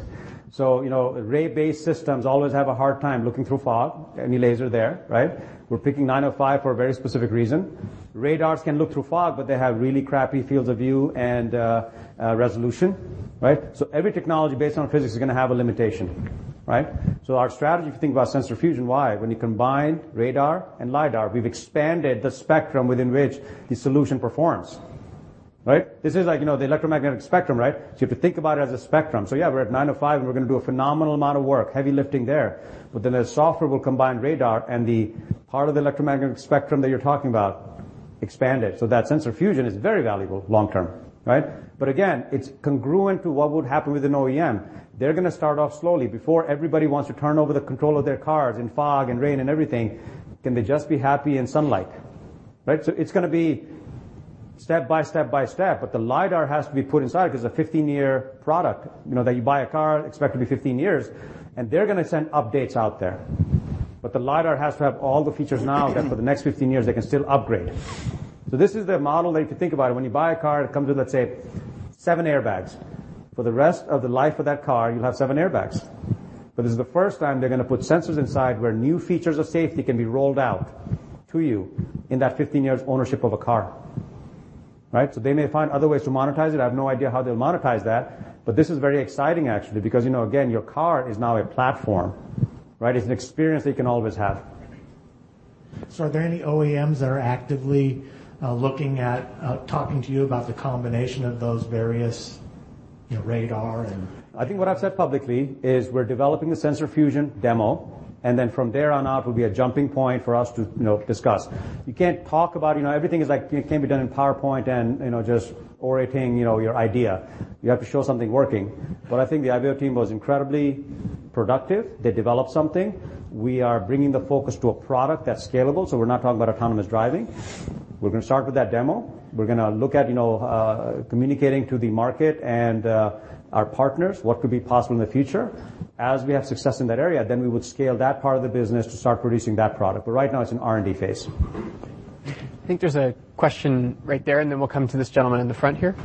S4: You know, ray-based systems always have a hard time looking through fog. Any laser there, right? We're picking 905 for a very specific reason. Radars can look through fog, but they have really crappy fields of view and resolution, right? Every technology based on physics is gonna have a limitation, right? Our strategy, if you think about sensor fusion, why? When you combine radar and lidar, we've expanded the spectrum within which the solution performs, right? This is like, you know, the electromagnetic spectrum, right? If you think about it as a spectrum, yeah, we're at 905, and we're gonna do a phenomenal amount of work, heavy lifting there. The software will combine radar and the part of the electromagnetic spectrum that you're talking about, expand it. That sensor fusion is very valuable long term, right? Again, it's congruent to what would happen with an OEM. They're gonna start off slowly. Before everybody wants to turn over the control of their cars in fog and rain and everything, can they just be happy in sunlight, right? It's gonna be step by step by step, the lidar has to be put inside 'cause a 15-year product, you know, that you buy a car expected to be 15 years, and they're gonna send updates out there. The lidar has to have all the features now that for the next 15 years, they can still upgrade. This is the model that you can think about it. When you buy a car, it comes with, let's say, seven airbags. For the rest of the life of that car, you'll have seven airbags. This is the first time they're gonna put sensors inside where new features of safety can be rolled out to you in that 15 years ownership of a car, right? They may find other ways to monetize it. I have no idea how they'll monetize that. This is very exciting actually, because, you know, again, your car is now a platform, right? It's an experience that you can always have.
S24: Are there any OEMs that are actively looking at talking to you about the combination of those various, you know, radar and-
S4: I think what I've said publicly is we're developing a sensor fusion demo, and then from there on out, it will be a jumping point for us to, you know, discuss. You can't talk about, you know. Everything is like, it can't be done in PowerPoint and, you know, just orating, you know, your idea. You have to show something working. I think the Ibeo team was incredibly productive. They developed something. We are bringing the focus to a product that's scalable, so we're not talking about autonomous driving. We're gonna start with that demo. We're gonna look at, you know, communicating to the market and our partners what could be possible in the future. As we have success in that area, then we would scale that part of the business to start producing that product. Right now it's an R&D phase.
S1: I think there's a question right there, and then we'll come to this gentleman in the front here.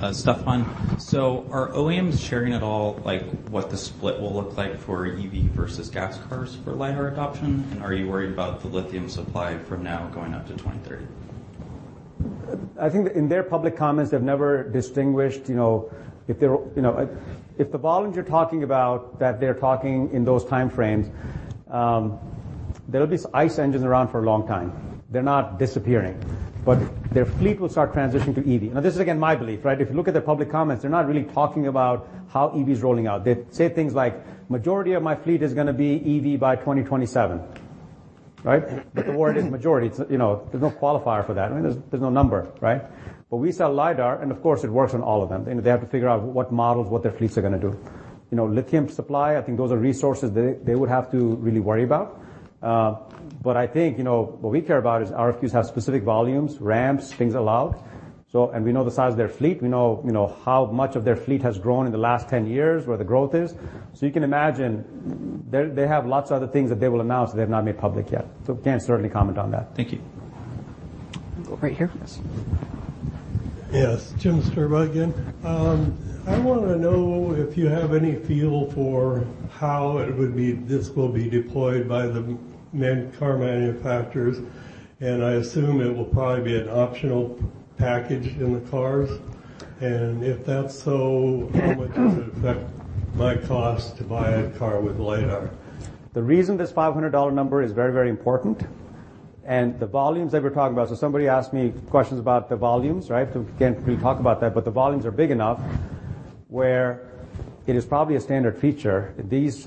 S25: Hi, Stefan. Are OEMs sharing at all, what the split will look like for EV versus gas cars for lidar adoption? Are you worried about the lithium supply from now going out to 2030?
S4: I think in their public comments, they've never distinguished, you know, If the volumes you're talking about that they're talking in those time frames, there'll be ICE engines around for a long time. They're not disappearing. Their fleet will start transitioning to EV. Now, this is again, my belief, right? If you look at their public comments, they're not really talking about how EV is rolling out. They say things like, "Majority of my fleet is gonna be EV by 2027." Right? The word is majority. It's, you know, there's no qualifier for that. I mean, there's no number, right? We sell lidar and of course it works on all of them, and they have to figure out what models, what their fleets are gonna do. You know, lithium supply, I think those are resources they would have to really worry about. I think, you know, what we care about is RFQs have specific volumes, ramps, things allowed. We know the size of their fleet. We know, you know, how much of their fleet has grown in the last 10 years, where the growth is. You can imagine they have lots of other things that they will announce that they have not made public yet. Can't certainly comment on that.
S25: Thank you.
S1: Right here.
S13: Yes. Yes. Jim Sperber again. I wanna know if you have any feel for how this will be deployed by the car manufacturers. I assume it will probably be an optional package in the cars. If that's so, how much does it affect my cost to buy a car with lidar?
S4: The reason this $500 number is very, very important and the volumes that we're talking about. Somebody asked me questions about the volumes, right? Again, we talked about that. The volumes are big enough where it is probably a standard feature. These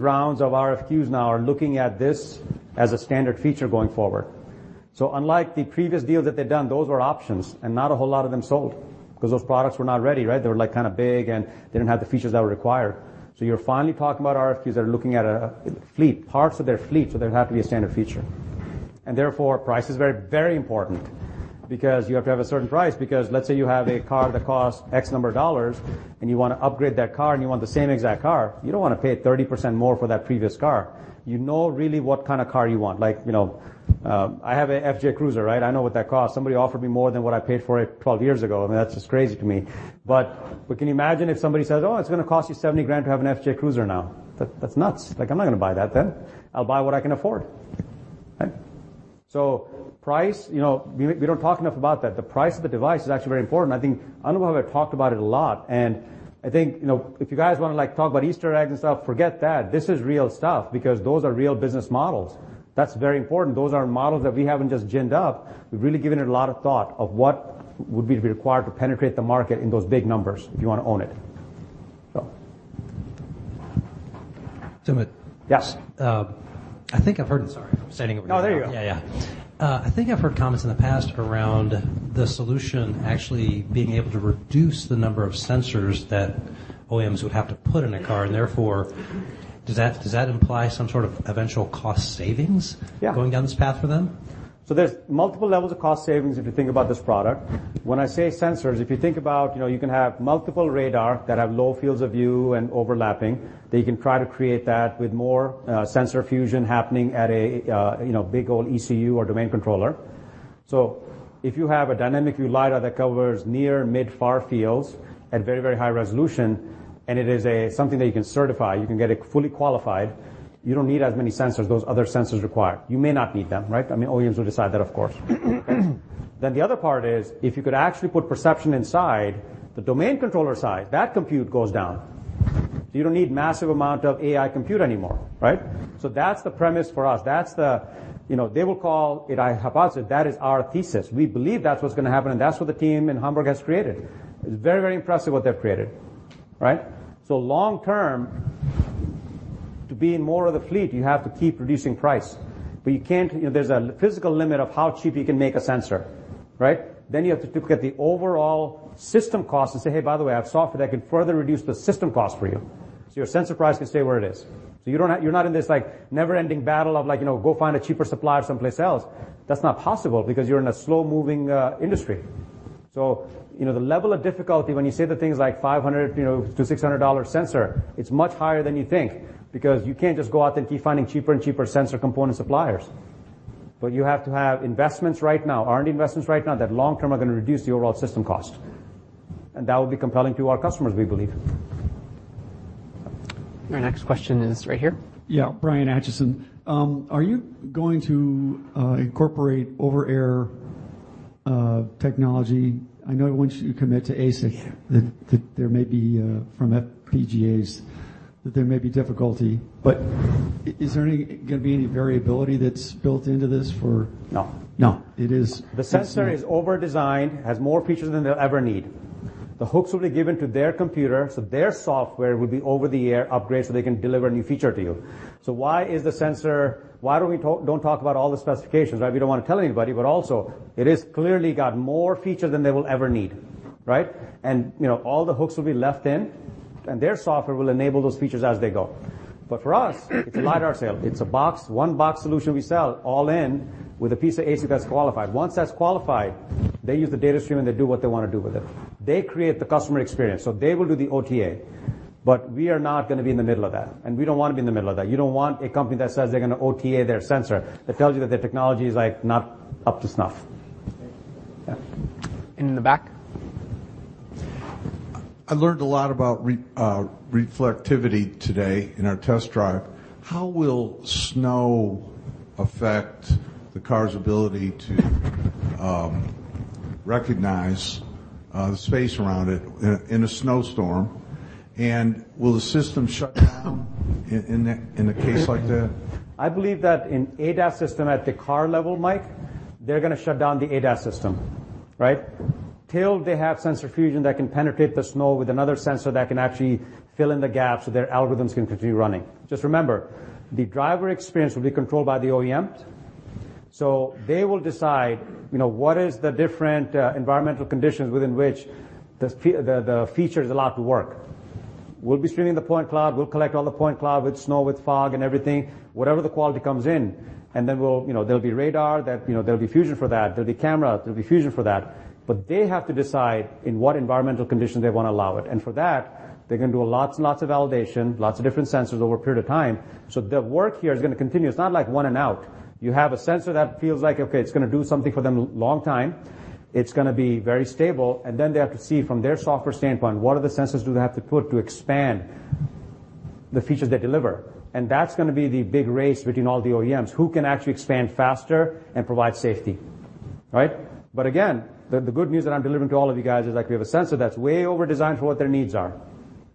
S4: rounds of RFQs now are looking at this as a standard feature going forward. Unlike the previous deals that they've done, those were options, and not a whole lot of them sold because those products were not ready, right? They were like kinda big, and they didn't have the features that were required. You're finally talking about RFQs that are looking at a fleet, parts of their fleet, so they have to be a standard feature. Therefore, price is very, very important because you have to have a certain price because let's say you have a car that costs X number of dollars and you wanna upgrade that car and you want the same exact car, you don't wanna pay 30% more for that previous car. You know really what kind of car you want. You know, I have a FJ Cruiser, right? I know what that costs. Somebody offered me more than what I paid for it 12 years ago. I mean, that's just crazy to me. Can you imagine if somebody says, "Oh, it's gonna cost you $70,000 to have an FJ Cruiser now." That's nuts. I'm not gonna buy that then. I'll buy what I can afford. Right? Price, you know, we don't talk enough about that. The price of the device is actually very important. I think Anubhav have talked about it a lot. I think, you know, if you guys wanna, like, talk about Easter eggs and stuff, forget that. This is real stuff because those are real business models. That's very important. Those are models that we haven't just ginned up. We've really given it a lot of thought of what would be required to penetrate the market in those big numbers if you wanna own it. So.
S26: Sumit.
S4: Yes.
S26: I think I've heard... Sorry, I'm standing over you.
S4: Oh, there you go.
S26: Yeah, yeah. I think I've heard comments in the past around the solution actually being able to reduce the number of sensors that OEMs would have to put in a car and therefore, does that imply some sort of eventual cost savings?
S4: Yeah.
S26: Going down this path for them?
S4: There's multiple levels of cost savings if you think about this product. When I say sensors, if you think about, you know, you can have multiple radar that have low fields of view and overlapping, that you can try to create that with more sensor fusion happening at a, you know, big old ECU or domain controller. If you have a dynamic view lidar that covers near, mid, far fields at very, very high resolution and it is a, something that you can certify, you can get it fully qualified, you don't need as many sensors those other sensors require. You may not need them, right? I mean, OEMs will decide that, of course. The other part is if you could actually put perception inside the domain controller side, that compute goes down. You don't need massive amount of AI compute anymore, right? That's the premise for us. That's the... You know, they will call it a hypothesis. That is our thesis. We believe that's what's gonna happen, and that's what the team in Hamburg has created. It's very, very impressive what they've created, right? Long term, to be in more of the fleet, you have to keep reducing price. You can't. You know, there's a physical limit of how cheap you can make a sensor, right? Then you have to look at the overall system cost and say, "Hey, by the way, I have software that can further reduce the system cost for you." Your sensor price can stay where it is. You don't have. You're not in this, like, never-ending battle of, like, you know, go find a cheaper supplier someplace else. That's not possible because you're in a slow-moving industry. You know, the level of difficulty when you say the things like $500, you know, to $600 sensor, it's much higher than you think because you can't just go out there and keep finding cheaper and cheaper sensor component suppliers. You have to have investments right now, R&D investments right now that long term are gonna reduce the overall system cost. That will be compelling to our customers, we believe.
S1: Our next question is right here.
S18: Yeah. Brian Atchison. Are you going to incorporate over air technology? I know I want you to commit to ASIC, that there may be from FPGAs, that there may be difficulty. Gonna be any variability that's built into this for-
S4: No.
S18: No. It is-
S4: The sensor is overdesigned, has more features than they'll ever need. The hooks will be given to their computer, so their software will be over the air upgrade, so they can deliver a new feature to you. Why don't we talk about all the specifications, right? We don't wanna tell anybody, but also it is clearly got more features than they will ever need, right? You know, all the hooks will be left in, and their software will enable those features as they go. For us, it's a lidar sale. It's a box, one box solution we sell all in with a piece of ASIC that's qualified. Once that's qualified, they use the data stream, and they do what they wanna do with it. They create the customer experience, so they will do the OTA. We are not gonna be in the middle of that, and we don't wanna be in the middle of that. You don't want a company that says they're gonna OTA their sensor. That tells you that their technology is, like, not up to snuff.
S18: Thank you.
S4: Yeah.
S1: In the back.
S9: I learned a lot about reflectivity today in our test drive. How will snow affect the car's ability to recognize the space around it in a snowstorm? Will the system shut down in a case like that?
S4: I believe that in ADAS system at the car level, Mike, they're gonna shut down the ADAS system, right? Till they have sensor fusion that can penetrate the snow with another sensor that can actually fill in the gaps so their algorithms can continue running. Just remember, the driver experience will be controlled by the OEMs. They will decide, you know, what is the different environmental conditions within which the feature is allowed to work. We'll be streaming the point cloud, we'll collect all the point cloud with snow, with fog and everything, whatever the quality comes in. You know, there'll be radar that, you know, there'll be fusion for that. There'll be camera, there'll be fusion for that. They have to decide in what environmental conditions they wanna allow it. For that, they're gonna do lots and lots of validation, lots of different sensors over a period of time. The work here is gonna continue. It's not like one and out. You have a sensor that feels like, okay, it's gonna do something for them long time. It's gonna be very stable. Then they have to see from their software standpoint, what are the sensors do they have to put to expand the features they deliver. That's gonna be the big race between all the OEMs, who can actually expand faster and provide safety, right? Again, the good news that I'm delivering to all of you guys is, like, we have a sensor that's way overdesigned for what their needs are,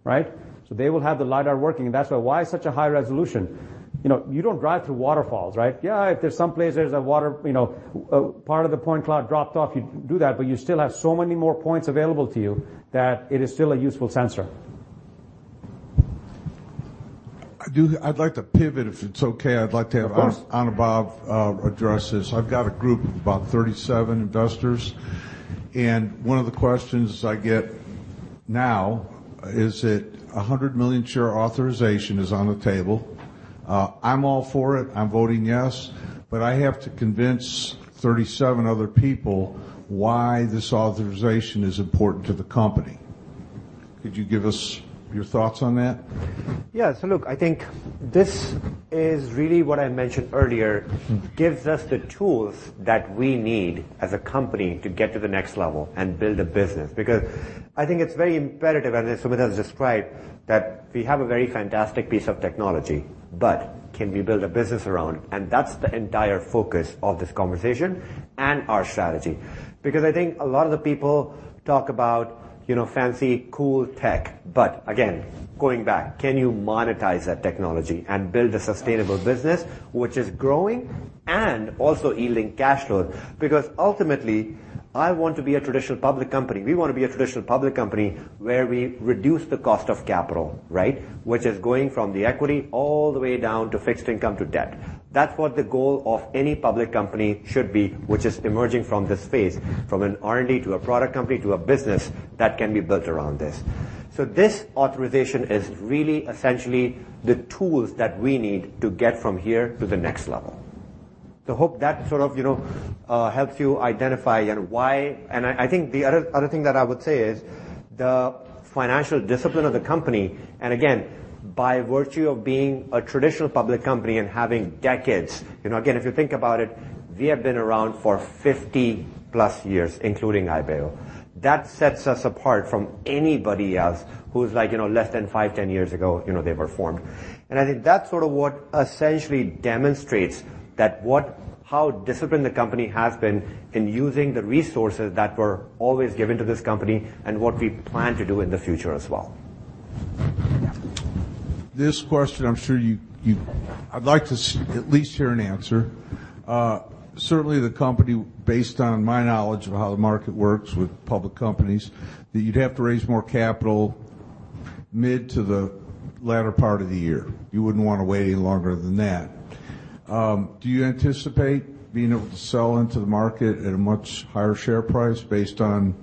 S4: right? They will have the lidar working, and that's why such a high resolution. You know, you don't drive through waterfalls, right? Yeah, if there's some places that water, you know, part of the point cloud dropped off, you do that, but you still have so many more points available to you that it is still a useful sensor.
S9: I'd like to pivot, if it's okay.
S4: Of course.
S9: Anubhav, address this. I've got a group of about 37 investors. One of the questions I get now is that a 100 million share authorization is on the table. I'm all for it, I'm voting yes. I have to convince 37 other people why this authorization is important to the company. Could you give us your thoughts on that?
S7: Look, I think this is really what I mentioned earlier, gives us the tools that we need as a company to get to the next level and build a business. I think it's very imperative, and as Sumit has described, that we have a very fantastic piece of technology, but can we build a business around it? That's the entire focus of this conversation and our strategy. I think a lot of the people talk about, you know, fancy cool tech. Again, going back, can you monetize that technology and build a sustainable business which is growing and also yielding cash flow? Ultimately, I want to be a traditional public company. We wanna be a traditional public company where we reduce the cost of capital, right? Which is going from the equity all the way down to fixed income to debt. That's what the goal of any public company should be, which is emerging from this space, from an R&D to a product company to a business that can be built around this. This authorization is really essentially the tools that we need to get from here to the next level. Hope that sort of, you know, helps you identify, you know, why... I think the other thing that I would say is the financial discipline of the company, and again, by virtue of being a traditional public company and having decades, you know, again, if you think about it, we have been around for 50+ years, including Ibeo. That sets us apart from anybody else who's like, you know, less than five, 10 years ago, you know, they were formed. I think that's sort of what essentially demonstrates that how disciplined the company has been in using the resources that were always given to this company and what we plan to do in the future as well.
S9: This question, I'm sure you I'd like to at least hear an answer. Certainly the company, based on my knowledge of how the market works with public companies, that you'd have to raise more capital mid to the latter part of the year. You wouldn't wanna wait any longer than that. Do you anticipate being able to sell into the market at a much higher share price based on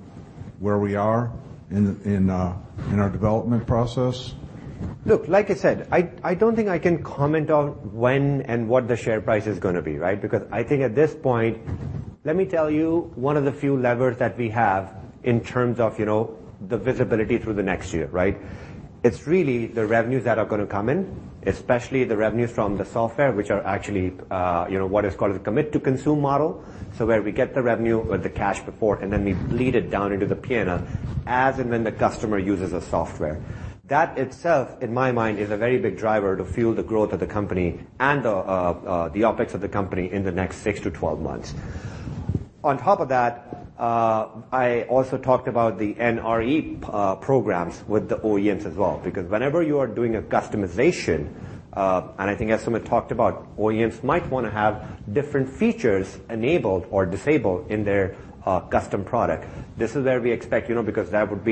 S9: where we are in our development process?
S7: Look, like I said, I don't think I can comment on when and what the share price is gonna be, right? I think at this point, let me tell you one of the few levers that we have in terms of, you know, the visibility through the next year, right? It's really the revenues that are gonna come in, especially the revenues from the software, which are actually, you know, what is called a commit to consume model. Where we get the revenue or the cash before, and then we bleed it down into the P&L as and when the customer uses the software. That itself, in my mind, is a very big driver to fuel the growth of the company and the OpEx of the company in the next six to 12 months. On top of that, I also talked about the NRE programs with the OEMs as well. Whenever you are doing a customization, and I think as Sumit talked about, OEMs might wanna have different features enabled or disabled in their custom product. This is where we expect, you know, because that would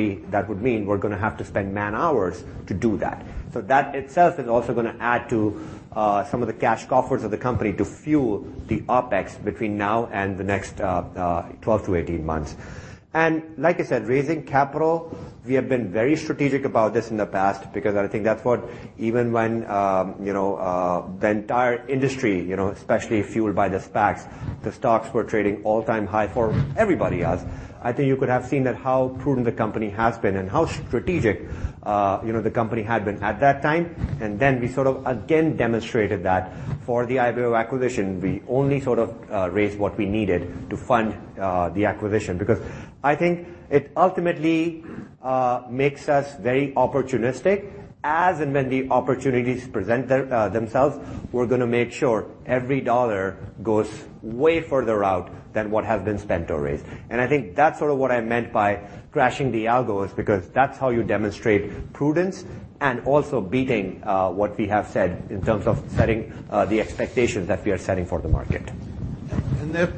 S7: mean we're gonna have to spend man-hours to do that. That itself is also gonna add to some of the cash coffers of the company to fuel the OpEx between now and the next 12 to 18 months. Like I said, raising capital, we have been very strategic about this in the past because I think that's what even when, you know, the entire industry, you know, especially fueled by the SPACs, the stocks were trading all-time high for everybody else. I think you could have seen that how prudent the company has been and how strategic, you know, the company had been at that time. Then we sort of again demonstrated that for the Ibeo acquisition. We only sort of raised what we needed to fund the acquisition. I think it ultimately makes us very opportunistic as and when the opportunities present themselves, we're gonna make sure every dollar goes way further out than what has been spent or raised. I think that's sort of what I meant by crashing the algos, because that's how you demonstrate prudence and also beating what we have said in terms of setting the expectations that we are setting for the market.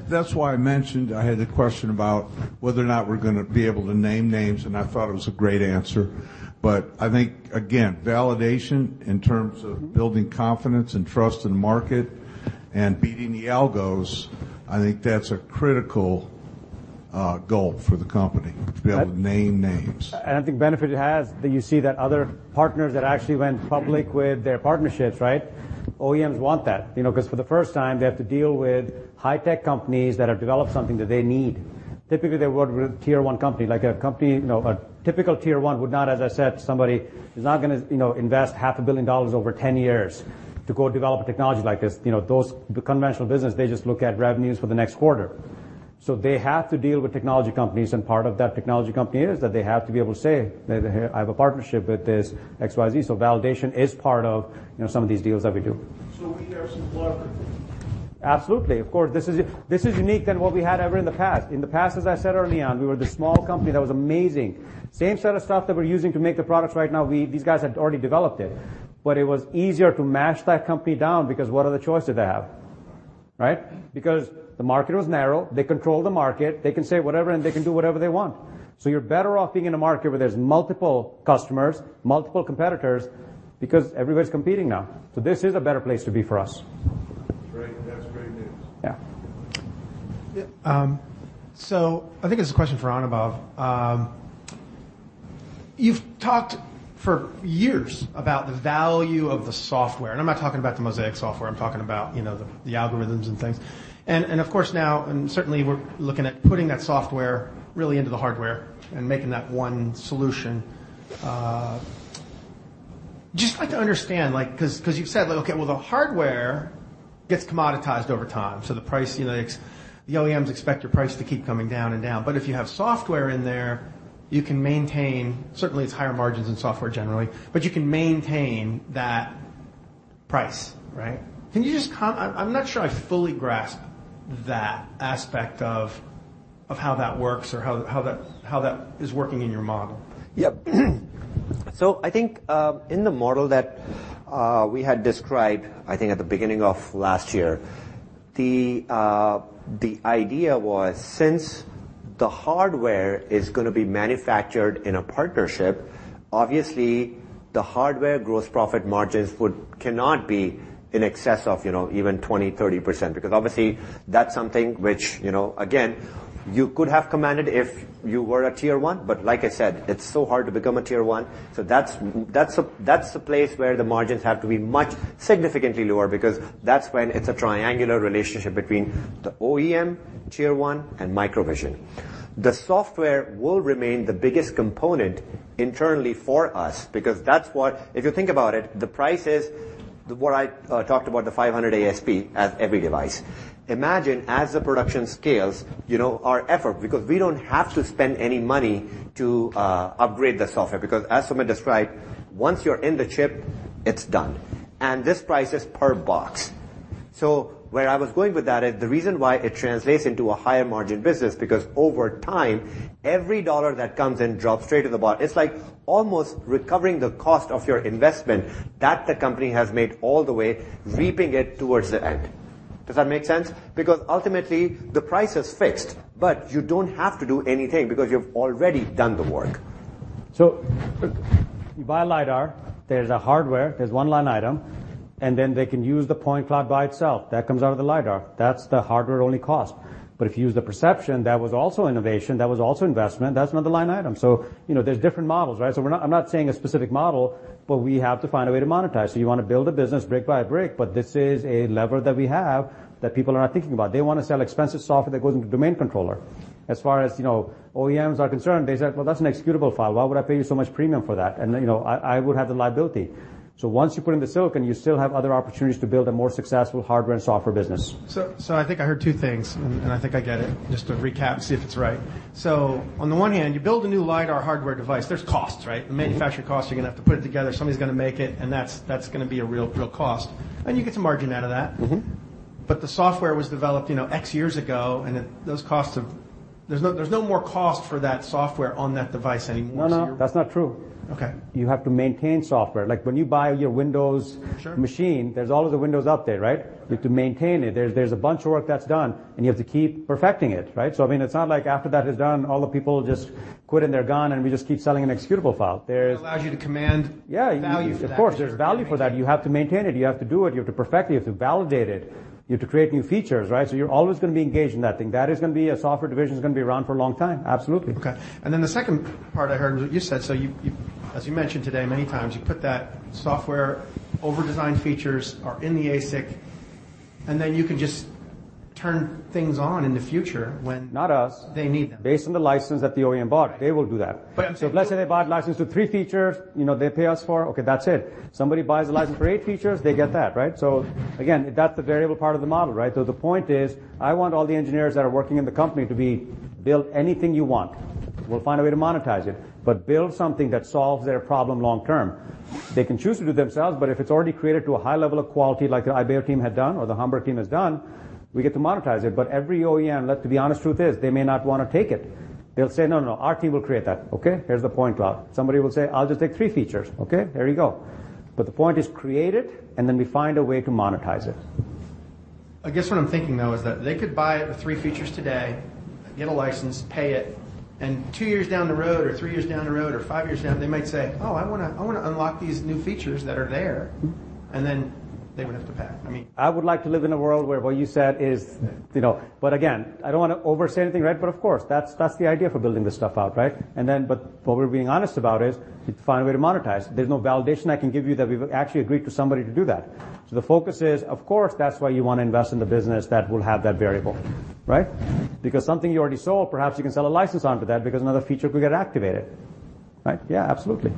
S9: That's why I mentioned I had a question about whether or not we're gonna be able to name names, and I thought it was a great answer. I think again, validation in terms of building confidence and trust in the market and beating the algos, I think that's a critical goal for the company to be able to name names.
S4: I think benefit it has that you see that other partners that actually went public with their partnerships, right? OEMs want that, you know, 'cause for the first time, they have to deal with high-tech companies that have developed something that they need. Typically, they work with Tier 1 company, like a company, you know, a typical Tier 1 would not, as I said, somebody is not gonna, you know, invest half a billion dollars over 10 years to go develop a technology like this. You know, the conventional business, they just look at revenues for the next quarter. They have to deal with technology companies, and part of that technology company is that they have to be able to say that, "Hey, I have a partnership with this XYZ." Validation is part of, you know, some of these deals that we do.
S9: We are some market?
S4: Absolutely. Of course, this is, this is unique than what we had ever in the past. In the past, as I said early on, we were the small company that was amazing. Same set of stuff that we're using to make the products right now, these guys had already developed it. It was easier to mash that company down because what other choice did they have, right? The market was narrow. They control the market. They can say whatever, and they can do whatever they want. You're better off being in a market where there's multiple customers, multiple competitors, because everybody's competing now. This is a better place to be for us.
S9: Great. That's great news.
S4: Yeah.
S6: Yeah. I think it's a question for Anubhav. You've talked for years about the value of the software, and I'm not talking about the MOSAIK software. I'm talking about, you know, the algorithms and things. Of course now, and certainly we're looking at putting that software really into the hardware and making that one solution. Just like to understand, like, 'cause you've said, like, okay, well, the hardware gets commoditized over time. The price, you know, the OEMs expect your price to keep coming down and down. If you have software in there, you can. Certainly it's higher margins in software generally, but you can maintain that price, right? Can you just? I'm not sure I fully grasp that aspect of how that works or how that is working in your model.
S7: I think, in the model that we had described, I think, at the beginning of last year, the idea was since the hardware is gonna be manufactured in a partnership, obviously the hardware gross profit margins cannot be in excess of, you know, even 20%, 30% because obviously that's something which, you know, again, you could have commanded if you were a Tier 1. Like I said, it's so hard to become a Tier 1. That's, that's a, that's a place where the margins have to be much significantly lower because that's when it's a triangular relationship between the OEM, Tier 1, and MicroVision. The software will remain the biggest component internally for us because that's what If you think about it, the price is what I talked about the $500 ASP at every device. Imagine as the production scales, you know, our effort because we don't have to spend any money to upgrade the software because as Sumit described, once you're in the chip, it's done. This price is per box. Where I was going with that is the reason why it translates into a higher margin business because over time, every dollar that comes in drops straight to the bottom. It's like almost recovering the cost of your investment that the company has made all the way, reaping it towards the end. Does that make sense? Ultimately the price is fixed, but you don't have to do anything because you've already done the work.
S4: You buy a lidar. There's a hardware. There's one line item, and then they can use the point cloud by itself. That comes out of the lidar. That's the hardware-only cost. If you use the perception, that was also innovation. That was also investment. That's another line item. You know, there's different models, right? I'm not saying a specific model, but we have to find a way to monetize. You wanna build a business brick by brick, but this is a lever that we have that people are not thinking about. They wanna sell expensive software that goes into domain controller. As far as, you know, OEMs are concerned, they said, "Well, that's an executable file. Why would I pay you so much premium for that? You know, I would have the liability. Once you put in the silicon, you still have other opportunities to build a more successful hardware and software business.
S6: I think I heard two things, and I think I get it. Just to recap, see if it's right. On the one hand, you build a new lidar hardware device. There's costs, right?
S4: Mm-hmm.
S6: The manufacturing costs, you're gonna have to put it together. Somebody's gonna make it, and that's gonna be a real cost. You get some margin out of that.
S4: Mm-hmm.
S6: The software was developed, you know, X years ago, and there's no more cost for that software on that device anymore.
S4: No, no, that's not true.
S6: Okay.
S4: You have to maintain software. Like, when you buy your Windows-
S6: Sure...
S4: machine, there's all of the Windows update, right?
S6: Okay.
S4: You have to maintain it. There's a bunch of work that's done, and you have to keep perfecting it, right? I mean, it's not like after that is done, all the people just quit and they're gone, and we just keep selling an executable file.
S6: It allows you to command.
S4: Yeah...
S6: value for that because you have to maintain it.
S4: Of course, there's value for that. You have to maintain it. You have to do it. You have to perfect it. You have to validate it. You have to create new features, right? You're always gonna be engaged in that thing. That is gonna be a software division. It's gonna be around for a long time. Absolutely.
S6: Okay. The second part I heard was what you said. You, as you mentioned today many times, you put that software over design features are in the ASIC, and then you can just turn things on in the future when.
S4: Not us....
S6: they need them.
S4: Based on the license that the OEM bought.
S6: Right.
S4: They will do that.
S6: I'm saying.
S4: Let's say they bought license to three features, you know, they pay us for, okay, that's it. Somebody buys a license for eight features, they get that, right? Again, that's the variable part of the model, right? The point is, I want all the engineers that are working in the company to be, "Build anything you want. We'll find a way to monetize it, but build something that solves their problem long term." They can choose to do it themselves, but if it's already created to a high level of quality like the Ibeo team had done or the Hamburg team has done, we get to monetize it. Every OEM, to be honest, truth is, they may not wanna take it. They'll say, "No, no, our team will create that." Okay, here's the point cloud. Somebody will say, "I'll just take three features." Okay, there you go. The point is create it, and then we find a way to monetize it.
S6: I guess what I'm thinking though is that they could buy it with three features today, get a license, pay it, and two years down the road or three years down the road or five years down, they might say, "Oh, I wanna unlock these new features that are there.
S4: Mm-hmm.
S6: They would have to pay. I mean-
S4: I would like to live in a world where what you said is, you know. Again, I don't wanna oversay anything, right? Of course, that's the idea for building this stuff out, right? What we're being honest about is to find a way to monetize. There's no validation I can give you that we've actually agreed to somebody to do that. The focus is, of course, that's why you wanna invest in the business that will have that variable, right? Something you already sold, perhaps you can sell a license onto that because another feature could get activated, right? Yeah, absolutely.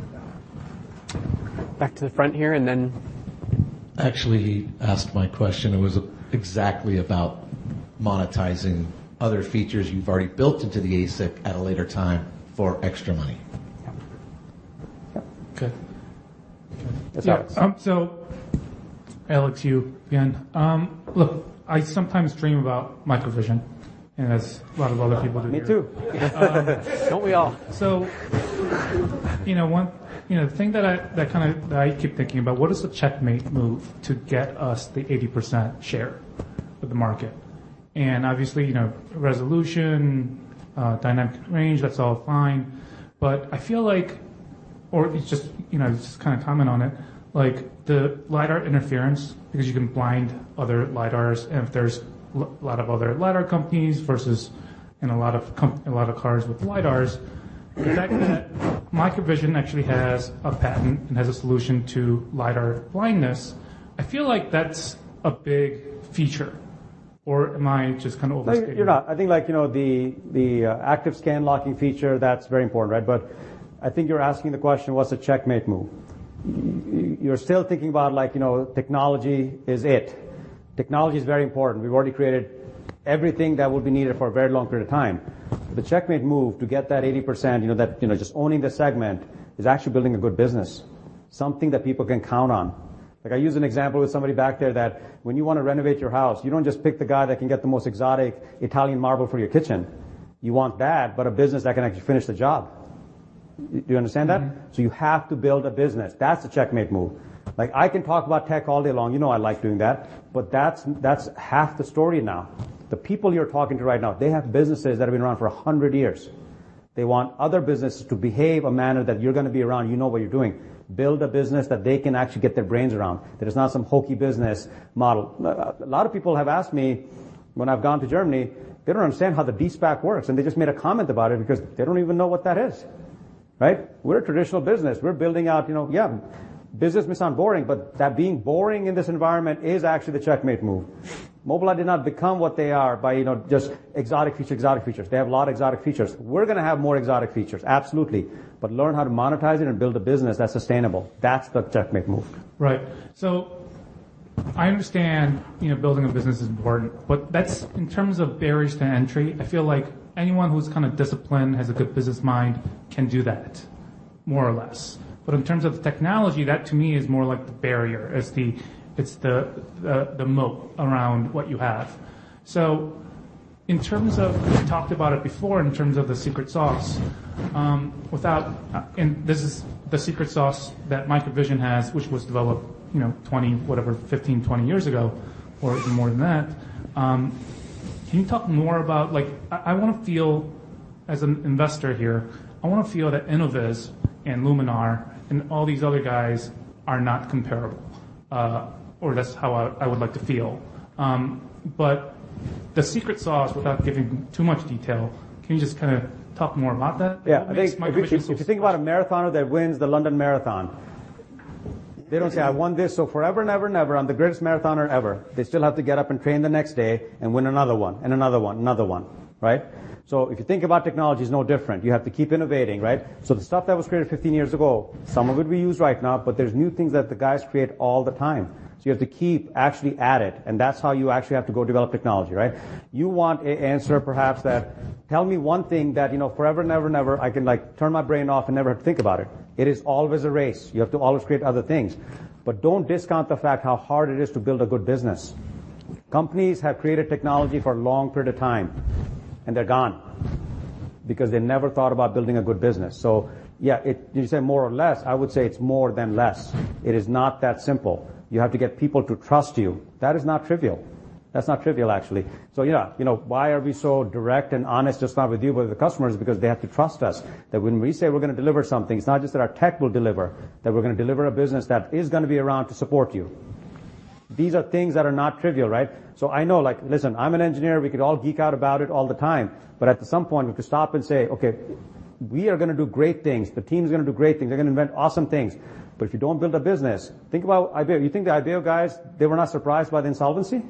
S1: Back to the front here, and then.
S11: Actually, he asked my question. It was exactly about monetizing other features you've already built into the ASIC at a later time for extra money.
S4: Yeah. Yeah.
S11: Okay.
S4: That's Alex.
S8: Yeah, Alex Yu again. Look, I sometimes dream about MicroVision as a lot of other people do here.
S4: Me too. Don't we all?
S8: You know, one, you know, the thing that I, that kinda, that I keep thinking about, what is the checkmate move to get us the 80% share of the market? Obviously, you know, resolution, dynamic range, that's all fine. I feel like, or if you just, you know, just kinda comment on it, like the lidar interference, because you can blind other lidars and if there's lot of other lidar companies versus, and a lot of cars with lidars. The fact that MicroVision actually has a patent and has a solution to lidar blindness, I feel like that's a big feature or am I just kinda overstating it?
S4: No, you're not. I think like, you know, the active scan locking feature, that's very important, right? I think you're asking the question, what's a checkmate move? You're still thinking about like, you know, technology is it. Technology is very important. We've already created everything that would be needed for a very long period of time. The checkmate move to get that 80%, you know, that, you know, just owning the segment, is actually building a good business, something that people can count on. Like I used an example with somebody back there that when you wanna renovate your house, you don't just pick the guy that can get the most exotic Italian marble for your kitchen. You want that, but a business that can actually finish the job. Do you understand that?
S8: Mm-hmm.
S4: You have to build a business. That's the checkmate move. Like I can talk about tech all day long, you know I like doing that, but that's half the story now. The people you're talking to right now, they have businesses that have been around for 100 years. They want other businesses to behave a manner that you're gonna be around, you know what you're doing. Build a business that they can actually get their brains around, that is not some hokey business model. A lot of people have asked me when I've gone to Germany, they don't understand how the de-SPAC works, and they just made a comment about it because they don't even know what that is, right? We're a traditional business. We're building out, you know, yeah, business may sound boring, but that being boring in this environment is actually the checkmate move. Mobileye did not become what they are by, you know, just exotic features. They have a lot of exotic features. We're gonna have more exotic features, absolutely. learn how to monetize it and build a business that's sustainable. That's the checkmate move.
S8: Right. I understand, you know, building a business is important, but that's in terms of barriers to entry. I feel like anyone who's kind of disciplined, has a good business mind can do that more or less. In terms of technology, that to me is more like the barrier. It's the, it's the, the moat around what you have. In terms of, you talked about it before in terms of the secret sauce. This is the secret sauce that MicroVision has, which was developed, you know, 20, whatever, 15, 20 years ago, or even more than that. Can you talk more about, like I wanna feel as an investor here, I wanna feel that Innoviz and Luminar and all these other guys are not comparable. That's how I would like to feel. The secret sauce, without giving too much detail, can you just kinda talk more about that a little bit?
S4: Yeah.
S8: 'Cause my question is so simple.
S4: If you think about a marathoner that wins the London Marathon, they don't say, "I won this, so forever and ever and ever, I'm the greatest marathoner ever." They still have to get up and train the next day and win another one, and another one, another one, right? If you think about technology, it's no different. You have to keep innovating, right? The stuff that was created 15 years ago, some of it we use right now, but there's new things that the guys create all the time. You have to keep actually at it, and that's how you actually have to go develop technology, right? You want a answer perhaps that tell me one thing that, you know, forever and ever and ever I can like turn my brain off and never have to think about it. It is always a race. You have to always create other things. Don't discount the fact how hard it is to build a good business. Companies have created technology for a long period of time, and they're gone because they never thought about building a good business. Yeah, you say more or less, I would say it's more than less. It is not that simple. You have to get people to trust you. That is not trivial. That's not trivial, actually. Yeah, you know, why are we so direct and honest, just not with you, but with the customers? Because they have to trust us that when we say we're gonna deliver something, it's not just that our tech will deliver, that we're gonna deliver a business that is gonna be around to support you. These are things that are not trivial, right? I know like, listen, I'm an engineer, we could all geek out about it all the time, but at some point, we have to stop and say, "Okay, we are gonna do great things. The team's gonna do great things. They're gonna invent awesome things." If you don't build a business, think about Ibeo. You think the Ibeo guys, they were not surprised by the insolvency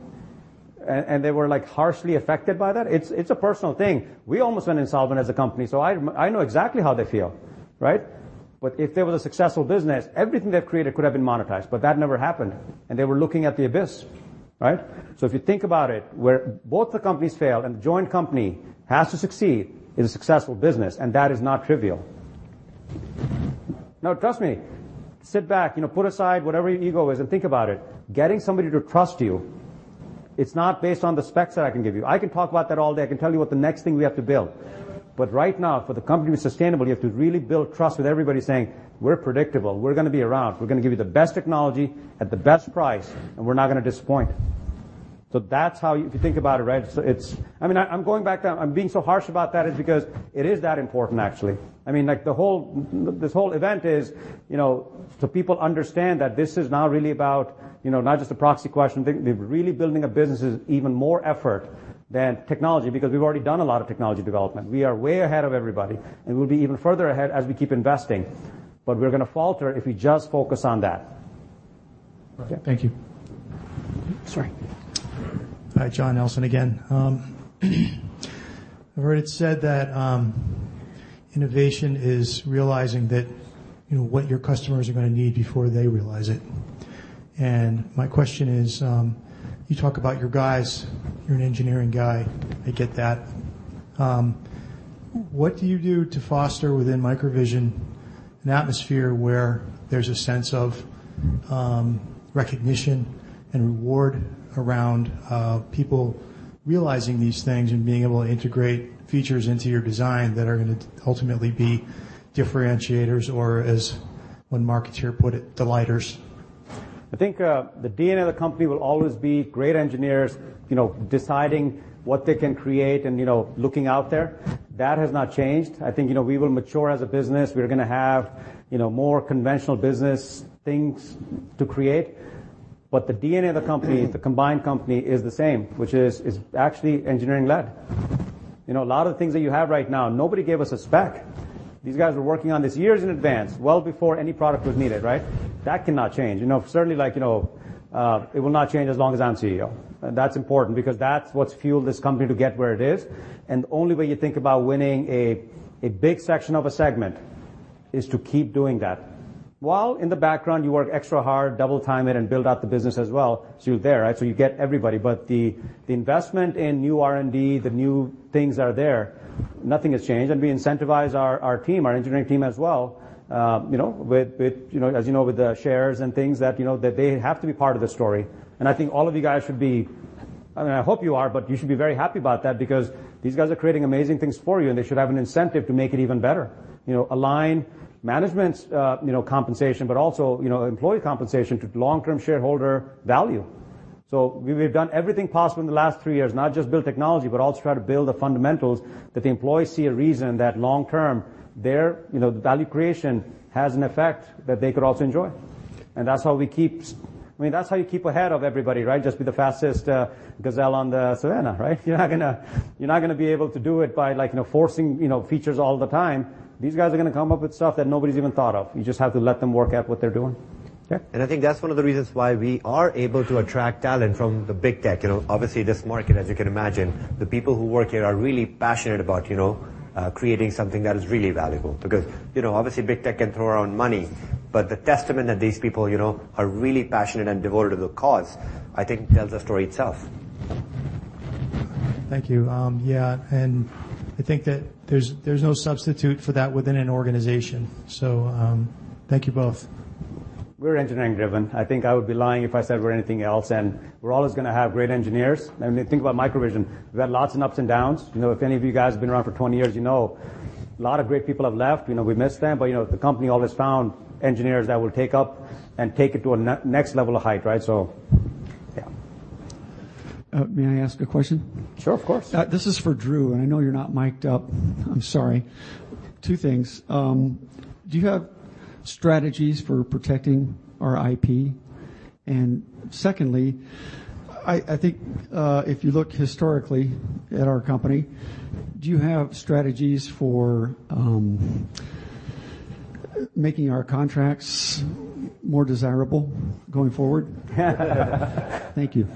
S4: and they were like harshly affected by that? It's a personal thing. We almost went insolvent as a company, I know exactly how they feel, right? If they were the successful business, everything they've created could have been monetized, but that never happened, and they were looking at the abyss, right? If you think about it, where both the companies failed and the joint company has to succeed is a successful business, and that is not trivial. No, trust me. Sit back, you know, put aside whatever your ego is and think about it. Getting somebody to trust you, it's not based on the specs that I can give you. I can talk about that all day. I can tell you what the next thing we have to build. But right now, for the company to be sustainable, you have to really build trust with everybody saying, "We're predictable. We're gonna be around. We're gonna give you the best technology at the best price, and we're not gonna disappoint." If you think about it, right? I mean, I'm going back down. I'm being so harsh about that is because it is that important actually. I mean, like, the whole this whole event is, you know, so people understand that this is now really about, you know, not just a proxy question. They're really building a business is even more effort than technology because we've already done a lot of technology development. We are way ahead of everybody, and we'll be even further ahead as we keep investing. We're gonna falter if we just focus on that.
S8: Right. Thank you.
S4: Sorry.
S16: Hi. John Nelson again. I've heard it said that, innovation is realizing that, you know, what your customers are gonna need before they realize it. My question is. You talk about your guys. You're an engineering guy, I get that. What do you do to foster within MicroVision an atmosphere where there's a sense of, recognition and reward around, people realizing these things and being able to integrate features into your design that are gonna ultimately be differentiators or, as one marketer put it, delighters?
S4: I think, the DNA of the company will always be great engineers, you know, deciding what they can create and, you know, looking out there. That has not changed. I think, you know, we will mature as a business. We're gonna have, you know, more conventional business things to create. The DNA of the company, the combined company, is the same, which is actually engineering-led. You know, a lot of things that you have right now, nobody gave us a spec. These guys were working on this years in advance, well before any product was needed, right? That cannot change. You know, certainly, like, you know, it will not change as long as I'm CEO. That's important because that's what's fueled this company to get where it is. The only way you think about winning a big section of a segment is to keep doing that. While in the background, you work extra hard, double time it, and build out the business as well so you're there, right? You get everybody. The, the investment in new R&D, the new things that are there, nothing has changed. We incentivize our team, our engineering team as well, you know, with, you know, as you know, with the shares and things that, you know, that they have to be part of the story. I think all of you guys should be, I mean, I hope you are, but you should be very happy about that because these guys are creating amazing things for you, and they should have an incentive to make it even better. You know, align management's, you know, compensation, but also, you know, employee compensation to long-term shareholder value. We've done everything possible in the last three years, not just build technology, but also try to build the fundamentals that the employees see a reason that long term, their, you know, value creation has an effect that they could also enjoy. That's how we keep I mean, that's how you keep ahead of everybody, right? Just be the fastest gazelle on the savanna, right? You're not gonna be able to do it by, like, you know, forcing, you know, features all the time. These guys are gonna come up with stuff that nobody's even thought of. You just have to let them work out what they're doing. Yeah.
S7: I think that's one of the reasons why we are able to attract talent from the Big Tech. You know, obviously, this market, as you can imagine, the people who work here are really passionate about, you know, creating something that is really valuable. You know, obviously, Big Tech can throw around money, but the testament that these people, you know, are really passionate and devoted to the cause, I think tells the story itself.
S16: Thank you. Yeah, I think that there's no substitute for that within an organization. Thank you both.
S4: We're engineering-driven. I think I would be lying if I said we're anything else. We're always gonna have great engineers. I mean, think about MicroVision. We've had lots of ups and downs. You know, if any of you guys have been around for 20 years, you know a lot of great people have left. You know, we miss them, but, you know, the company always found engineers that will take up and take it to a next level of height, right? Yeah.
S16: May I ask a question?
S4: Sure. Of course.
S16: This is for Drew. I know you're not mic'd up. I'm sorry. Two things. Do you have strategies for protecting our IP? Secondly, I think, if you look historically at our company, do you have strategies for making our contracts more desirable going forward? Thank you.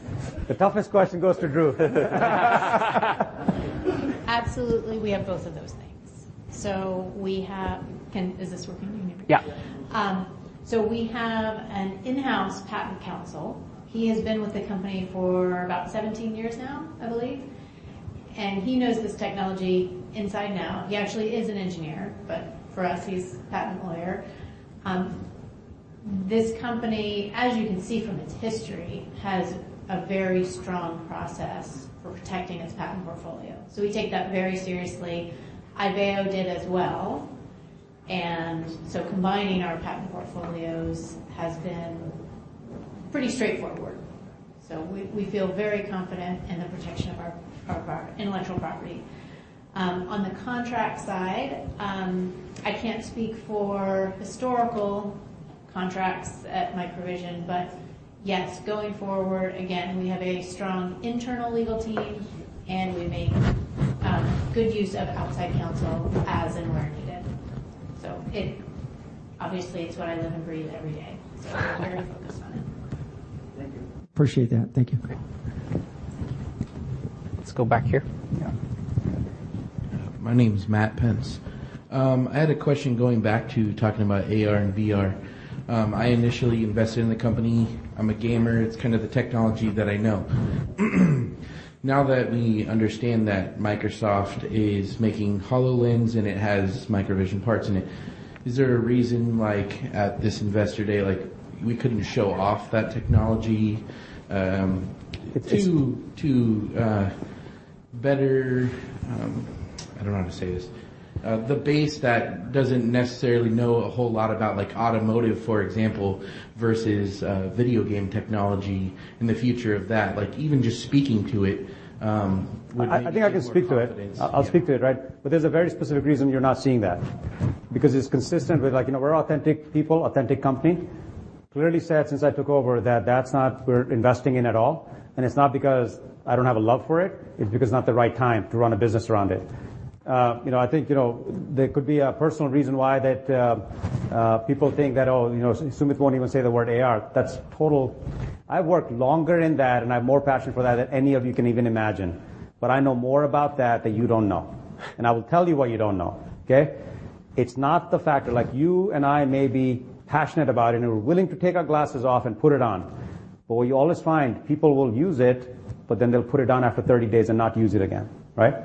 S4: The toughest question goes to Drew.
S27: Absolutely, we have both of those things. We have... Is this working? You need me-
S4: Yeah.
S27: We have an in-house patent counsel. He has been with the company for about 17 years now, I believe. He knows this technology inside and out. He actually is an engineer, but for us, he's a patent lawyer. This company, as you can see from its history, has a very strong process for protecting its patent portfolio. We take that very seriously. Ibeo did as well. Combining our patent portfolios has been pretty straightforward. We feel very confident in the protection of our intellectual property. On the contract side, I can't speak for historical contracts at MicroVision. Yes, going forward, again, we have a strong internal legal team, and we make good use of outside counsel as and where needed. Obviously, it's what I live and breathe every day, so we're very focused on it.
S16: Thank you. Appreciate that. Thank you.
S4: Let's go back here.
S19: Yeah. My name is Matt Pence. I had a question going back to talking about AR and VR. I initially invested in the company. I'm a gamer. It's kind of the technology that I know. Now that we understand that Microsoft is making HoloLens and it has MicroVision parts in it, is there a reason, like, at this investor day, like, we couldn't show off that technology, I don't know how to say this? The base that doesn't necessarily know a whole lot about, like, automotive, for example, versus video game technology and the future of that. Like, even just speaking to it, would make people more confident-
S4: I think I can speak to it. I'll speak to it, right? There's a very specific reason you're not seeing that. It's consistent with, like, you know, we're authentic people, authentic company. Clearly said since I took over that that's not we're investing in at all, and it's not because I don't have a love for it's because it's not the right time to run a business around it. you know, I think, you know, there could be a personal reason why that, people think that, "Oh, you know, Sumit won't even say the word AR." I've worked longer in that. I have more passion for that than any of you can even imagine. I know more about that than you don't know. I will tell you what you don't know, okay? It's not the fact that, like, you and I may be passionate about it and we're willing to take our glasses off and put it on, but what you always find, people will use it, but then they'll put it down after 30 days and not use it again, right?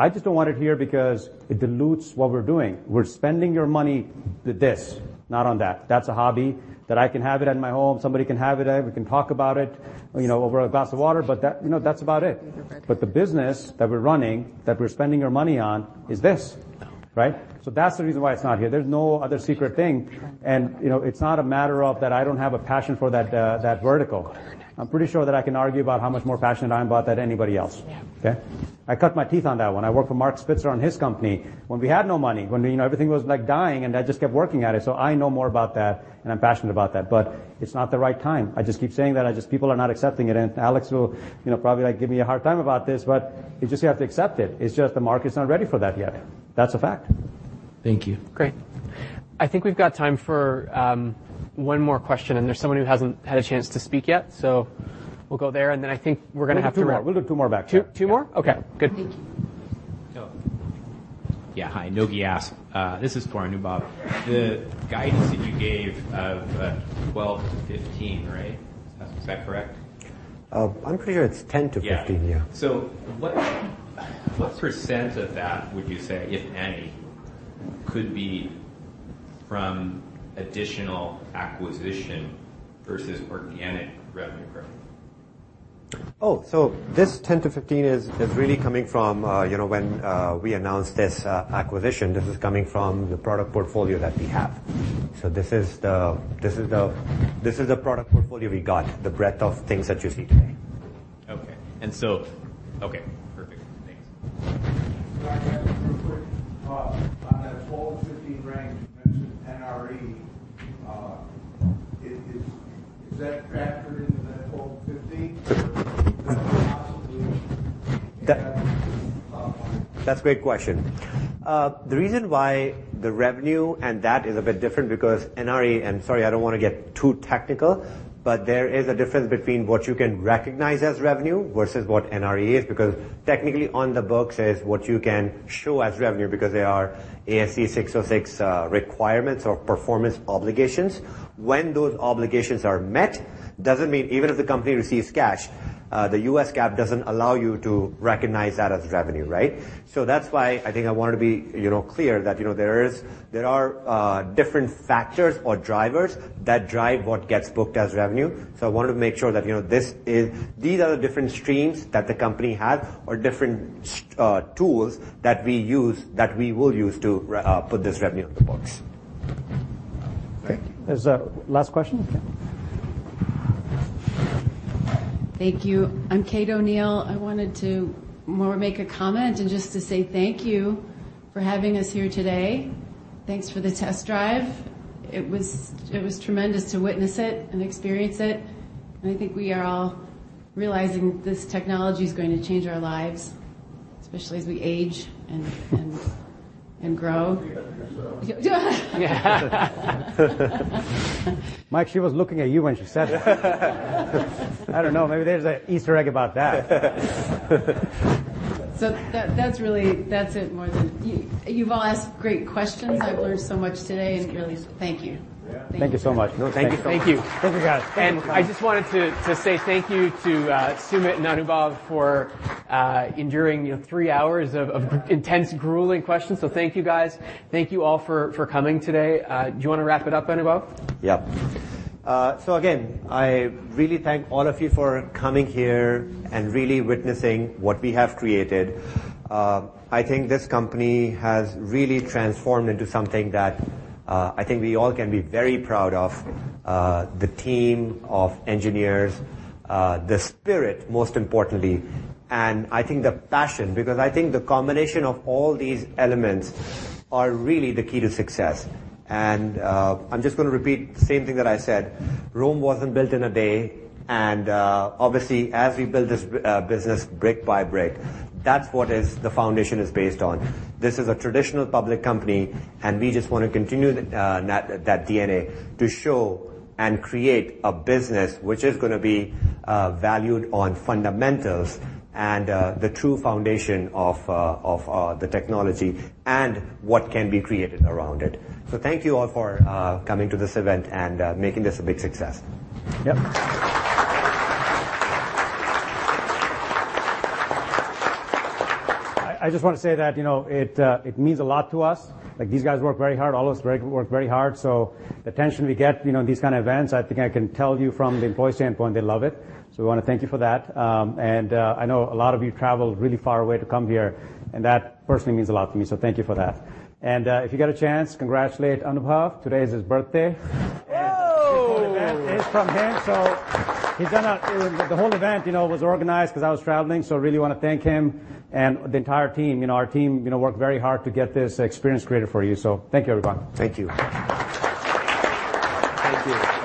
S4: I just don't want it here because it dilutes what we're doing. We're spending your money with this, not on that. That's a hobby that I can have it at my home, somebody can have it, we can talk about it, you know, over a glass of water, but that, you know, that's about it. The business that we're running, that we're spending our money on is this, right? That's the reason why it's not here. There's no other secret thing. You know, it's not a matter of that I don't have a passion for that vertical. I'm pretty sure that I can argue about how much more passionate I am about that than anybody else, okay? I cut my teeth on that one. I worked for Mark Spitzer on his company when we had no money, when, you know, everything was, like, dying, and I just kept working at it. I know more about that, and I'm passionate about that. It's not the right time. I just keep saying that. People are not accepting it. Alex will, you know, probably, like, give me a hard time about this, but you just have to accept it. It's just the market's not ready for that yet. That's a fact.
S19: Thank you.
S1: Great. I think we've got time for, one more question, and there's someone who hasn't had a chance to speak yet. We'll go there, and then I think we're gonna have to wrap.
S4: We'll do two more. We'll do two more back there.
S1: Two more? Okay. Good.
S27: Thank you.
S28: Yeah. Hi. Nogi [Ask]. This is for Anubhav. The guidance that you gave of, $12 million to $15 million, right? Is that correct?
S7: I'm pretty sure it's $10 million to $15 million.
S28: Yeah.
S7: Yeah.
S28: What percent of that would you say, if any, could be from additional acquisition versus organic revenue growth?
S7: This $10 million-$15 million is really coming from, you know, when we announced this acquisition. This is coming from the product portfolio that we have. This is the product portfolio we got, the breadth of things that you see today.
S28: Okay. Okay, perfect. Thanks.
S29: Can I ask you real quick, on that $12 million-$15 million range, you mentioned NRE? Is that factored into that $12 million-$15 million? Is that possibly?
S7: That's a great question. The reason why the revenue and that is a bit different because NRE. Sorry, I don't wanna get too technical, but there is a difference between what you can recognize as revenue versus what NRE is because technically on the books is what you can show as revenue because they are ASC 606 requirements or performance obligations. When those obligations are met, doesn't mean even if the company receives cash, the U.S. GAAP doesn't allow you to recognize that as revenue, right? That's why I think I wanted to be, you know, clear that, you know, there are different factors or drivers that drive what gets booked as revenue. I wanted to make sure that, you know, this is... These are the different streams that the company has or different tools that we use, that we will use to put this revenue on the books.
S4: Great. There's a last question. Okay.
S30: Thank you. I'm Kate O'Neill. I wanted to more make a comment and just to say thank you for having us here today. Thanks for the test drive. It was tremendous to witness it and experience it. I think we are all realizing this technology is going to change our lives, especially as we age and grow.
S4: Mike, she was looking at you when she said that. I don't know, maybe there's a easter egg about that.
S30: That's really it. You've all asked great questions. I've learned so much today and really thank you.
S4: Thank you so much. No, thank you so much.
S1: Thank you. Thank you.
S7: Thank you, guys. Thank you.
S1: I just wanted to say thank you to Sumit and Anubhav for enduring, you know, three hours of intense, grueling questions. Thank you, guys. Thank you all for coming today. Do you wanna wrap it up, Anubhav?
S7: Yeah. Again, I really thank all of you for coming here and really witnessing what we have created. I think this company has really transformed into something that, I think we all can be very proud of. The team of engineers, the spirit most importantly, and I think the passion, because I think the combination of all these elements are really the key to success. I'm just gonna repeat the same thing that I said, Rome wasn't built in a day. Obviously, as we build this business brick by brick, that's what is the foundation is based on. This is a traditional public company, and we just wanna continue that DNA to show and create a business which is gonna be valued on fundamentals and the true foundation of the technology and what can be created around it. Thank you all for coming to this event and making this a big success.
S4: Yep. I just wanna say that, you know, it means a lot to us. Like, these guys work very hard. All of us work very hard. The attention we get, you know, in these kind of events, I think I can tell you from the employee standpoint, they love it. We wanna thank you for that. I know a lot of you traveled really far away to come here, and that personally means a lot to me, so thank you for that. If you get a chance, congratulate Anubhav. Today is his birthday.
S1: Oh.
S4: The whole event, you know, was organized 'cause I was traveling, so I really wanna thank him and the entire team. You know, our team, you know, worked very hard to get this experience created for you. Thank you, everyone.
S7: Thank you. Thank you. Thank you.